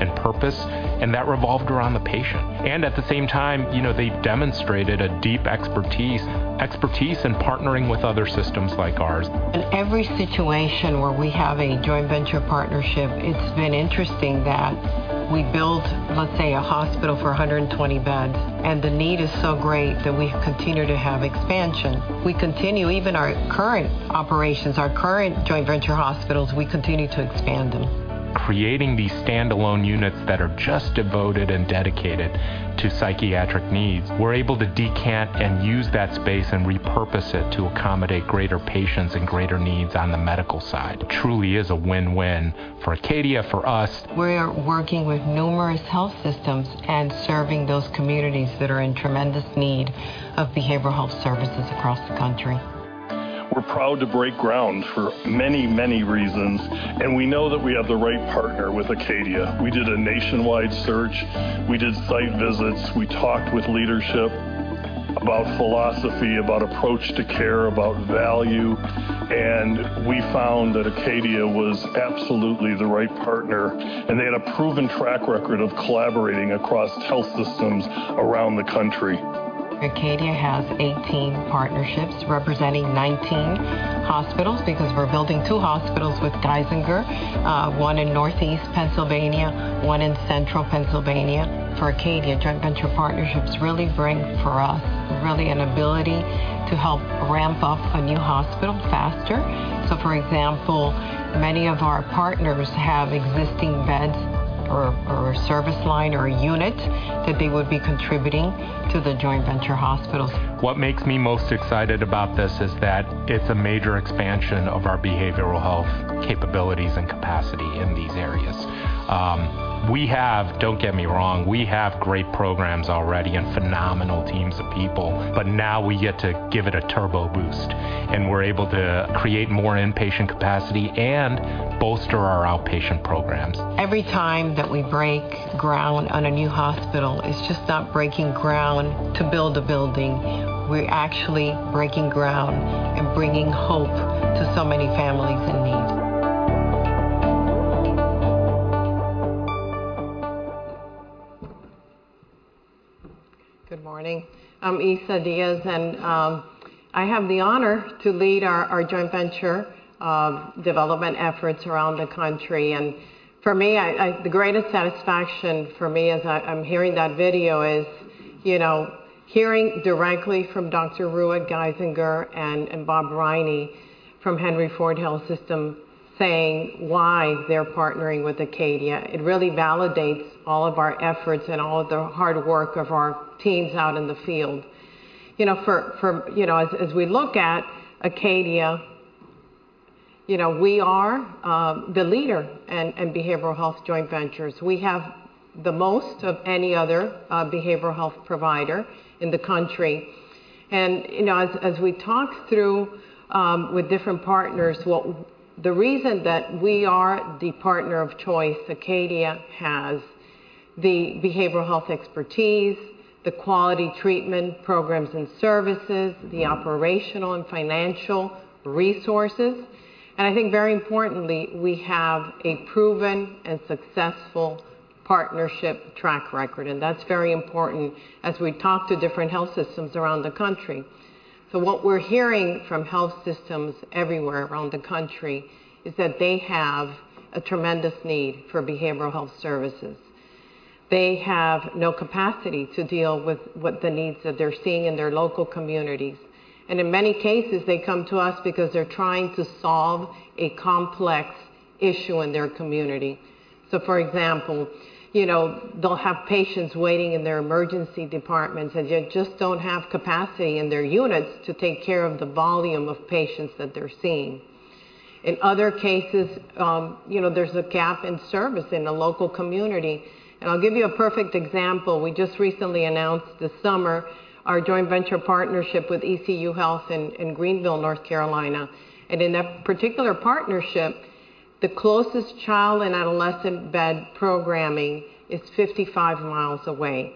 and purpose, and that revolved around the patient. At the same time, you know, they've demonstrated a deep expertise in partnering with other systems like ours. In every situation where we have a joint venture partnership, it's been interesting that we built, let's say, a hospital for 120 beds. The need is so great that we continue to have expansion. We continue even our current operations, our current joint venture hospitals, we continue to expand them. Creating these standalone units that are just devoted and dedicated to psychiatric needs, we're able to decant and use that space and repurpose it to accommodate greater patients and greater needs on the medical side. It truly is a win-win for Acadia, for us. We are working with numerous health systems and serving those communities that are in tremendous need of behavioral health services across the country. We're proud to break ground for many, many reasons. We know that we have the right partner with Acadia. We did a nationwide search. We did site visits. We talked with leadership about philosophy, about approach to care, about value. We found that Acadia was absolutely the right partner. They had a proven track record of collaborating across health systems around the country. Acadia has 18 partnerships representing 19 hospitals because we're building two hospitals with Geisinger, one in Northeast Pennsylvania, one in Central Pennsylvania. For Acadia, joint venture partnerships really bring for us an ability to help ramp up a new hospital faster. For example, many of our partners have existing beds or a service line or a unit that they would be contributing to the joint venture hospitals. What makes me most excited about this is that it's a major expansion of our behavioral health capabilities and capacity in these areas. We have... Don't get me wrong, we have great programs already and phenomenal teams of people. Now we get to give it a turbo boost, and we're able to create more inpatient capacity and bolster our outpatient programs. Every time that we break ground on a new hospital, it's just not breaking ground to build a building. We're actually breaking ground and bringing hope to so many families in need. Good morning. I'm Isa Diaz and I have the honor to lead our joint venture development efforts around the country. For me, the greatest satisfaction for me as I'm hearing that video is, you know, hearing directly from Dr. Ryu at Geisinger and Bob Riney from Henry Ford Health System saying why they're partnering with Acadia. It really validates all of our efforts and all of the hard work of our teams out in the field. You know, for, you know, as we look at Acadia, you know, we are the leader in behavioral health joint ventures. We have the most of any other behavioral health provider in the country. You know, as we talk through with different partners, the reason that we are the partner of choice, Acadia has the behavioral health expertise, the quality treatment programs and services, the operational and financial resources. I think very importantly, we have a proven and successful partnership track record, and that's very important as we talk to different health systems around the country. What we're hearing from health systems everywhere around the country is that they have a tremendous need for behavioral health services. They have no capacity to deal with what the needs that they're seeing in their local communities. In many cases, they come to us because they're trying to solve a complex issue in their community. For example, you know, they'll have patients waiting in their emergency departments, and they just don't have capacity in their units to take care of the volume of patients that they're seeing. In other cases, you know, there's a gap in service in a local community, and I'll give you a perfect example. We just recently announced this summer our joint venture partnership with ECU Health in Greenville, North Carolina. In that particular partnership, the closest child and adolescent bed programming is 55 miles away.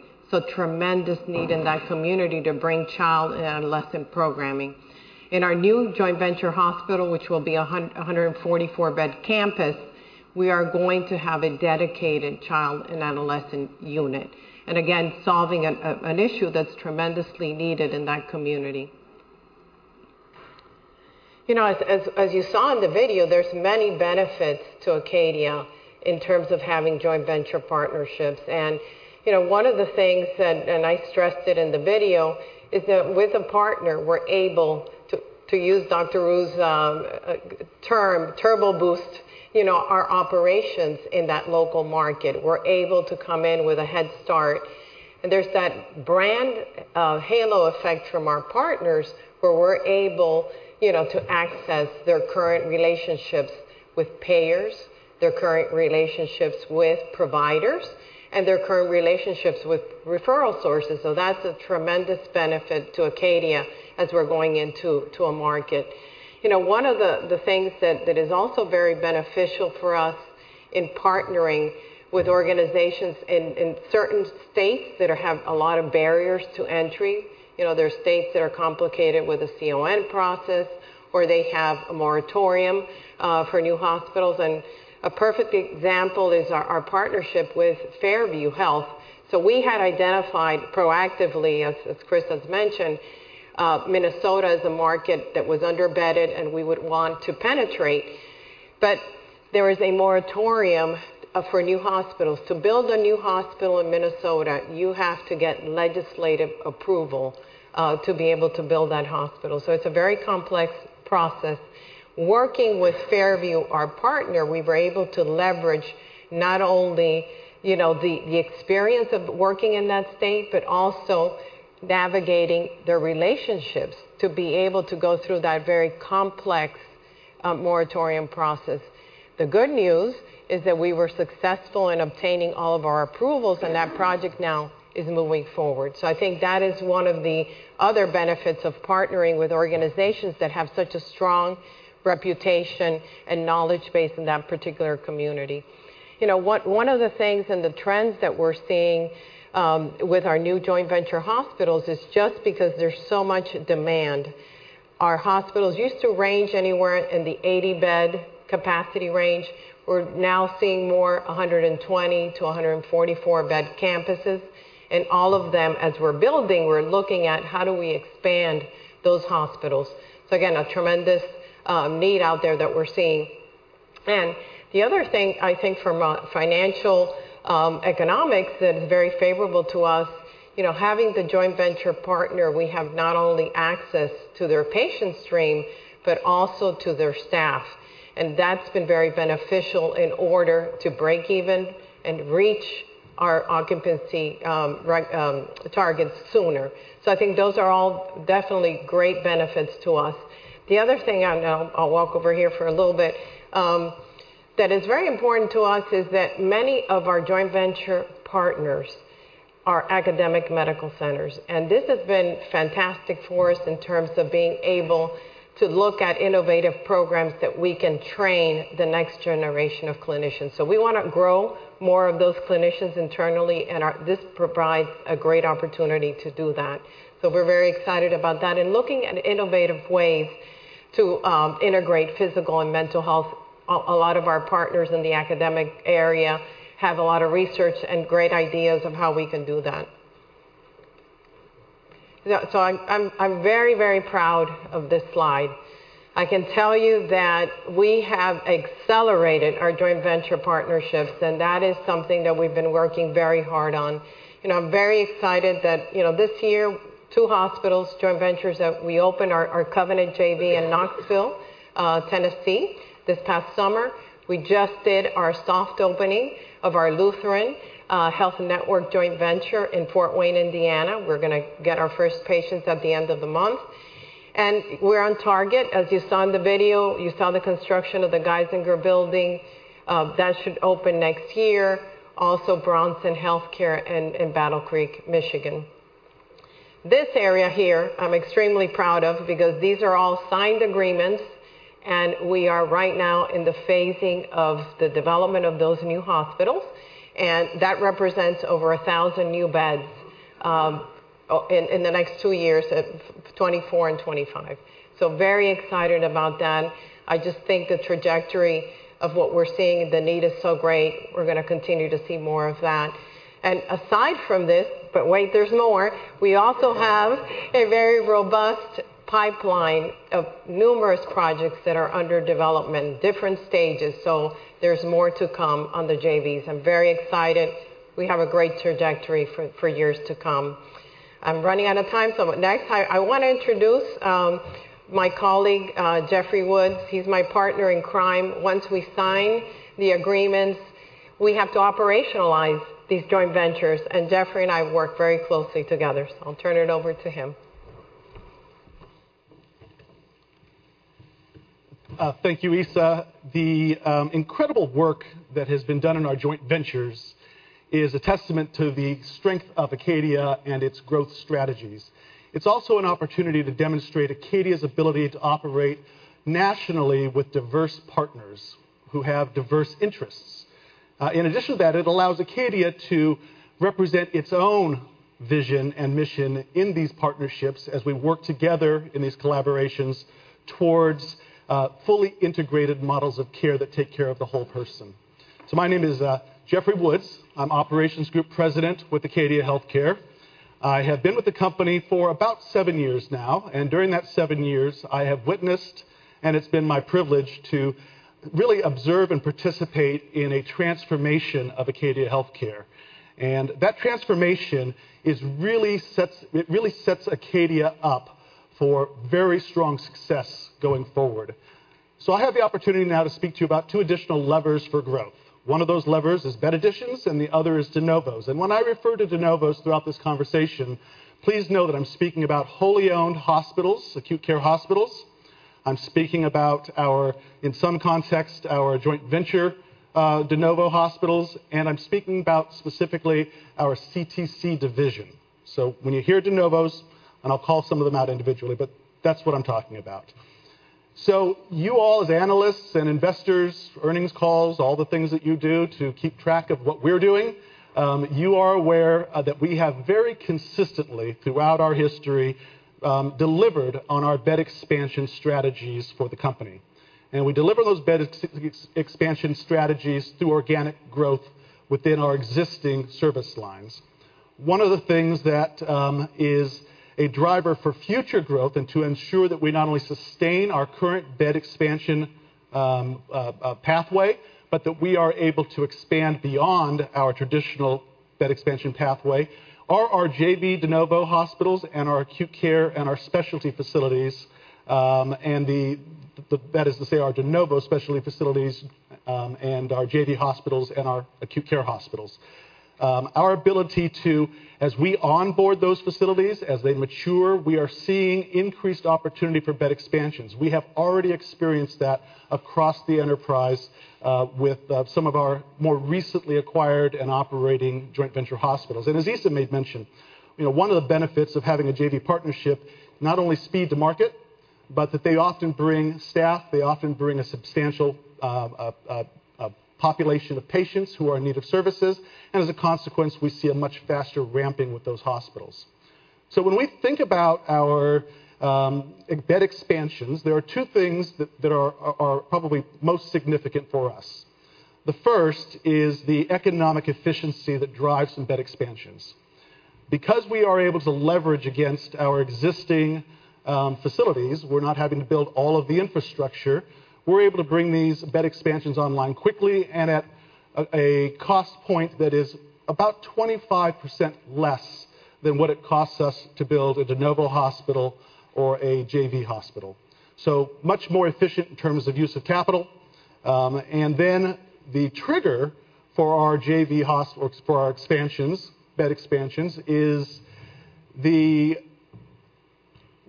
Tremendous need in that community to bring child and adolescent programming. In our new joint venture hospital, which will be a 144-bed campus, we are going to have a dedicated child and adolescent unit, and again, solving an issue that's tremendously needed in that community. You know, as you saw in the video, there's many benefits to Acadia in terms of having joint venture partnerships. You know, one of the things that, and I stressed it in the video, is that with a partner, we're able to use Dr. Ryu's term turbo boost, you know, our operations in that local market. We're able to come in with a head start, and there's that brand halo effect from our partners, where we're able, you know, to access their current relationships with payers, their current relationships with providers, and their current relationships with referral sources. That's a tremendous benefit to Acadia as we're going into a market. You know, one of the things that is also very beneficial for us in partnering with organizations in certain states that are have a lot of barriers to entry. You know, there are states that are complicated with the CON process, or they have a moratorium for new hospitals. A perfect example is our partnership with Fairview Health Services. We had identified proactively, as Chris has mentioned, Minnesota as a market that was under-bedded and we would want to penetrate. There is a moratorium for new hospitals. To build a new hospital in Minnesota, you have to get legislative approval to be able to build that hospital. It's a very complex process. Working with Fairview, our partner, we were able to leverage not only, you know, the experience of working in that state, but also navigating the relationships to be able to go through that very complex moratorium process. The good news is that we were successful in obtaining all of our approvals, and that project now is moving forward. I think that is one of the other benefits of partnering with organizations that have such a strong reputation and knowledge base in that particular community. You know, one of the things and the trends that we're seeing with our new joint venture hospitals is just because there's so much demand. Our hospitals used to range anywhere in the 80-bed capacity range. We're now seeing more 120-144-bed campuses. All of them, as we're building, we're looking at how do we expand those hospitals. Again, a tremendous need out there that we're seeing. The other thing, I think from a financial economics that is very favorable to us, you know, having the joint venture partner, we have not only access to their patient stream but also to their staff. That's been very beneficial in order to break even and reach our occupancy targets sooner. I think those are all definitely great benefits to us. The other thing, and I'll walk over here for a little bit, that is very important to us is that many of our joint venture partners are academic medical centers. This has been fantastic for us in terms of being able to look at innovative programs that we can train the next generation of clinicians. We wanna grow more of those clinicians internally, and this provides a great opportunity to do that. We're very excited about that. Looking at innovative ways to integrate physical and mental health, a lot of our partners in the academic area have a lot of research and great ideas of how we can do that. I'm very, very proud of this slide. I can tell you that we have accelerated our joint venture partnerships, and that is something that we've been working very hard on. You know, I'm very excited that, you know, this year two hospitals, joint ventures that we opened are Covenant JV in Knoxville, Tennessee this past summer. We just did our soft opening of our Lutheran Health Network joint venture in Fort Wayne, Indiana. We're gonna get our first patients at the end of the month. We're on target. As you saw in the video, you saw the construction of the Geisinger building, that should open next year, also Bronson Healthcare in Battle Creek, Michigan. This area here I'm extremely proud of because these are all signed agreements, and we are right now in the phasing of the development of those new hospitals, and that represents over 1,000 new beds. In the next two years, at 2024 and 2025. Very excited about that. I just think the trajectory of what we're seeing, the need is so great, we're gonna continue to see more of that. Aside from this, but wait, there's more, we also have a very robust pipeline of numerous projects that are under development, different stages. There's more to come on the JVs. I'm very excited. We have a great trajectory for years to come. I'm running out of time. Next I wanna introduce my colleague Jeffrey Woods. He's my partner in crime. Once we sign the agreements, we have to operationalize these joint ventures. Jeffrey and I work very closely together. I'll turn it over to him. Thank you, Isa. The incredible work that has been done in our joint ventures is a testament to the strength of Acadia and its growth strategies. It's also an opportunity to demonstrate Acadia's ability to operate nationally with diverse partners who have diverse interests. In addition to that, it allows Acadia to represent its own vision and mission in these partnerships as we work together in these collaborations towards fully integrated models of care that take care of the whole person. My name is Jeffrey Woods. I'm Operations Group President with Acadia Healthcare. I have been with the company for about seven years now, and during that seven years, I have witnessed, and it's been my privilege to really observe and participate in a transformation of Acadia Healthcare. That transformation it really sets Acadia up for very strong success going forward. I have the opportunity now to speak to you about two additional levers for growth. One of those levers is bed additions, and the other is de novos. When I refer to de novos throughout this conversation, please know that I'm speaking about wholly owned hospitals, acute care hospitals. I'm speaking about our, in some context, our joint venture de novo hospitals, and I'm speaking about specifically our CTC division. When you hear de novos, and I'll call some of them out individually, but that's what I'm talking about. You all as analysts and investors, earnings calls, all the things that you do to keep track of what we're doing, you are aware that we have very consistently, throughout our history, delivered on our bed expansion strategies for the company. We deliver those bed expansion strategies through organic growth within our existing service lines. One of the things that is a driver for future growth and to ensure that we not only sustain our current bed expansion pathway, but that we are able to expand beyond our traditional bed expansion pathway are our JV de novo hospitals and our acute care and our specialty facilities, that is to say, our de novo specialty facilities, and our JV hospitals and our acute care hospitals. Our ability to, as we onboard those facilities, as they mature, we are seeing increased opportunity for bed expansions. We have already experienced that across the enterprise, with some of our more recently acquired and operating joint venture hospitals. As Isa made mention, you know, one of the benefits of having a JV partnership, not only speed to market, but that they often bring staff, they often bring a substantial population of patients who are in need of services, and as a consequence, we see a much faster ramping with those hospitals. When we think about our bed expansions, there are two things that are probably most significant for us. The first is the economic efficiency that drives some bed expansions. We are able to leverage against our existing facilities, we're not having to build all of the infrastructure, we're able to bring these bed expansions online quickly and at a cost point that is about 25% less than what it costs us to build a de novo hospital or a JV hospital. Much more efficient in terms of use of capital. The trigger for our JV for our expansions, bed expansions.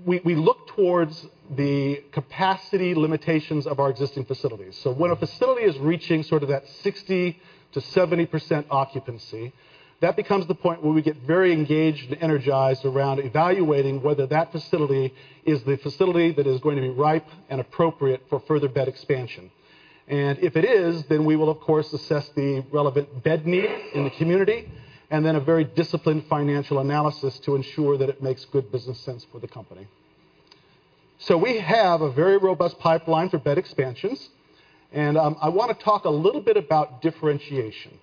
We look towards the capacity limitations of our existing facilities. When a facility is reaching sort of that 60%-70% occupancy, that becomes the point where we get very engaged and energized around evaluating whether that facility is the facility that is going to be ripe and appropriate for further bed expansion. If it is, then we will, of course, assess the relevant bed need in the community, and then a very disciplined financial analysis to ensure that it makes good business sense for the company. We have a very robust pipeline for bed expansions, and I wanna talk a little bit about differentiation.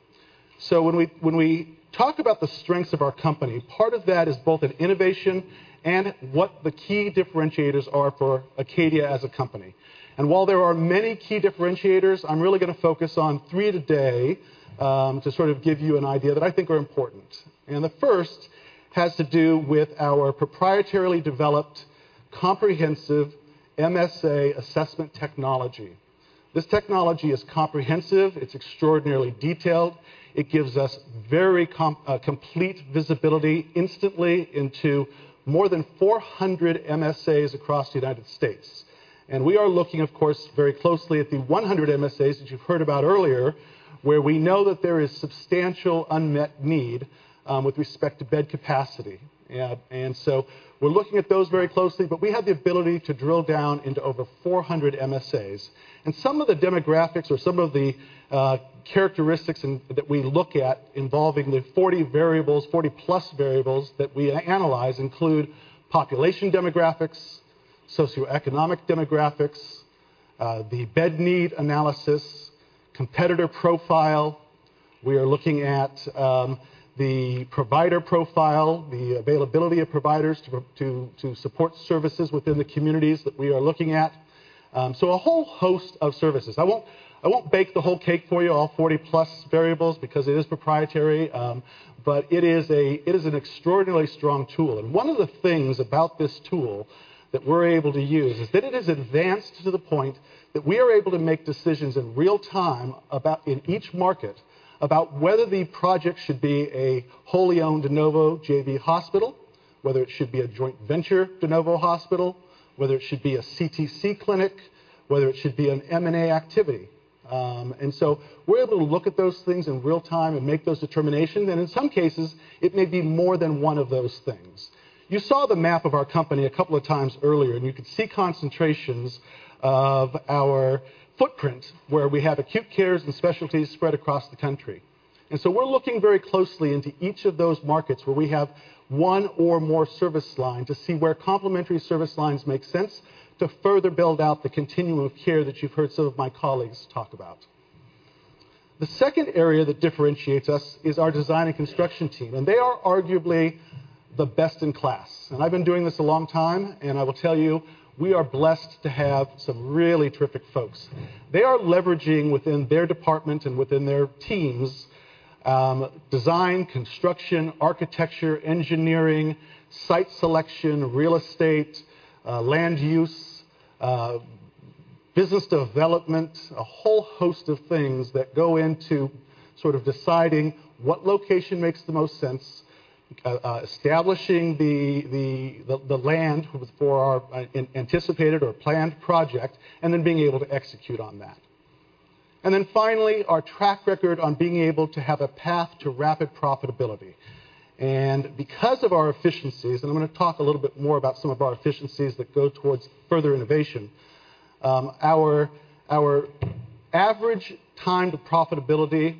When we, when we talk about the strengths of our company, part of that is both an innovation and what the key differentiators are for Acadia as a company. While there are many key differentiators, I'm really gonna focus on three today, to sort of give you an idea that I think are important. The first has to do with our proprietarily developed comprehensive MSA assessment technology. This technology is comprehensive. It's extraordinarily detailed. It gives us very complete visibility instantly into more than 400 MSAs across the United States. We are looking, of course, very closely at the 100 MSAs that you've heard about earlier, where we know that there is substantial unmet need with respect to bed capacity. Yeah, we're looking at those very closely, but we have the ability to drill down into over 400 MSAs. Some of the demographics or some of the characteristics that we look at involving the 40 variables, 40-plus variables that we analyze include population demographics, socioeconomic demographics, the bed need analysis, competitor profile. We are looking at the provider profile, the availability of providers to support services within the communities that we are looking at. A whole host of services. I won't, I won't bake the whole cake for you, all 40+ variables, because it is proprietary. It is an extraordinarily strong tool. One of the things about this tool that we're able to use is that it is advanced to the point that we are able to make decisions in real time about in each market, about whether the project should be a wholly-owned de novo JV hospital, whether it should be a joint venture de novo hospital, whether it should be a CTC clinic, whether it should be an M&A activity. We're able to look at those things in real time and make those determinations, and in some cases, it may be more than one of those things. You saw the map of our company a couple of times earlier, you could see concentrations of our footprint where we have acute cares and specialties spread across the country. We're looking very closely into each of those markets where we have one or more service line to see where complementary service lines make sense to further build out the continuum of care that you've heard some of my colleagues talk about. The second area that differentiates us is our design and construction team, they are arguably the best in class. I've been doing this a long time, I will tell you, we are blessed to have some really terrific folks. They are leveraging within their department and within their teams, design, construction, architecture, engineering, site selection, real estate, land use, business development, a whole host of things that go into sort of deciding what location makes the most sense, establishing the land for our anticipated or planned project, and then being able to execute on that. Finally, our track record on being able to have a path to rapid profitability. Because of our efficiencies, and I'm gonna talk a little bit more about some of our efficiencies that go towards further innovation, our average time to profitability,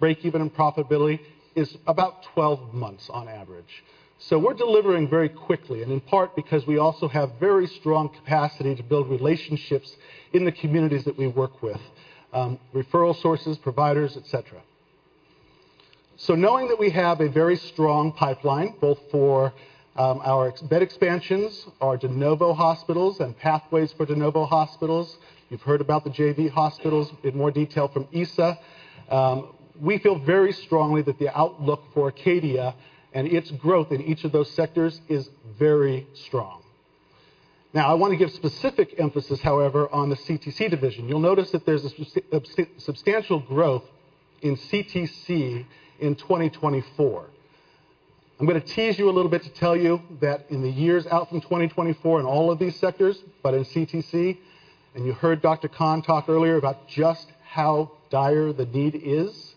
breakeven and profitability is about 12 months on average. We're delivering very quickly, and in part because we also have very strong capacity to build relationships in the communities that we work with, referral sources, providers, et cetera. Knowing that we have a very strong pipeline, both for bed expansions, our de novo hospitals and pathways for de novo hospitals. You've heard about the JV hospitals in more detail from Isa. We feel very strongly that the outlook for Acadia and its growth in each of those sectors is very strong. I want to give specific emphasis, however, on the CTC division. You'll notice that there's substantial growth in CTC in 2024. I'm going to tease you a little bit to tell you that in the years out from 2024 in all of these sectors, but in CTC, and you heard Dr. Khan talk earlier about just how dire the need is,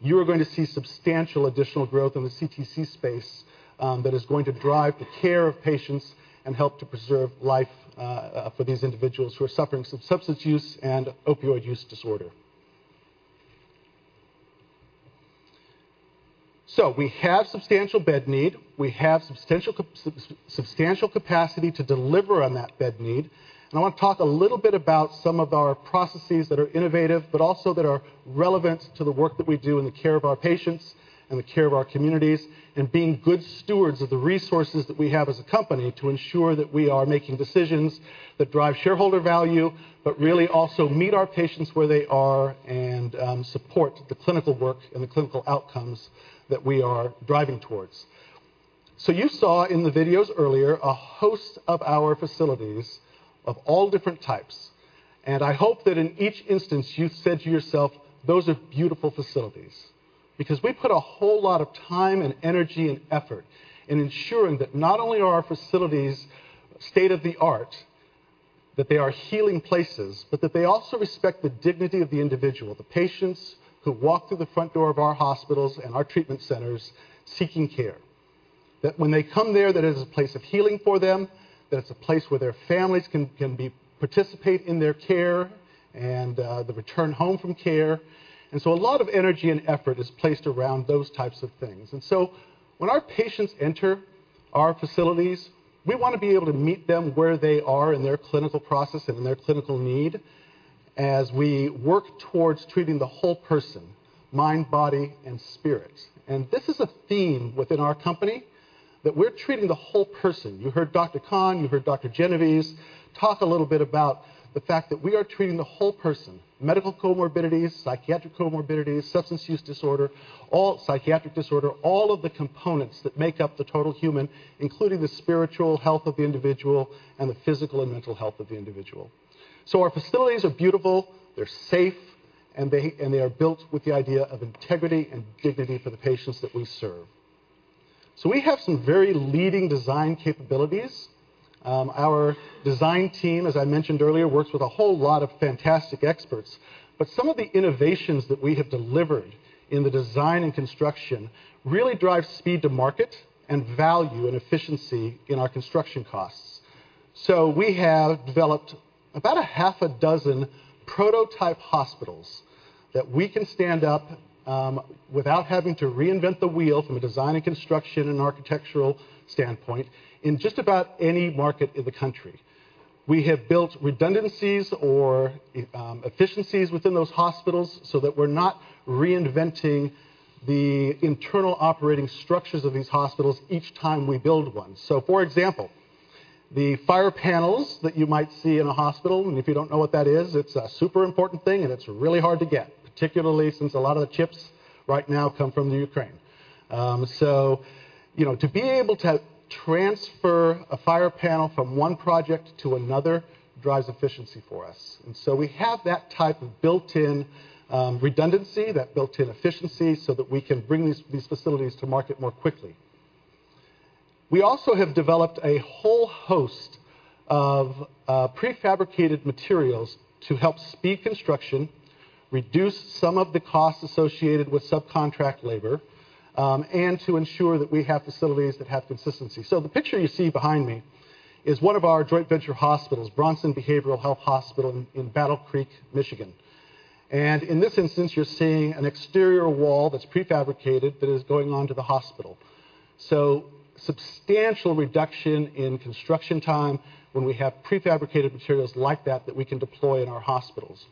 you are going to see substantial additional growth in the CTC space, that is going to drive the care of patients and help to preserve life, for these individuals who are suffering some substance use and opioid use disorder. We have substantial bed need. We have substantial capacity to deliver on that bed need. I wanna talk a little bit about some of our processes that are innovative, but also that are relevant to the work that we do in the care of our patients and the care of our communities, and being good stewards of the resources that we have as a company to ensure that we are making decisions that drive shareholder value, but really also meet our patients where they are and support the clinical work and the clinical outcomes that we are driving towards. You saw in the videos earlier a host of our facilities of all different types. I hope that in each instance you said to yourself, "Those are beautiful facilities." We put a whole lot of time and energy and effort in ensuring that not only are our facilities state-of-the-art, that they are healing places, but that they also respect the dignity of the individual, the patients who walk through the front door of our hospitals and our treatment centers seeking care. That when they come there, that it is a place of healing for them, that it's a place where their families can be participate in their care and the return home from care. A lot of energy and effort is placed around those types of things. When our patients enter our facilities, we wanna be able to meet them where they are in their clinical process and in their clinical need as we work towards treating the whole person, mind, body, and spirit. This is a theme within our company, that we're treating the whole person. You heard Dr. Khan, you heard Dr. Genovese talk a little bit about the fact that we are treating the whole person, medical comorbidities, psychiatric comorbidities, substance use disorder, all psychiatric disorder, all of the components that make up the total human, including the spiritual health of the individual and the physical and mental health of the individual. Our facilities are beautiful, they're safe, and they are built with the idea of integrity and dignity for the patients that we serve. We have some very leading design capabilities. Our design team, as I mentioned earlier, works with a whole lot of fantastic experts, but some of the innovations that we have delivered in the design and construction really drive speed to market and value and efficiency in our construction costs. We have developed about a half a dozen prototype hospitals that we can stand up without having to reinvent the wheel from a design and construction and architectural standpoint in just about any market in the country. We have built redundancies or efficiencies within those hospitals so that we're not reinventing the internal operating structures of these hospitals each time we build one. For example, the fire panels that you might see in a hospital, and if you don't know what that is, it's a super important thing, and it's really hard to get, particularly since a lot of the chips right now come from the Ukraine. You know, to be able to transfer a fire panel from one project to another drives efficiency for us. We have that type of built-in redundancy, that built-in efficiency so that we can bring these facilities to market more quickly. We also have developed a whole host of prefabricated materials to help speed construction, reduce some of the costs associated with subcontract labor, and to ensure that we have facilities that have consistency. The picture you see behind me is one of our joint venture hospitals, Bronson Behavioral Health Hospital in Battle Creek, Michigan. In this instance, you're seeing an exterior wall that's prefabricated that is going onto the hospital. Substantial reduction in construction time when we have prefabricated materials like that that we can deploy in our hospitals.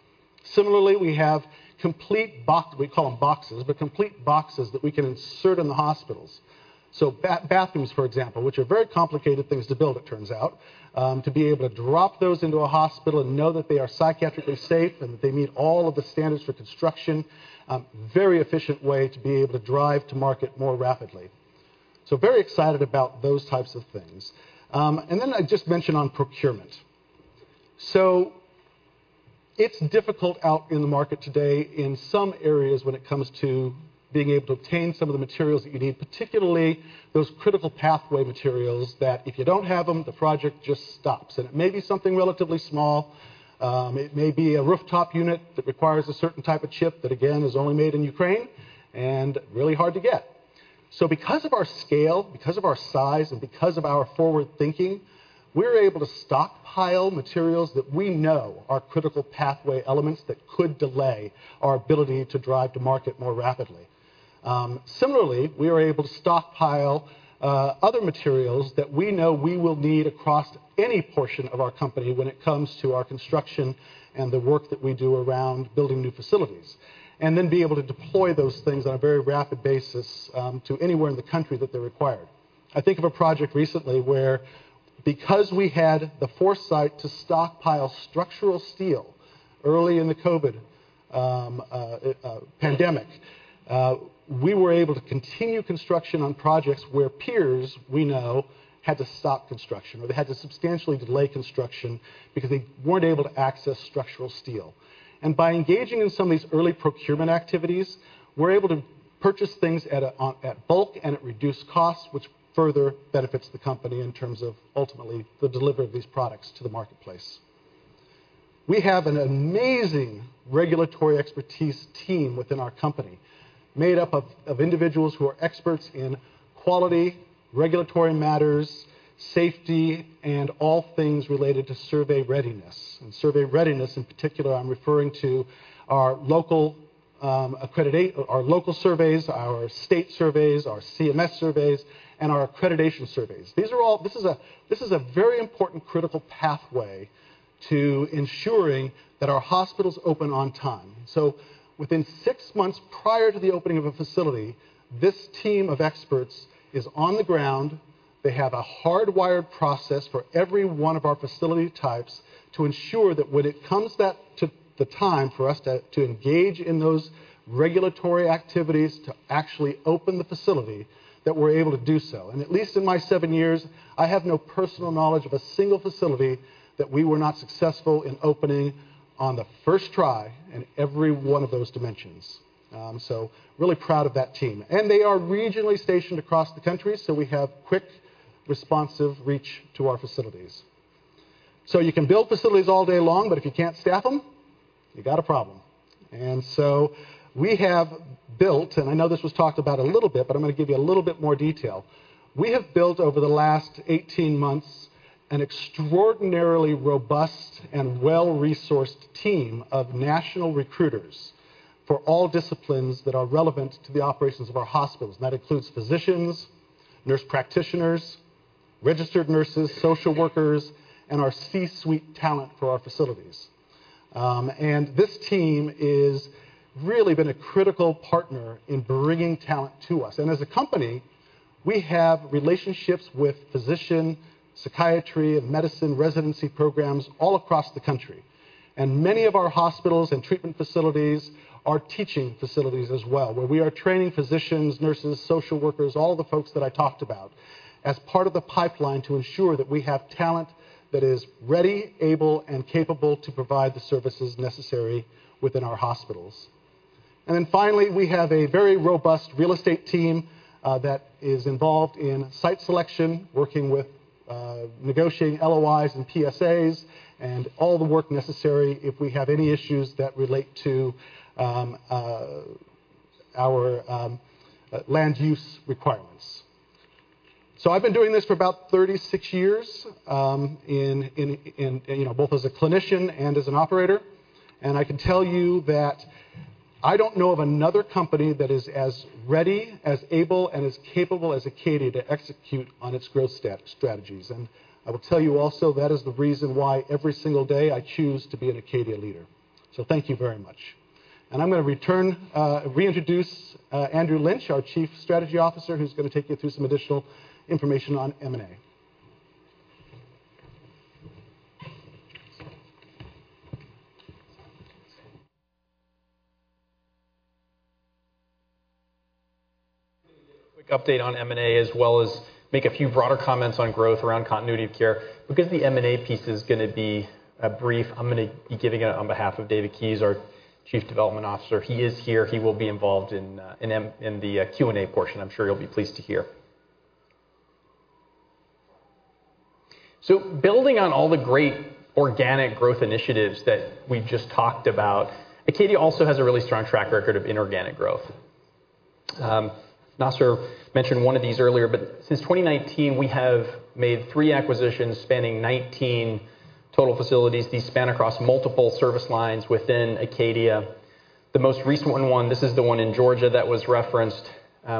Similarly, we have complete boxes, but complete boxes that we can insert in the hospitals. Bathrooms, for example, which are very complicated things to build, it turns out, to be able to drop those into a hospital and know that they are psychiatrically safe and they meet all of the standards for construction, very efficient way to be able to drive to market more rapidly. Very excited about those types of things. I just mentioned on procurement. It's difficult out in the market today in some areas when it comes to being able to obtain some of the materials that you need, particularly those critical pathway materials that if you don't have them, the project just stops. It may be something relatively small. It may be a rooftop unit that requires a certain type of chip that again is only made in Ukraine and really hard to get. Because of our scale, because of our size, and because of our forward-thinking, we're able to stockpile materials that we know are critical pathway elements that could delay our ability to drive to market more rapidly. Similarly, we are able to stockpile, other materials that we know we will need across any portion of our company when it comes to our construction and the work that we do around building new facilities, and then be able to deploy those things on a very rapid basis, to anywhere in the country that they're required. I think of a project recently where because we had the foresight to stockpile structural steel early in the COVID pandemic, we were able to continue construction on projects where peers we know had to stop construction or they had to substantially delay construction because they weren't able to access structural steel. By engaging in some of these early procurement activities, we're able to purchase things at bulk and at reduced costs, which further benefits the company in terms of ultimately the delivery of these products to the marketplace. We have an amazing regulatory expertise team within our company made up of individuals who are experts in quality, regulatory matters, safety, and all things related to survey readiness. Survey readiness in particular, I'm referring to our local surveys, our state surveys, our CMS surveys, and our accreditation surveys. This is a very important critical pathway to ensuring that our hospitals open on time. Within 6 months prior to the opening of a facility, this team of experts is on the ground. They have a hardwired process for every one of our facility types to ensure that when it comes to the time for us to engage in those regulatory activities to actually open the facility, that we're able to do so. At least in my seven years, I have no personal knowledge of a single facility that we were not successful in opening on the first try in every one of those dimensions. Really proud of that team. They are regionally stationed across the country, so we have quick, responsive reach to our facilities. You can build facilities all day long, but if you can't staff them, you got a problem. We have built, and I know this was talked about a little bit, but I'm gonna give you a little bit more detail. We have built over the last 18 months an extraordinarily robust and well-resourced team of national recruiters for all disciplines that are relevant to the operations of our hospitals. That includes physicians, nurse practitioners, registered nurses, social workers, and our C-suite talent for our facilities. This team is really been a critical partner in bringing talent to us. As a company, we have relationships with physician, psychiatry, and medicine residency programs all across the country. Many of our hospitals and treatment facilities are teaching facilities as well, where we are training physicians, nurses, social workers, all the folks that I talked about, as part of the pipeline to ensure that we have talent that is ready, able, and capable to provide the services necessary within our hospitals. Finally, we have a very robust real estate team that is involved in site selection, working with negotiating LOIs and PSAs and all the work necessary if we have any issues that relate to our land use requirements. I've been doing this for about 36 years, in, you know, both as a clinician and as an operator, and I can tell you that I don't know of another company that is as ready, as able, and as capable as Acadia to execute on its growth strategies. I will tell you also, that is the reason why every single day I choose to be an Acadia leader. Thank you very much. I'm gonna return, reintroduce Andrew Lynch, our Chief Strategy Officer, who's gonna take you through some additional information on M&A. Three quick update on M&A as well as make a few broader comments on growth around continuity of care. Because the M&A piece is gonna be brief, I'm gonna be giving it on behalf of David Keys, our Chief Development Officer. He is here, he will be involved in the Q&A portion, I'm sure you'll be pleased to hear. Building on all the great organic growth initiatives that we've just talked about, Acadia also has a really strong track record of inorganic growth. Nasr mentioned one of these earlier, since 2019 we have made three acquisitions spanning 19 total facilities. These span across multiple service lines within Acadia. The most recent one, this is the one in Georgia that was referenced.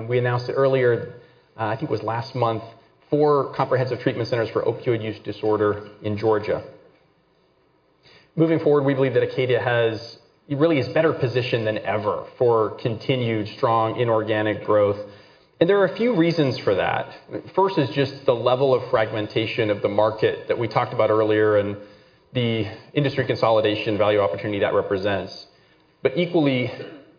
We announced it earlier, I think it was last month, four comprehensive treatment centers for opioid use disorder in Georgia. Moving forward, we believe that Acadia is better positioned than ever for continued strong inorganic growth. There are a few reasons for that. First is just the level of fragmentation of the market that we talked about earlier and the industry consolidation value opportunity that represents. Equally,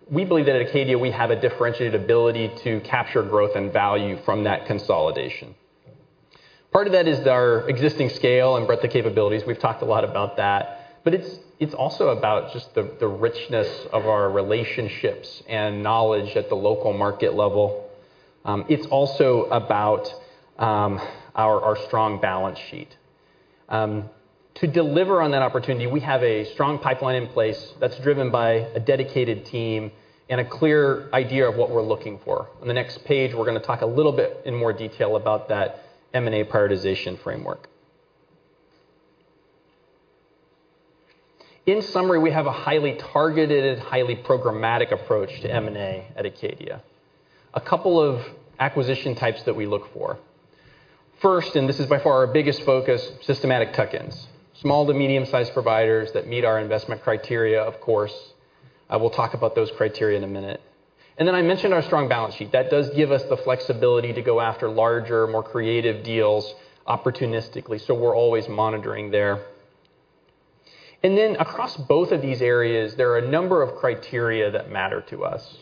we believe that at Acadia we have a differentiated ability to capture growth and value from that consolidation. Part of that is our existing scale and breadth of capabilities. We've talked a lot about that, but it's also about just the richness of our relationships and knowledge at the local market level. It's also about our strong balance sheet. To deliver on that opportunity, we have a strong pipeline in place that's driven by a dedicated team and a clear idea of what we're looking for. On the next page, we're gonna talk a little bit in more detail about that M&A prioritization framework. In summary, we have a highly targeted, highly programmatic approach to M&A at Acadia. A couple of acquisition types that we look for. First, and this is by far our biggest focus, systematic tuck-ins. Small to medium-sized providers that meet our investment criteria, of course. I will talk about those criteria in a minute. I mentioned our strong balance sheet. That does give us the flexibility to go after larger, more creative deals opportunistically, so we're always monitoring there. Across both of these areas, there are a number of criteria that matter to us.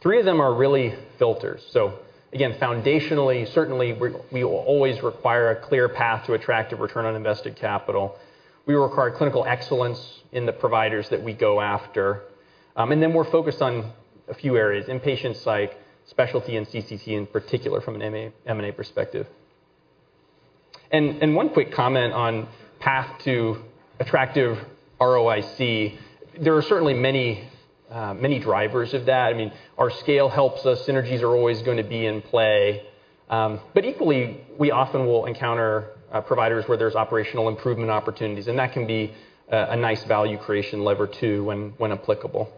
Three of them are really filters. Again, foundationally, certainly we will always require a clear path to attractive return on invested capital. We require clinical excellence in the providers that we go after. Then we're focused on a few areas, inpatient psych, specialty, and CTC in particular from an M&A perspective. One quick comment on path to attractive ROIC. There are certainly many drivers of that. I mean, our scale helps us. Synergies are always gonna be in play. But equally, we often will encounter providers where there's operational improvement opportunities, and that can be a nice value creation lever too when applicable.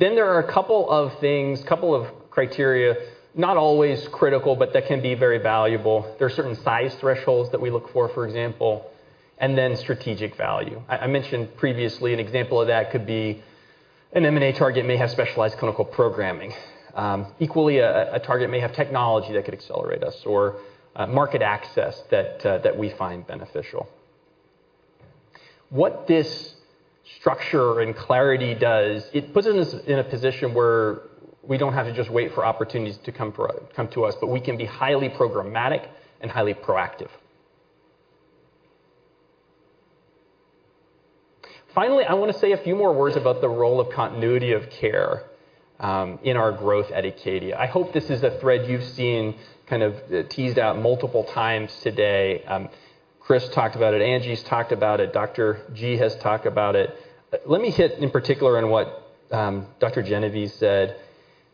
There are a couple of things, couple of criteria, not always critical, but that can be very valuable. There are certain size thresholds that we look for example, and then strategic value. I mentioned previously an example of that could be an M&A target may have specialized clinical programming. Equally a target may have technology that could accelerate us or market access that we find beneficial. What this structure and clarity does, it puts us in a position where we don't have to just wait for opportunities to come to us, but we can be highly programmatic and highly proactive. Finally, I wanna say a few more words about the role of continuity of care in our growth at Acadia. I hope this is a thread you've seen kind of teased out multiple times today. Chris talked about it, Angie's talked about it, Dr. G. has talked about it. Let me hit in particular on what Dr. Genovese said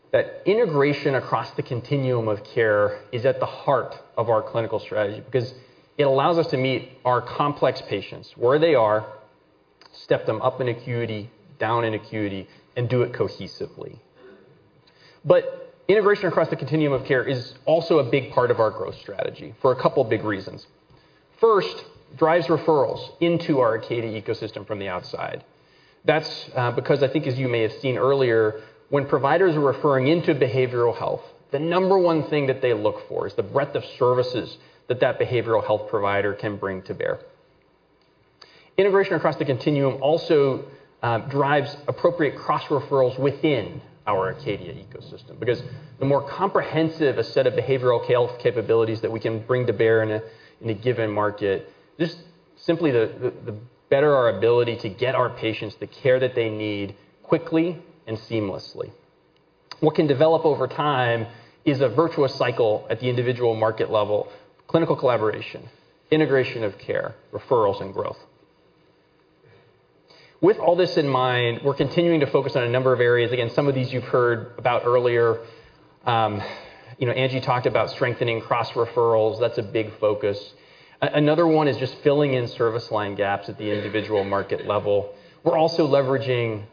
that integration across the continuum of care is at the heart of our clinical strategy because it allows us to meet our complex patients where they are, step them up in acuity, down in acuity, and do it cohesively. Integration across the continuum of care is also a big part of our growth strategy for two big reasons. First, drives referrals into our Acadia ecosystem from the outside. That's because I think as you may have seen earlier, when providers are referring into behavioral health, the number one thing that they look for is the breadth of services that that behavioral health provider can bring to bear. Integration across the continuum also drives appropriate cross-referrals within our Acadia ecosystem, because the more comprehensive a set of behavioral health capabilities that we can bring to bear in a given market, Simply the better our ability to get our patients the care that they need quickly and seamlessly. What can develop over time is a virtuous cycle at the individual market level, clinical collaboration, integration of care, referrals, and growth. With all this in mind, we're continuing to focus on a number of areas. Again, some of these you've heard about earlier. You know, Angie talked about strengthening cross-referrals. That's a big focus. Another one is just filling in service line gaps at the individual market level. We're also leveraging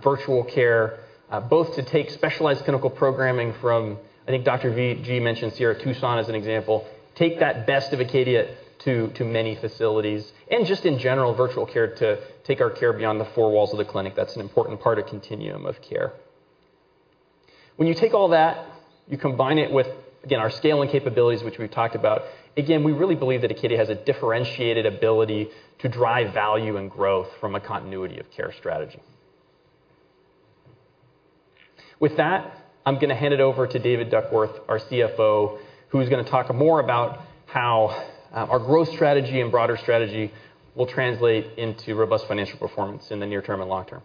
virtual care, both to take specialized clinical programming from, I think Dr. V-Gi mentioned Sierra Tucson as an example, take that best of Acadia to many facilities, and just in general virtual care to take our care beyond the four walls of the clinic. That's an important part of continuum of care. When you take all that, you combine it with, again, our scaling capabilities, which we've talked about, again, we really believe that Acadia has a differentiated ability to drive value and growth from a continuity of care strategy. With that, I'm gonna hand it over to David Duckworth, our CFO, who's gonna talk more about how our growth strategy and broader strategy will translate into robust financial performance in the near term and long term.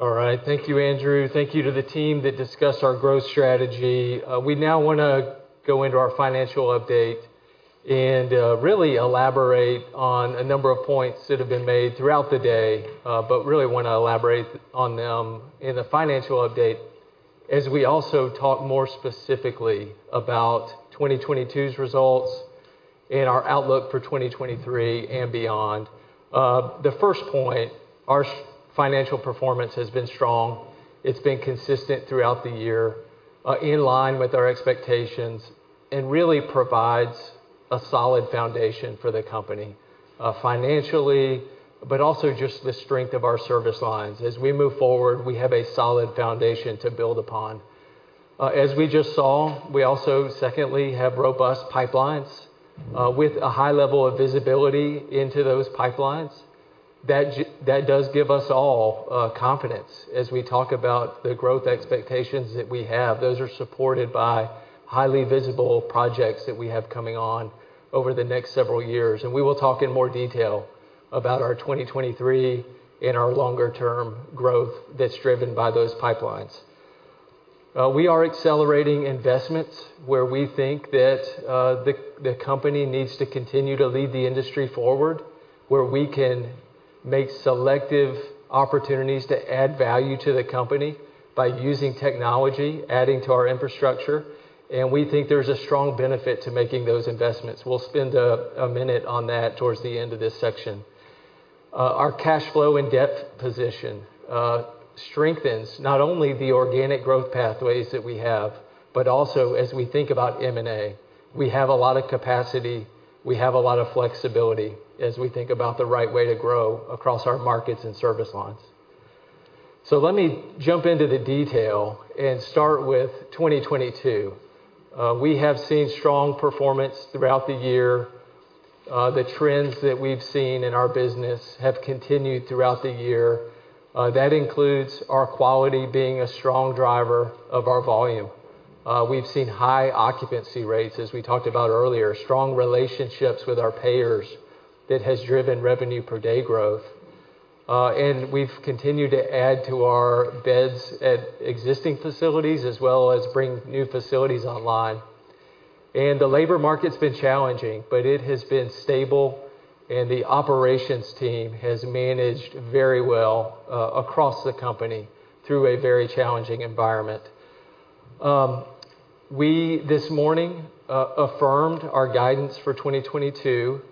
All right. Thank you, Andrew. Thank you to the team that discussed our growth strategy. We now wanna go into our financial update and really elaborate on a number of points that have been made throughout the day, but really wanna elaborate on them in the financial update as we also talk more specifically about 2022's results and our outlook for 2023 and beyond. The first point, our financial performance has been strong. It's been consistent throughout the year, in line with our expectations, and really provides a solid foundation for the company, financially, but also just the strength of our service lines. As we move forward, we have a solid foundation to build upon. As we just saw, we also secondly have robust pipelines, with a high level of visibility into those pipelines. That does give us all confidence as we talk about the growth expectations that we have. Those are supported by highly visible projects that we have coming on over the next several years. We will talk in more detail about our 2023 and our longer term growth that's driven by those pipelines. We are accelerating investments where we think that the company needs to continue to lead the industry forward, where we can make selective opportunities to add value to the company by using technology, adding to our infrastructure. We think there's a strong benefit to making those investments. We'll spend a minute on that towards the end of this section. Our cash flow and debt position strengthens not only the organic growth pathways that we have, but also as we think about M&A, we have a lot of capacity, we have a lot of flexibility as we think about the right way to grow across our markets and service lines. Let me jump into the detail and start with 2022. We have seen strong performance throughout the year. The trends that we've seen in our business have continued throughout the year. That includes our quality being a strong driver of our volume. We've seen high occupancy rates, as we talked about earlier, strong relationships with our payers that has driven revenue per day growth. And we've continued to add to our beds at existing facilities as well as bring new facilities online. The labor market's been challenging, but it has been stable, and the operations team has managed very well across the company through a very challenging environment. We this morning affirmed our guidance for 2022,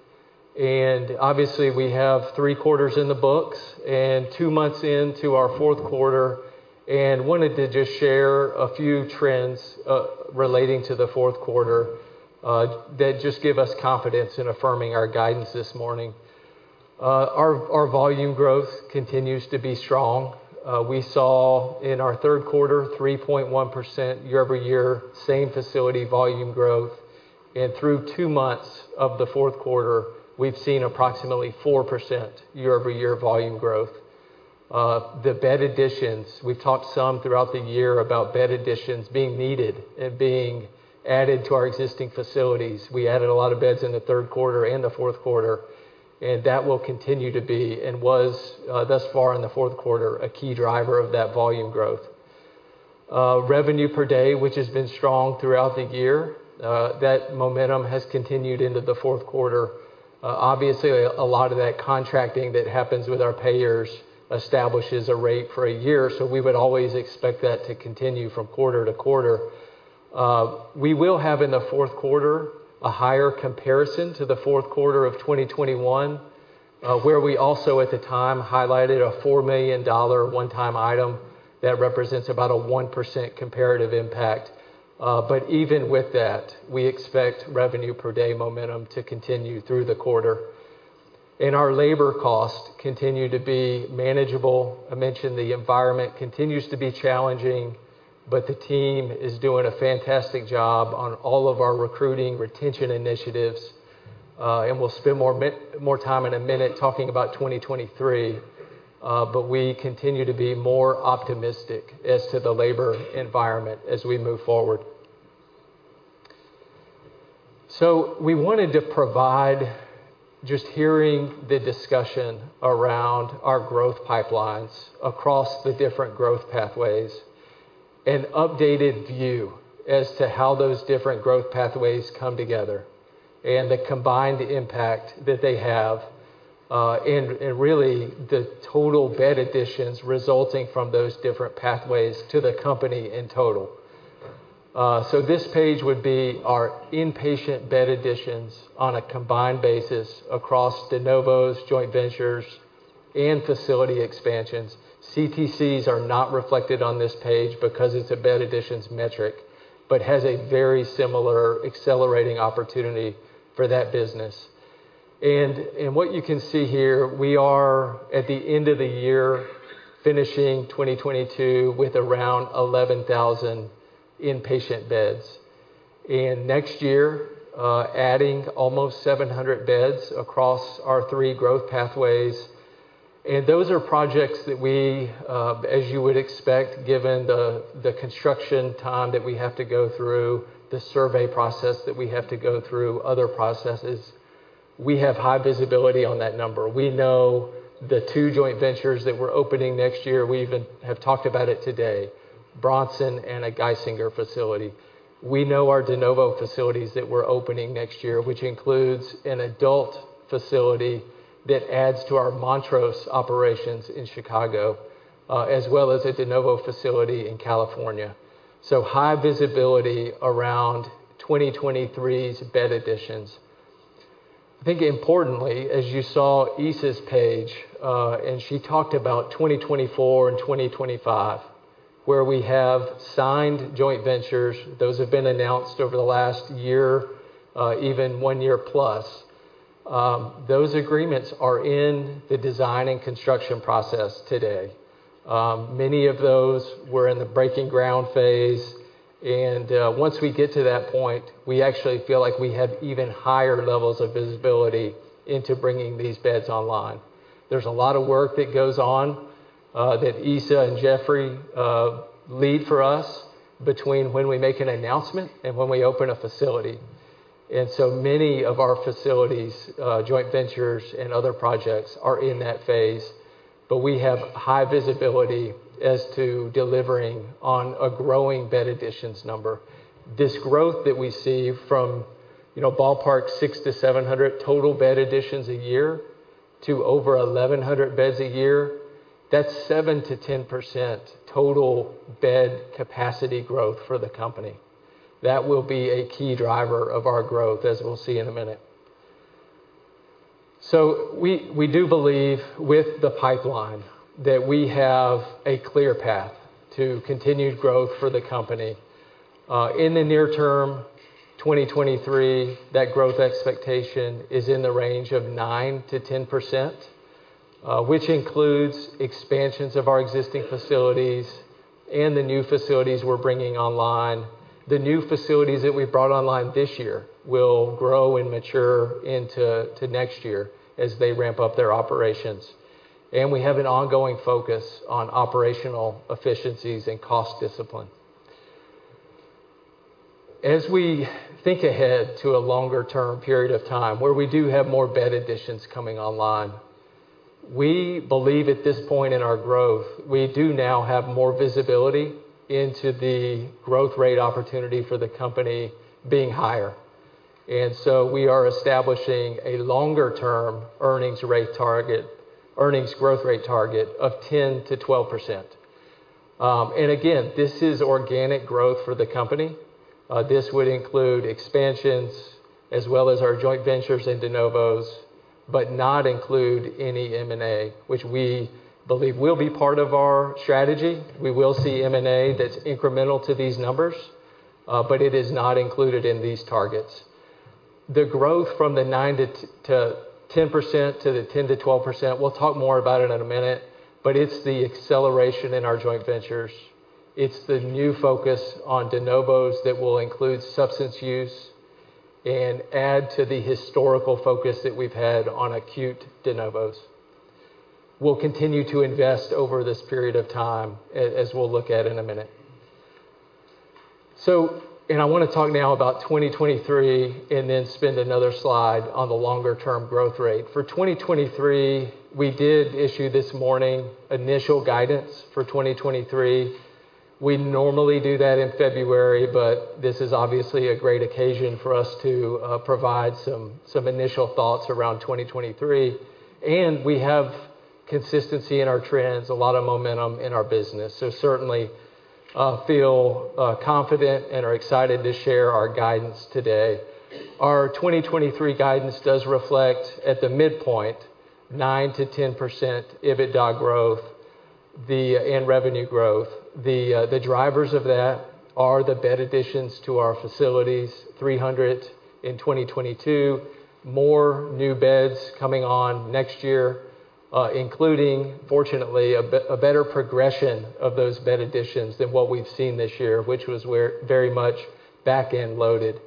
and obviously, we have three quarters in the books and two months into our fourth quarter and wanted to just share a few trends relating to the fourth quarter that just give us confidence in affirming our guidance this morning. Our volume growth continues to be strong. We saw in our third quarter 3.1% year-over-year, same facility volume growth. Through two months of the fourth quarter, we've seen approximately 4% year-over-year volume growth. The bed additions, we've talked some throughout the year about bed additions being needed and being added to our existing facilities. We added a lot of beds in the third quarter and the fourth quarter, and that will continue to be and was thus far in the fourth quarter, a key driver of that volume growth. Revenue per day, which has been strong throughout the year, that momentum has continued into the fourth quarter. Obviously, a lot of that contracting that happens with our payers establishes a rate for a year, so we would always expect that to continue from quarter to quarter. We will have in the fourth quarter a higher comparison to the fourth quarter of 2021, where we also at the time highlighted a $4 million one-time item that represents about a 1% comparative impact. But even with that, we expect revenue per day momentum to continue through the quarter. Our labor costs continue to be manageable. I mentioned the environment continues to be challenging. The team is doing a fantastic job on all of our recruiting, retention initiatives. We'll spend more time in a minute talking about 2023, but we continue to be more optimistic as to the labor environment as we move forward. We wanted to provide, just hearing the discussion around our growth pipelines across the different growth pathways, an updated view as to how those different growth pathways come together and the combined impact that they have, and really the total bed additions resulting from those different pathways to the company in total. This page would be our inpatient bed additions on a combined basis across de novos, joint ventures, and facility expansions. CTCs are not reflected on this page because it's a bed additions metric, but has a very similar accelerating opportunity for that business. What you can see here, we are at the end of the year finishing 2022 with around 11,000 inpatient beds. Next year, adding almost 700 beds across our three growth pathways. Those are projects that we, as you would expect, given the construction time that we have to go through, the survey process that we have to go through, other processes, we have high visibility on that number. We know the two joint ventures that we're opening next year. We even have talked about it today, Bronson and a Geisinger facility. We know our de novo facilities that we're opening next year, which includes an adult facility that adds to our Montrose operations in Chicago, as well as a de novo facility in California. High visibility around 2023's bed additions. I think importantly, as you saw Isa's page, and she talked about 2024 and 2025, where we have signed joint ventures. Those have been announced over the last year, even one year plus. Those agreements are in the design and construction process today. Many of those were in the breaking ground phase, and once we get to that point, we actually feel like we have even higher levels of visibility into bringing these beds online. There's a lot of work that goes on that Isa and Jeffrey lead for us between when we make an announcement and when we open a facility. Many of our facilities, joint ventures and other projects are in that phase, but we have high visibility as to delivering on a growing bed additions number. This growth that we see from, you know, ballpark 600-700 total bed additions a year to over 1,100 beds a year, that's 7%-10% total bed capacity growth for the company. That will be a key driver of our growth, as we'll see in a minute. We do believe with the pipeline that we have a clear path to continued growth for the company. In the near term, 2023, that growth expectation is in the range of 9%-10%, which includes expansions of our existing facilities and the new facilities we're bringing online. The new facilities that we brought online this year will grow and mature into to next year as they ramp up their operations. We have an ongoing focus on operational efficiencies and cost discipline. As we think ahead to a longer term period of time where we do have more bed additions coming online, we believe at this point in our growth, we do now have more visibility into the growth rate opportunity for the company being higher. We are establishing a longer term earnings growth rate target of 10%-12%. Again, this is organic growth for the company. This would include expansions as well as our joint ventures and de novos, but not include any M&A, which we believe will be part of our strategy. We will see M&A that's incremental to these numbers, but it is not included in these targets. The growth from the 9%-10% to the 10%-12%, we'll talk more about it in a minute, but it's the acceleration in our joint ventures. It's the new focus on de novos that will include substance use and add to the historical focus that we've had on acute de novos. We'll continue to invest over this period of time as we'll look at in a minute. I wanna talk now about 2023 and then spend another slide on the longer term growth rate. For 2023, we did issue this morning initial guidance for 2023. We normally do that in February, this is obviously a great occasion for us to provide some initial thoughts around 2023. We have consistency in our trends, a lot of momentum in our business. Certainly, feel confident and are excited to share our guidance today. Our 2023 guidance does reflect at the midpoint 9%-10% EBITDA growth, and revenue growth. The drivers of that are the bed additions to our facilities, 300 in 2022. More new beds coming on next year. Including, fortunately, a better progression of those bed additions than what we've seen this year, which was we're very much back-end loaded.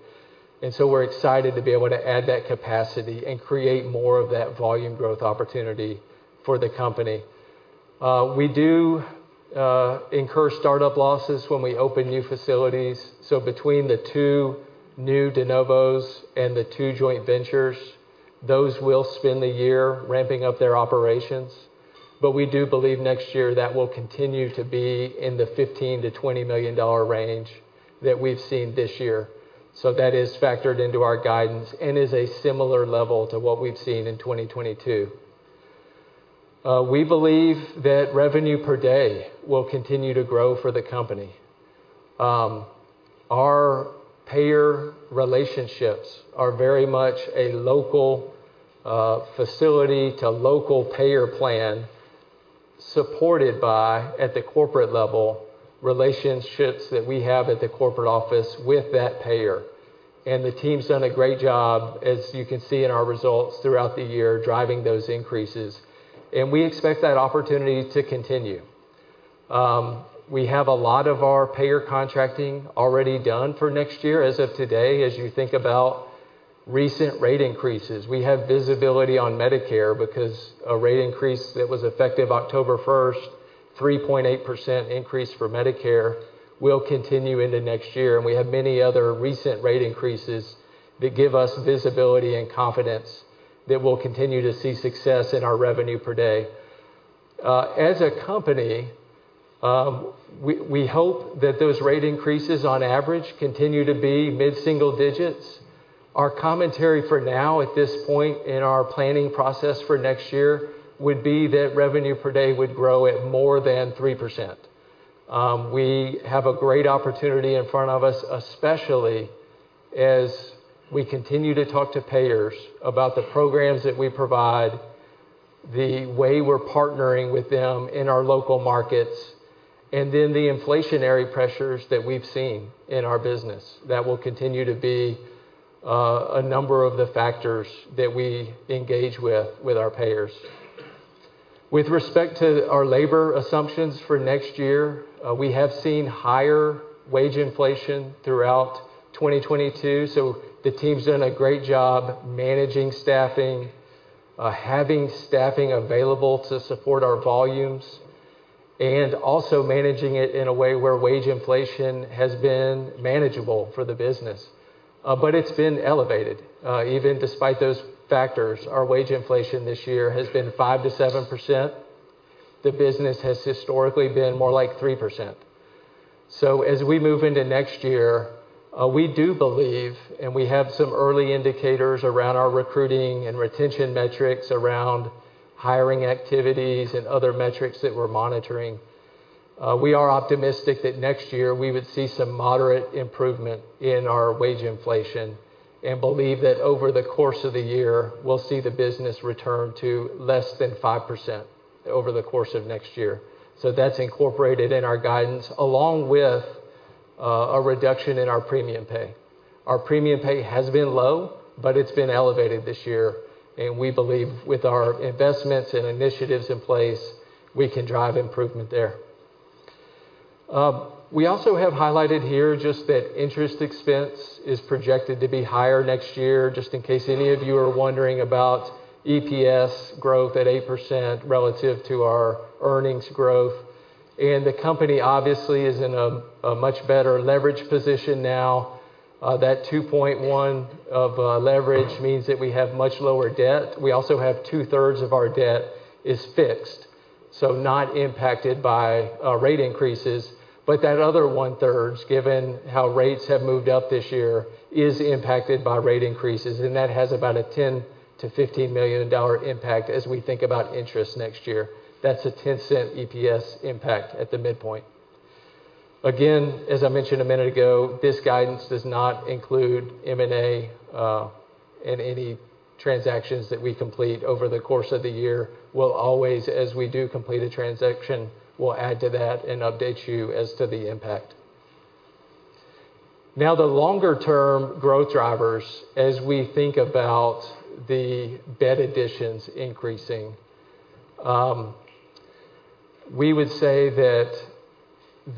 We're excited to be able to add that capacity and create more of that volume growth opportunity for the company. We do incur startup losses when we open new facilities. Between the two new de novos and the two joint ventures, those will spend the year ramping up their operations. We do believe next year that will continue to be in the $15 million-$20 million range that we've seen this year. That is factored into our guidance and is a similar level to what we've seen in 2022. We believe that revenue per day will continue to grow for the company. Our payer relationships are very much a local facility to local payer plan supported by, at the corporate level, relationships that we have at the corporate office with that payer. The team's done a great job, as you can see in our results throughout the year, driving those increases, and we expect that opportunity to continue. We have a lot of our payer contracting already done for next year as of today. As you think about recent rate increases, we have visibility on Medicare because a rate increase that was effective October 1st, 3.8% increase for Medicare, will continue into next year. We have many other recent rate increases that give us visibility and confidence that we'll continue to see success in our revenue per day. As a company, we hope that those rate increases on average continue to be mid-single digits. Our commentary for now at this point in our planning process for next year would be that revenue per day would grow at more than 3%. We have a great opportunity in front of us, especially as we continue to talk to payers about the programs that we provide, the way we're partnering with them in our local markets, and then the inflationary pressures that we've seen in our business that will continue to be a number of the factors that we engage with with our payers. With respect to our labor assumptions for next year, we have seen higher wage inflation throughout 2022. The team's done a great job managing staffing, having staffing available to support our volumes, and also managing it in a way where wage inflation has been manageable for the business. But it's been elevated. Even despite those factors, our wage inflation this year has been 5%-7%. The business has historically been more like 3%. As we move into next year, we do believe, and we have some early indicators around our recruiting and retention metrics, around hiring activities and other metrics that we're monitoring. We are optimistic that next year we would see some moderate improvement in our wage inflation and believe that over the course of the year, we'll see the business return to less than 5% over the course of next year. That's incorporated in our guidance along with a reduction in our premium pay. Our premium pay has been low, but it's been elevated this year, and we believe with our investments and initiatives in place, we can drive improvement there. We also have highlighted here just that interest expense is projected to be higher next year, just in case any of you are wondering about EPS growth at 8% relative to our earnings growth. The company obviously is in a much better leverage position now. That 2.1 of leverage means that we have much lower debt. We also have two-thirds of our debt is fixed, so not impacted by rate increases. That other one-thirds, given how rates have moved up this year, is impacted by rate increases, and that has about a $10 million-$15 million impact as we think about interest next year. That's a $0.10 EPS impact at the midpoint. Again, as I mentioned a minute ago, this guidance does not include M&A and any transactions that we complete over the course of the year. We'll always, as we do complete a transaction, we'll add to that and update you as to the impact. The longer-term growth drivers, as we think about the bed additions increasing, we would say that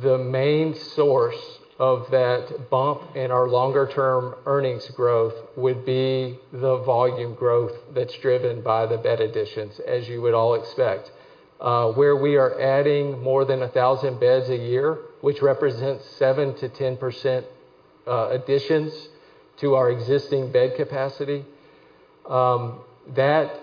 the main source of that bump in our longer-term earnings growth would be the volume growth that's driven by the bed additions, as you would all expect. Where we are adding more than 1,000 beds a year, which represents 7%-10% additions to our existing bed capacity, that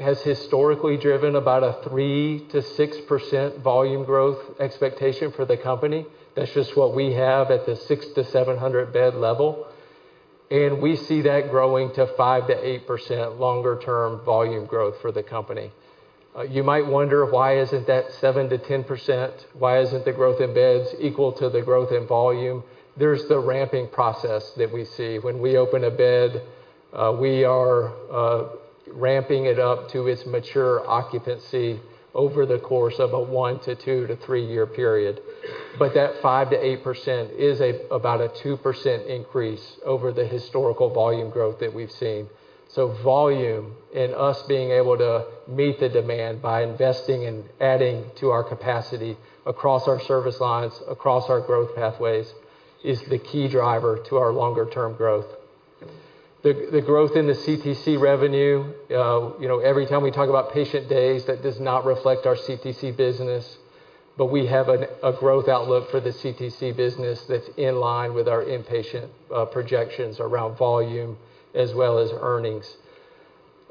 has historically driven about a 3%-6% volume growth expectation for the company. That's just what we have at the 600-700 bed level. We see that growing to 5%-8% longer-term volume growth for the company. You might wonder, why isn't that 7%-10%? Why isn't the growth in beds equal to the growth in volume? There's the ramping process that we see. When we open a bed, we are ramping it up to its mature occupancy over the course of a one-two to three-year period. That 5%-8% is about a 2% increase over the historical volume growth that we've seen. Volume and us being able to meet the demand by investing and adding to our capacity across our service lines, across our growth pathways, is the key driver to our longer term growth. The growth in the CTC revenue, you know, every time we talk about patient days, that does not reflect our CTC business, but we have a growth outlook for the CTC business that's in line with our inpatient projections around volume as well as earnings.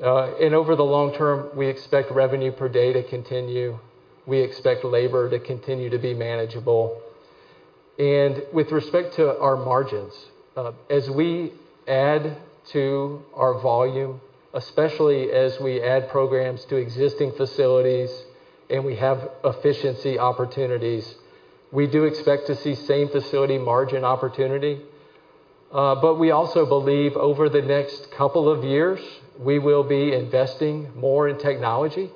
Over the long term, we expect revenue per day to continue. We expect labor to continue to be manageable. With respect to our margins, as we add to our volume, especially as we add programs to existing facilities and we have efficiency opportunities, we do expect to see same facility margin opportunity. We also believe over the next couple of years, we will be investing more in technology,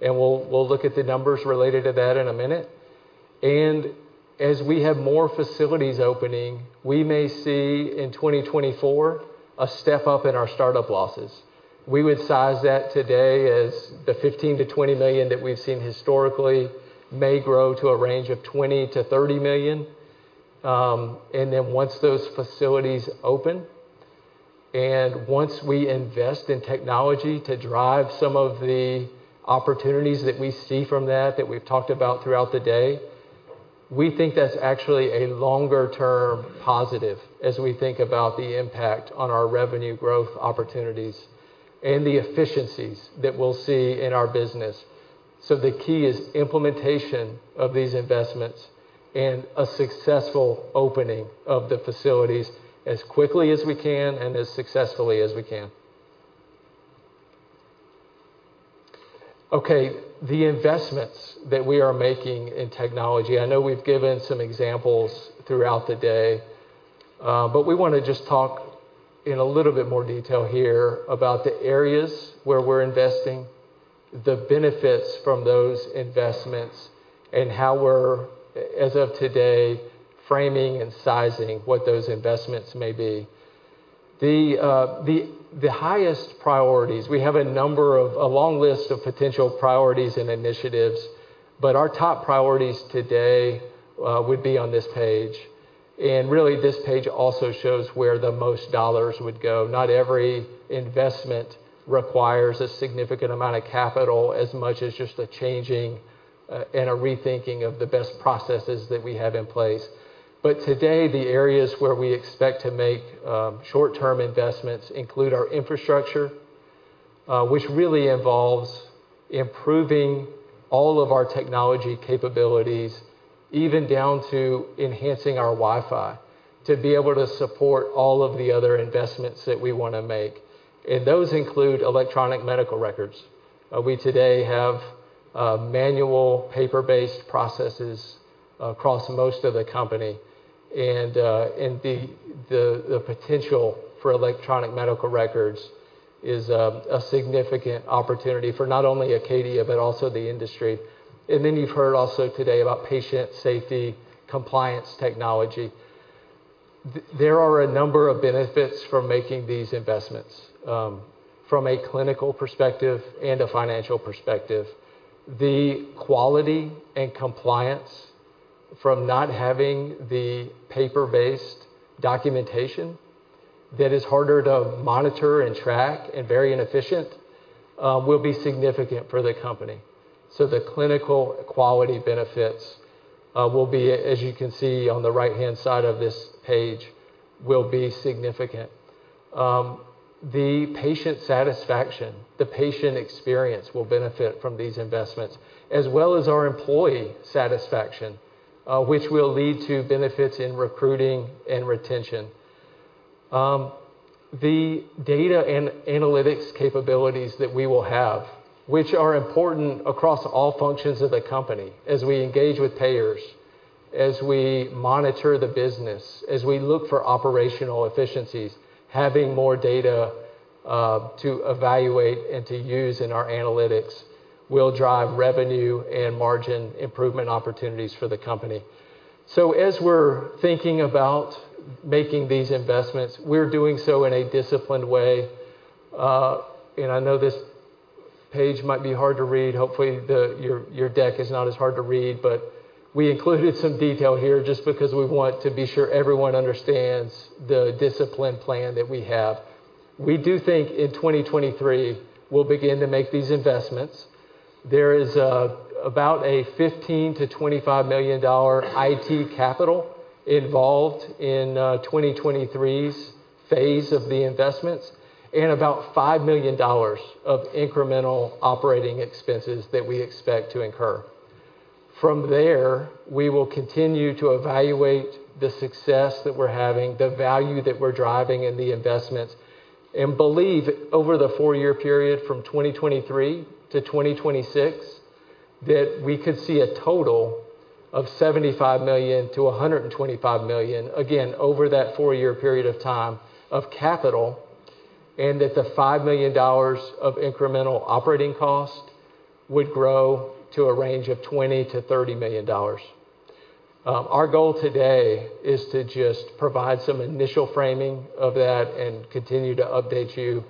and we'll look at the numbers related to that in a minute. As we have more facilities opening, we may see in 2024 a step up in our startup losses. We would size that today as the $15 million-$20 million that we've seen historically may grow to a range of $20 million-$30 million. Once those facilities open, once we invest in technology to drive some of the opportunities that we see from that we've talked about throughout the day, we think that's actually a longer term positive as we think about the impact on our revenue growth opportunities and the efficiencies that we'll see in our business. The key is implementation of these investments and a successful opening of the facilities as quickly as we can and as successfully as we can. Okay. The investments that we are making in technology, I know we've given some examples throughout the day, we wanna just talk in a little bit more detail here about the areas where we're investing, the benefits from those investments, and how we're as of today, framing and sizing what those investments may be. The highest priorities, we have a long list of potential priorities and initiatives, but our top priorities today would be on this page. Really, this page also shows where the most dollars would go. Not every investment requires a significant amount of capital as much as just a changing and a rethinking of the best processes that we have in place. Today, the areas where we expect to make short-term investments include our infrastructure, which really involves improving all of our technology capabilities, even down to enhancing our Wi-Fi, to be able to support all of the other investments that we wanna make. Those include Electronic Medical Records. We today have manual paper-based processes across most of the company. The potential for Electronic Medical Records is a significant opportunity for not only Acadia but also the industry. You've heard also today about patient safety compliance technology. There are a number of benefits from making these investments from a clinical perspective and a financial perspective. The quality and compliance from not having the paper-based documentation that is harder to monitor and track and very inefficient will be significant for the company. The clinical quality benefits, as you can see on the right-hand side of this page, will be significant. The patient satisfaction, the patient experience will benefit from these investments, as well as our employee satisfaction, which will lead to benefits in recruiting and retention. The data analytics capabilities that we will have, which are important across all functions of the company as we engage with payers, as we monitor the business, as we look for operational efficiencies, having more data to evaluate and to use in our analytics will drive revenue and margin improvement opportunities for the company. As we're thinking about making these investments, we're doing so in a disciplined way. And I know this page might be hard to read. Hopefully, your deck is not as hard to read, but we included some detail here just because we want to be sure everyone understands the discipline plan that we have. We do think in 2023, we'll begin to make these investments. There is about a $15 million-$25 million IT capital involved in 2023's phase of the investments and about $5 million of incremental operating expenses that we expect to incur. From there, we will continue to evaluate the success that we're having, the value that we're driving, and the investments, and believe over the four-year period from 2023 to 2026, that we could see a total of $75 million-$125 million, again, over that four-year period of time of capital, and that the $5 million of incremental operating cost would grow to a range of $20 million-$30 million. Our goal today is to just provide some initial framing of that and continue to update you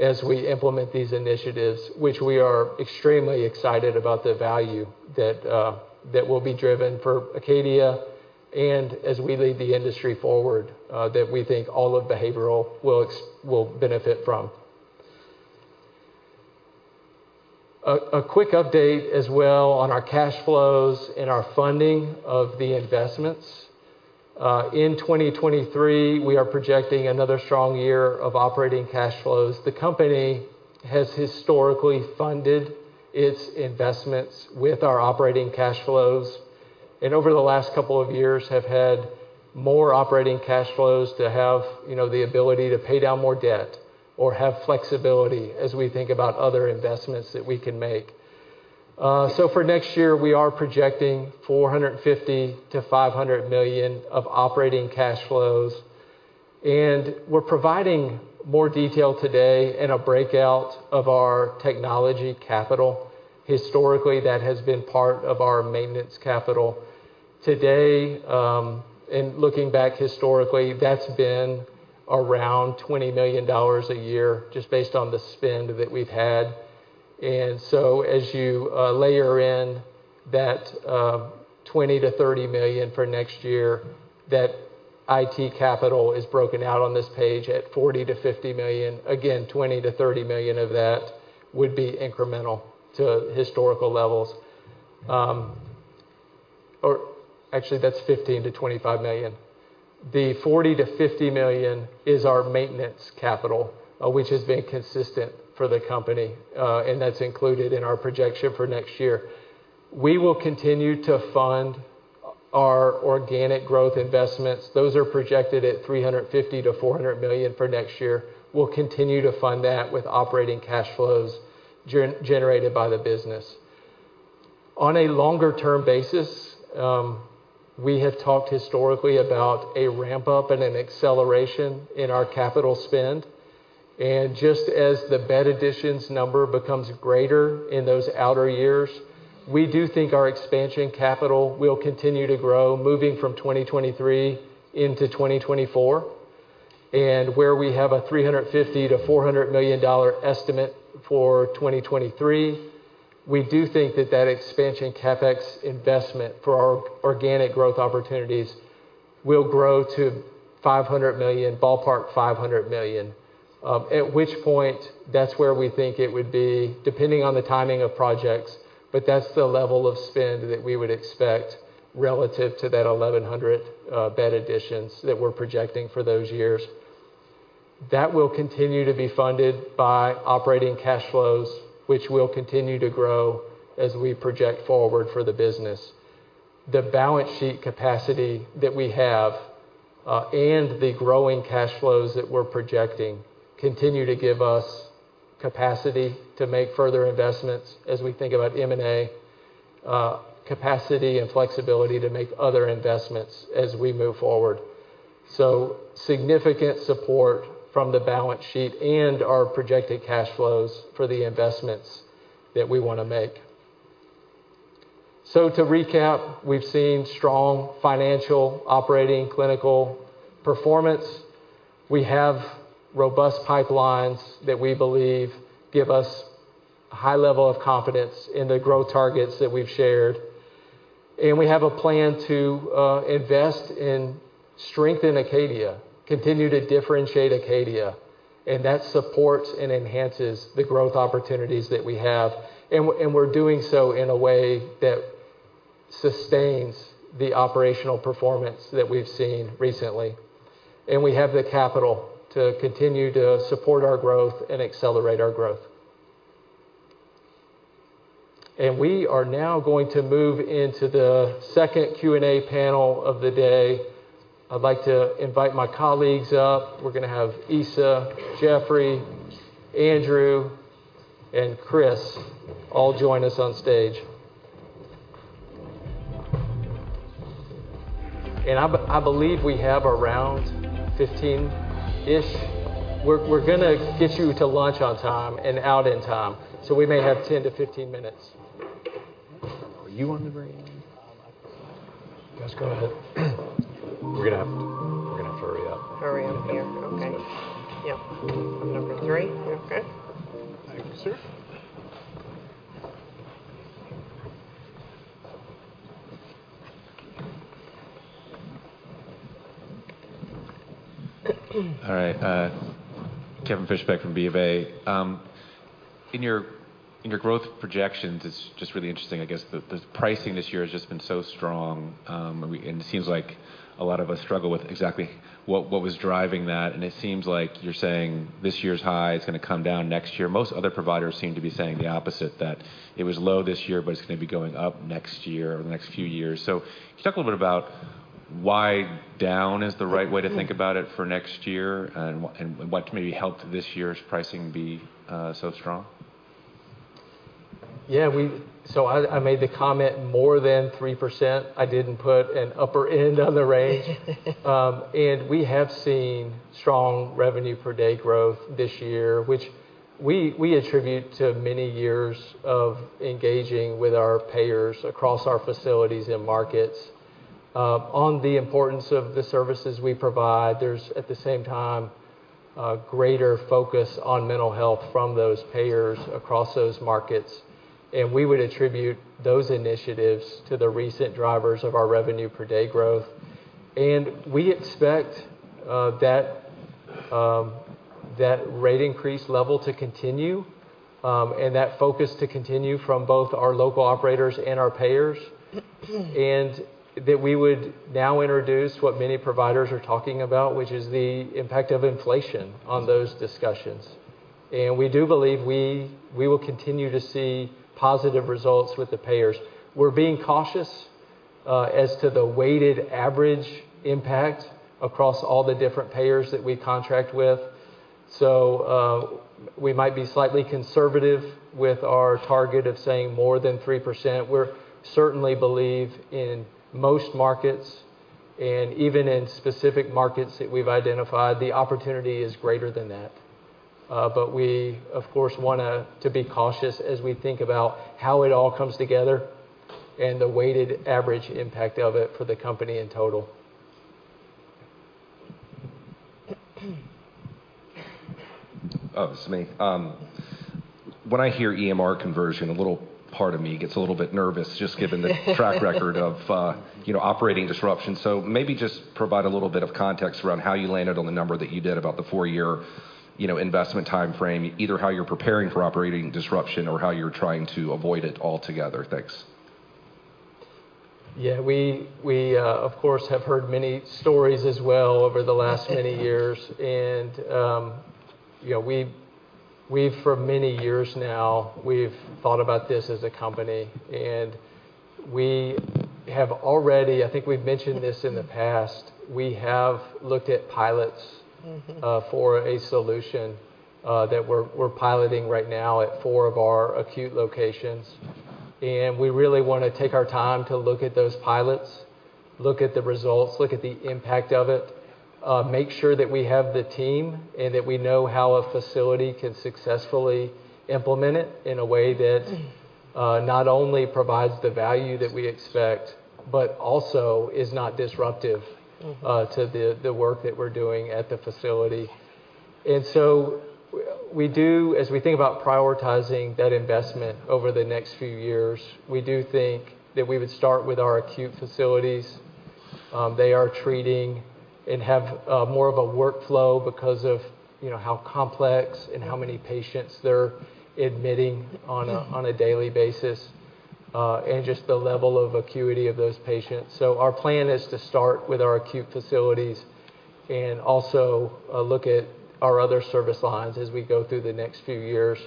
as we implement these initiatives, which we are extremely excited about the value that will be driven for Acadia and as we lead the industry forward, that we think all of behavioral will benefit from. A quick update as well on our cash flows and our funding of the investments. In 2023, we are projecting another strong year of operating cash flows. The company has historically funded its investments with our operating cash flows, and over the last couple of years have had more operating cash flows to have, you know, the ability to pay down more debt or have flexibility as we think about other investments that we can make. For next year, we are projecting $450 million-$500 million of operating cash flows, and we're providing more detail today and a breakout of our technology capital. Historically, that has been part of our maintenance capital. Today, in looking back historically, that's been around $20 million a year just based on the spend that we've had. As you layer in that $20 million-$30 million for next year, that IT capital is broken out on this page at $40 million-$50 million. Again, $20 million-$30 million of that would be incremental to historical levels. Actually, that's $15 million-$25 million. The $40 million-$50 million is our maintenance capital, which has been consistent for the company, and that's included in our projection for next year. We will continue to fund our organic growth investments. Those are projected at $350 million-$400 million for next year. We'll continue to fund that with operating cash flows generated by the business. On a longer-term basis, we have talked historically about a ramp-up and an acceleration in our capital spend. Just as the bed additions number becomes greater in those outer years, we do think our expansion capital will continue to grow moving from 2023 into 2024. Where we have a $350 million-$400 million estimate for 2023, we do think that that expansion CapEx investment for our organic growth opportunities will grow to $500 million, ballpark $500 million. At which point, that's where we think it would be, depending on the timing of projects, but that's the level of spend that we would expect relative to that 1,100 bed additions that we're projecting for those years. That will continue to be funded by operating cash flows, which will continue to grow as we project forward for the business. The balance sheet capacity that we have and the growing cash flows that we're projecting continue to give us capacity to make further investments as we think about M&A capacity and flexibility to make other investments as we move forward. Significant support from the balance sheet and our projected cash flows for the investments that we wanna make. To recap, we've seen strong financial operating clinical performance. We have robust pipelines that we believe give us a high level of confidence in the growth targets that we've shared. We have a plan to invest and strengthen Acadia, continue to differentiate Acadia, and that supports and enhances the growth opportunities that we have. We're doing so in a way that sustains the operational performance that we've seen recently. We have the capital to continue to support our growth and accelerate our growth. We are now going to move into the second Q&A panel of the day. I'd like to invite my colleagues up. We're gonna have Isa, Jeffrey, Andrew, and Chris all join us on stage. I believe we have around 15-ish. We're gonna get you to lunch on time and out in time, so we may have 10-15 minutes. Are you wanting to bring any? Yes, go ahead. We're gonna have to hurry up. Hurry up here. Okay. Yep. Number three. We're good. Thank you, sir. All right, Kevin Fischbeck from BofA. In your growth projections, it's just really interesting, I guess, the pricing this year has just been so strong. It seems like a lot of us struggle with exactly what was driving that. It seems like you're saying this year's high is gonna come down next year. Most other providers seem to be saying the opposite, that it was low this year, but it's gonna be going up next year or the next few years. Can you talk a little bit about? Why down is the right way to think about it for next year, and what maybe helped this year's pricing be so strong? I made the comment more than 3%. I didn't put an upper end on the range. We have seen strong revenue per day growth this year, which we attribute to many years of engaging with our payers across our facilities and markets, on the importance of the services we provide. There's, at the same time, a greater focus on mental health from those payers across those markets, and we would attribute those initiatives to the recent drivers of our revenue per day growth. We expect that rate increase level to continue, and that focus to continue from both our local operators and our payers. That we would now introduce what many providers are talking about, which is the impact of inflation on those discussions. We do believe we will continue to see positive results with the payers. We're being cautious as to the weighted average impact across all the different payers that we contract with. We might be slightly conservative with our target of saying more than 3%. We certainly believe in most markets and even in specific markets that we've identified, the opportunity is greater than that. We, of course, want to be cautious as we think about how it all comes together and the weighted average impact of it for the company in total. It's me. When I hear EMR conversion, a little part of me gets a little bit nervous just given the track record of, you know, operating disruptions. Maybe just provide a little bit of context around how you landed on the number that you did about the four-year, you know, investment timeframe, either how you're preparing for operating disruption or how you're trying to avoid it altogether. Thanks. Yeah. We, of course, have heard many stories as well over the last many years. You know, we've for many years now, we've thought about this as a company. I think we've mentioned this in the past. We have looked at pilots. Mm-hmm ...for a solution that we're piloting right now at four of our acute locations. We really wanna take our time to look at those pilots, look at the results, look at the impact of it, make sure that we have the team, and that we know how a facility can successfully implement it in a way that not only provides the value that we expect, but also is not disruptive. Mm-hmm ...to the work that we're doing at the facility. As we think about prioritizing that investment over the next few years, we do think that we would start with our acute facilities. They are treating and have more of a workflow because of, you know, how complex and how many patients they're admitting on a daily basis, and just the level of acuity of those patients. Our plan is to start with our acute facilities and also look at our other service lines as we go through the next few years.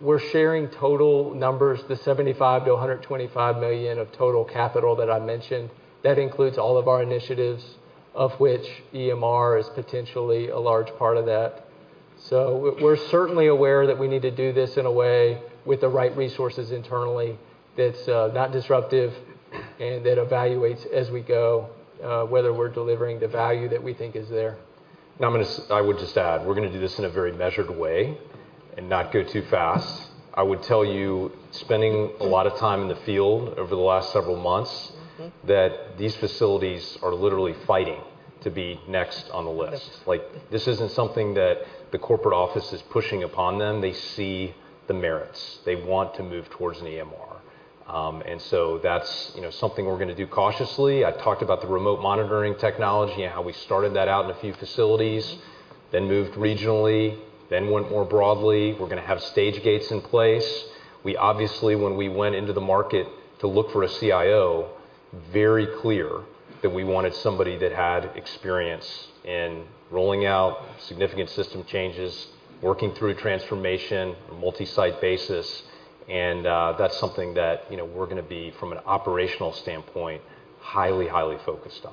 We're sharing total numbers, the $75 million-$125 million of total capital that I mentioned. That includes all of our initiatives, of which EMR is potentially a large part of that. We're certainly aware that we need to do this in a way with the right resources internally that's not disruptive and that evaluates as we go, whether we're delivering the value that we think is there. I would just add, we're gonna do this in a very measured way and not go too fast. I would tell you, spending a lot of time in the field over the last several months. Mm-hmm ...that these facilities are literally fighting to be next on the list. Like, this isn't something that the corporate office is pushing upon them. They see the merits. They want to move towards an EMR. That's, you know, something we're gonna do cautiously. I talked about the remote monitoring technology and how we started that out in a few facilities. Mm-hmm ...then moved regionally, then went more broadly. We're gonna have stage gates in place. We obviously, when we went into the market to look for a CIO, very clear that we wanted somebody that had experience in rolling out significant system changes, working through transformation on a multi-site basis, and that's something that, you know, we're gonna be, from an operational standpoint, highly focused on.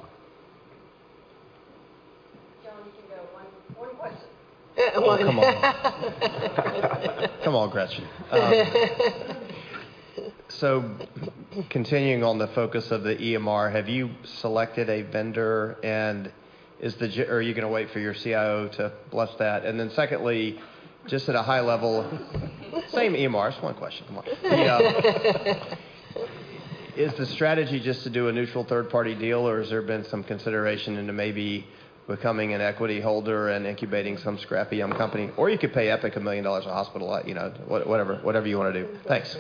John, you can go one question. Come on. Come on, Gretchen. Continuing on the focus of the EMR, have you selected a vendor? Are you gonna wait for your CIO to bless that? Secondly, just at a high level. Same EMR. It's one question. Come on. Yeah. Is the strategy just to do a neutral third party deal, or has there been some consideration into maybe becoming an equity holder and incubating some scrappy young company? You could pay Epic $1 million a hospital, you know, what ever you wanna do. Thanks.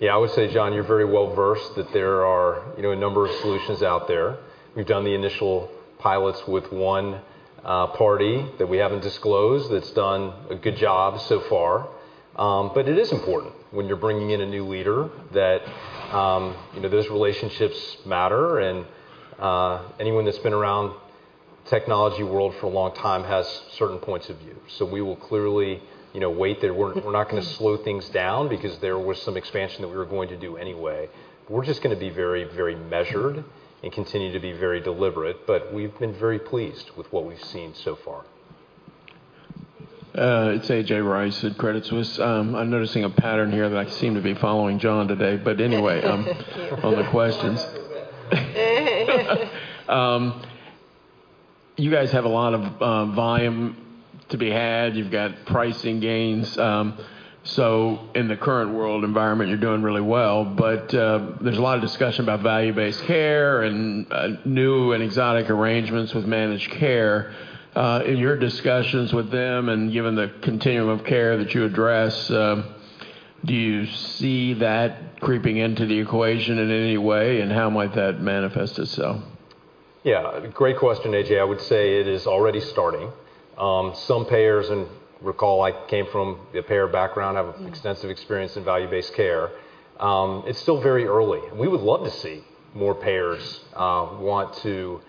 Yeah. I would say, John, you're very well versed that there are, you know, a number of solutions out there. We've done the initial pilots with one party that we haven't disclosed, that's done a good job so far. But it is important when you're bringing in a new leader that, you know, those relationships matter. Anyone that's been around technology world for a long time has certain points of view. We will clearly, you know, wait there. We're not gonna slow things down because there was some expansion that we were going to do anyway. We're just gonna be very, very measured and continue to be very deliberate, but we've been very pleased with what we've seen so far. It's A.J. Rice at Credit Suisse. I'm noticing a pattern here that I seem to be following John today. Anyway, on the questions. You guys have a lot of volume to be had. You've got pricing gains. In the current world environment, you're doing really well. There's a lot of discussion about value-based care and new and exotic arrangements with managed care. In your discussions with them and given the continuum of care that you address, do you see that creeping into the equation in any way? How might that manifest itself? Great question, A.J. I would say it is already starting. Some payers, recall I came from a payer background, I have extensive experience in value-based care. It's still very early. We would love to see more payers want to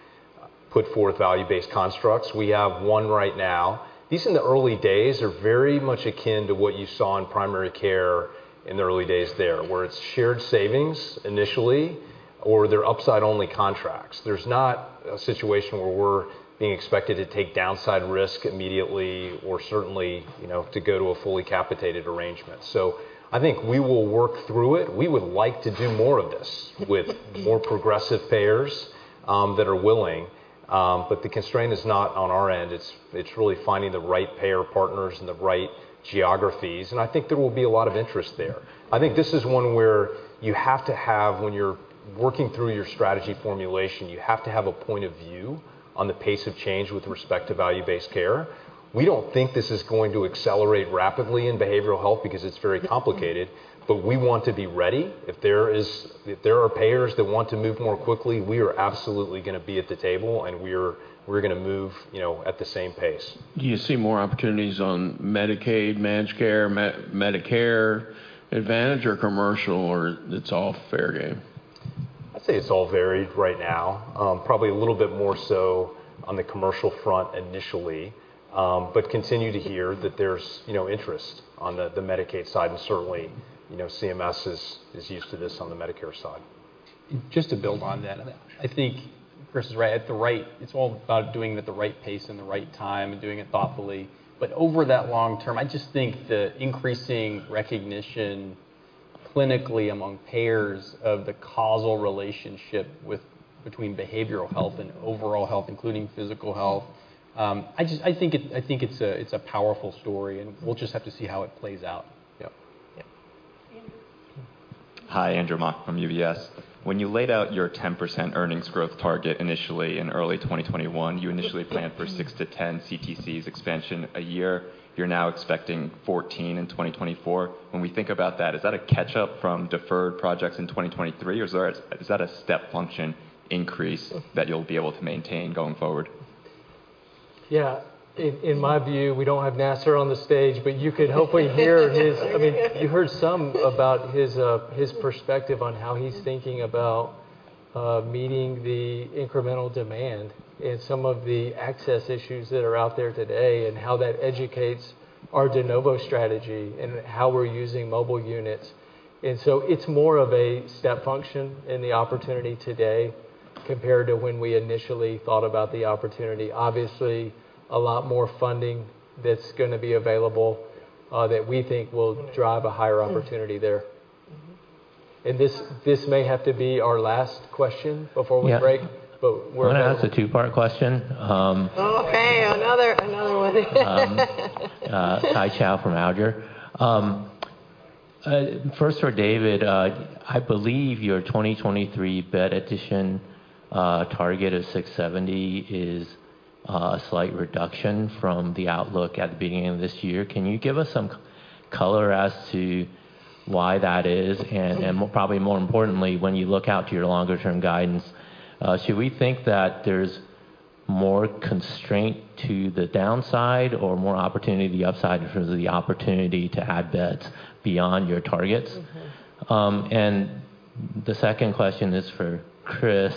put forth value-based constructs. We have one right now. These in the early days are very much akin to what you saw in primary care in the early days there, where it's shared savings initially or they're upside-only contracts. There's not a situation where we're being expected to take downside risk immediately or certainly, you know, to go to a fully capitated arrangement. I think we will work through it. We would like to do more of this with more progressive payers that are willing. The constraint is not on our end. It's really finding the right payer partners and the right geographies, and I think there will be a lot of interest there. I think this is one where you have to have when you're working through your strategy formulation, you have to have a point of view on the pace of change with respect to value-based care. We don't think this is going to accelerate rapidly in behavioral health because it's very complicated, but we want to be ready. If there are payers that want to move more quickly, we are absolutely gonna be at the table, and we're gonna move, you know, at the same pace. Do you see more opportunities on Medicaid, managed care, Medicare Advantage or commercial, or it's all fair game? I'd say it's all varied right now. Probably a little bit more so on the commercial front initially. Continue to hear that there's, you know, interest on the Medicaid side and certainly, you know, CMS is used to this on the Medicare side. Just to build on that, I think Chris is right. It's all about doing it at the right pace and the right time and doing it thoughtfully. Over that long term, I just think the increasing recognition clinically among payers of the causal relationship between behavioral health and overall health, including physical health, I think it's a, it's a powerful story, and we'll just have to see how it plays out. Yep. Yeah. Andrew. Hi. Andrew Mok from UBS. When you laid out your 10% earnings growth target initially in early 2021, you initially planned for six to 10 CTCs expansion a year. You're now expecting 14 in 2024. When we think about that, is that a catch-up from deferred projects in 2023, or is that a step function increase that you'll be able to maintain going forward? Yeah. In my view, we don't have Nasser on the stage, but you could hopefully hear I mean, you heard some about his perspective on how he's thinking about meeting the incremental demand and some of the access issues that are out there today and how that educates our de novo strategy and how we're using mobile units. It's more of a step function in the opportunity today compared to when we initially thought about the opportunity. Obviously, a lot more funding that's gonna be available, that we think will drive a higher opportunity there. Mm-hmm. This may have to be our last question before we break. Yeah. But we're- I'm gonna ask a two-part question. Okay, another one. Keye Chow from Alger. First for David. I believe your 2023 bed addition target of 670 is a slight reduction from the outlook at the beginning of this year. Can you give us some color as to why that is? Probably more importantly, when you look out to your longer-term guidance, should we think that there's more constraint to the downside or more opportunity to the upside in terms of the opportunity to add beds beyond your targets? The second question is for Chris,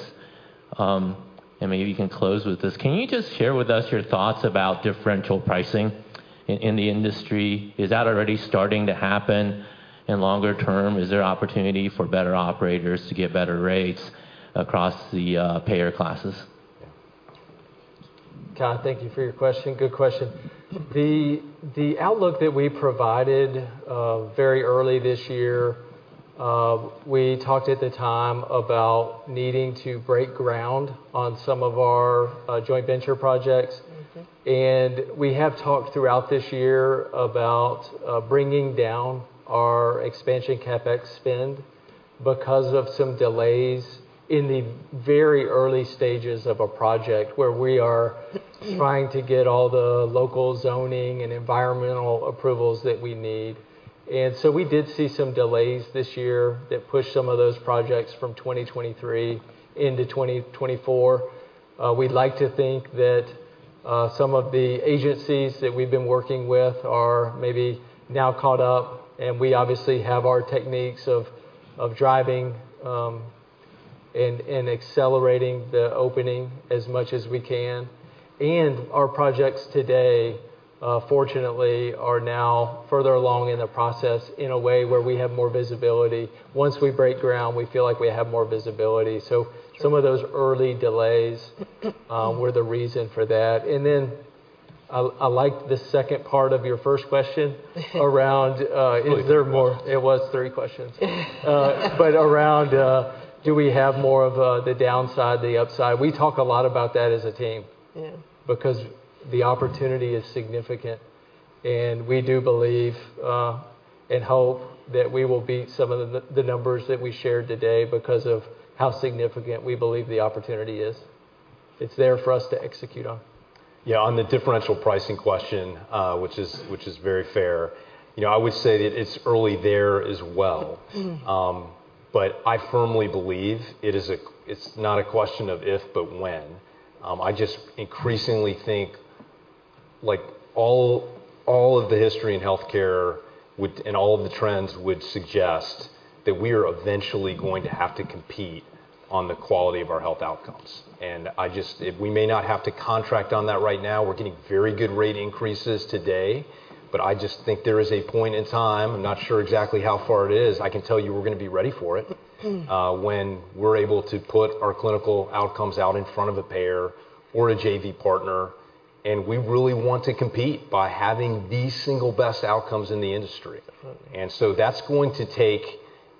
and maybe you can close with this. Can you just share with us your thoughts about differential pricing in the industry? Is that already starting to happen? Longer term, is there opportunity for better operators to get better rates across the payer classes? Kai, thank you for your question. Good question. The outlook that we provided, very early this year, we talked at the time about needing to break ground on some of our joint venture projects. Mm-hmm. We have talked throughout this year about bringing down our expansion CapEx spend because of some delays in the very early stages of a project, where we are trying to get all the local zoning and environmental approvals that we need. We did see some delays this year that pushed some of those projects from 2023 into 2024. We'd like to think some of the agencies that we've been working with are maybe now caught up, and we obviously have our techniques of driving and accelerating the opening as much as we can. Our projects today, fortunately, are now further along in the process in a way where we have more visibility. Once we break ground, we feel like we have more visibility. So some of those early delays were the reason for that. I liked the second part of your first question around, is there more... Three questions. It was three questions. Around, do we have more of, the downside, the upside? We talk a lot about that as a team- Yeah because the opportunity is significant. We do believe, and hope that we will beat some of the numbers that we shared today because of how significant we believe the opportunity is. It's there for us to execute on. On the differential pricing question, which is very fair. You know, I would say that it's early there as well. Mm-hmm. I firmly believe it's not a question of if, but when. I just increasingly think, like, all of the history in healthcare would, and all of the trends would suggest that we're eventually going to have to compete on the quality of our health outcomes. I just if we may not have to contract on that right now, we're getting very good rate increases today, but I just think there is a point in time, I'm not sure exactly how far it is, I can tell you we're gonna be ready for it. Mm... when we're able to put our clinical outcomes out in front of a payer or a JV partner, and we really want to compete by having the single best outcomes in the industry. Mm-hmm. That's going to take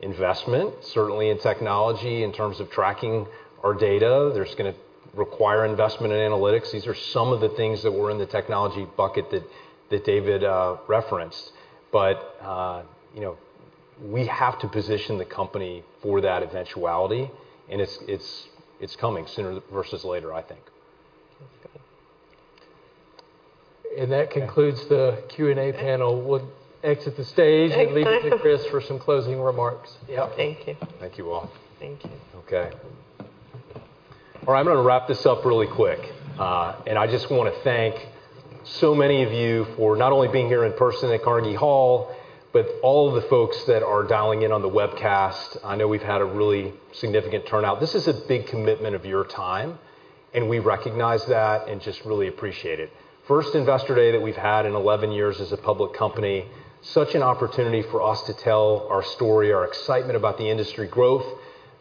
investment, certainly in technology in terms of tracking our data. There's going to require investment in analytics. These are some of the things that were in the technology bucket that David referenced. You know, we have to position the company for that eventuality, and it's coming sooner versus later, I think. That's good. That concludes the Q&A panel. We'll exit the stage. Exit the.... leave it to Chris for some closing remarks. Yep. Thank you. Thank you all. Thank you. Okay. All right. I'm gonna wrap this up really quick. I just wanna thank so many of you for not only being here in person at Carnegie Hall, but all of the folks that are dialing in on the webcast. I know we've had a really significant turnout. This is a big commitment of your time, and we recognize that and just really appreciate it. First Investor Day that we've had in 11 years as a public company, such an opportunity for us to tell our story, our excitement about the industry growth.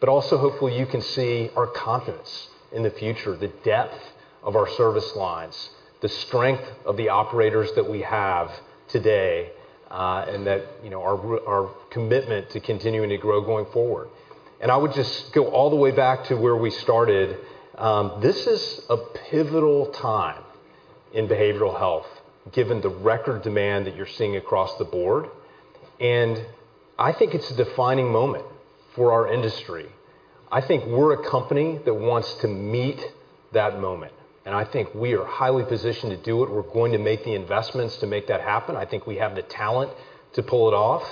Also, hopefully, you can see our confidence in the future, the depth of our service lines, the strength of the operators that we have today, and that, you know, our commitment to continuing to grow going forward. I would just go all the way back to where we started. This is a pivotal time in behavioral health, given the record demand that you're seeing across the board. I think it's a defining moment for our industry. I think we're a company that wants to meet that moment, and I think we are highly positioned to do it. We're going to make the investments to make that happen. I think we have the talent to pull it off.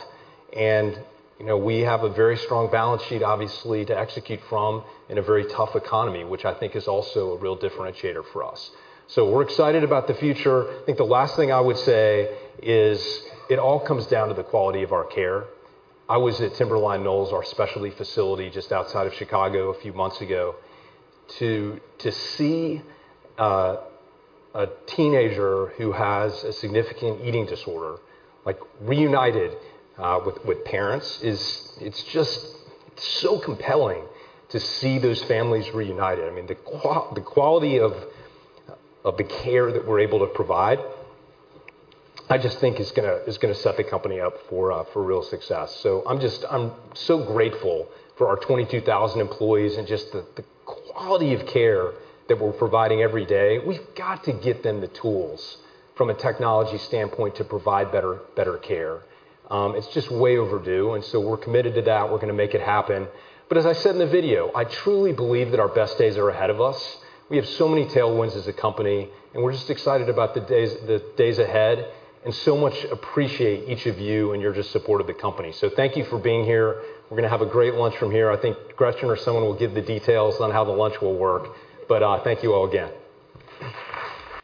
You know, we have a very strong balance sheet, obviously, to execute from in a very tough economy, which I think is also a real differentiator for us. We're excited about the future. I think the last thing I would say is it all comes down to the quality of our care. I was at Timberline Knolls, our specialty facility just outside of Chicago a few months ago. To see a teenager who has a significant eating disorder, like reunited with parents, it's just so compelling to see those families reunited. I mean, the quality of the care that we're able to provide, I just think is gonna set the company up for real success. I'm so grateful for our 22,000 employees and just the quality of care that we're providing every day. We've got to get them the tools from a technology standpoint to provide better care. It's just way overdue. We're committed to that. We're gonna make it happen. As I said in the video, I truly believe that our best days are ahead of us. We have so many tailwinds as a company, and we're just excited about the days ahead, and so much appreciate each of you and your just support of the company. Thank you for being here. We're gonna have a great lunch from here. I think Gretchen or someone will give the details on how the lunch will work, thank you all again.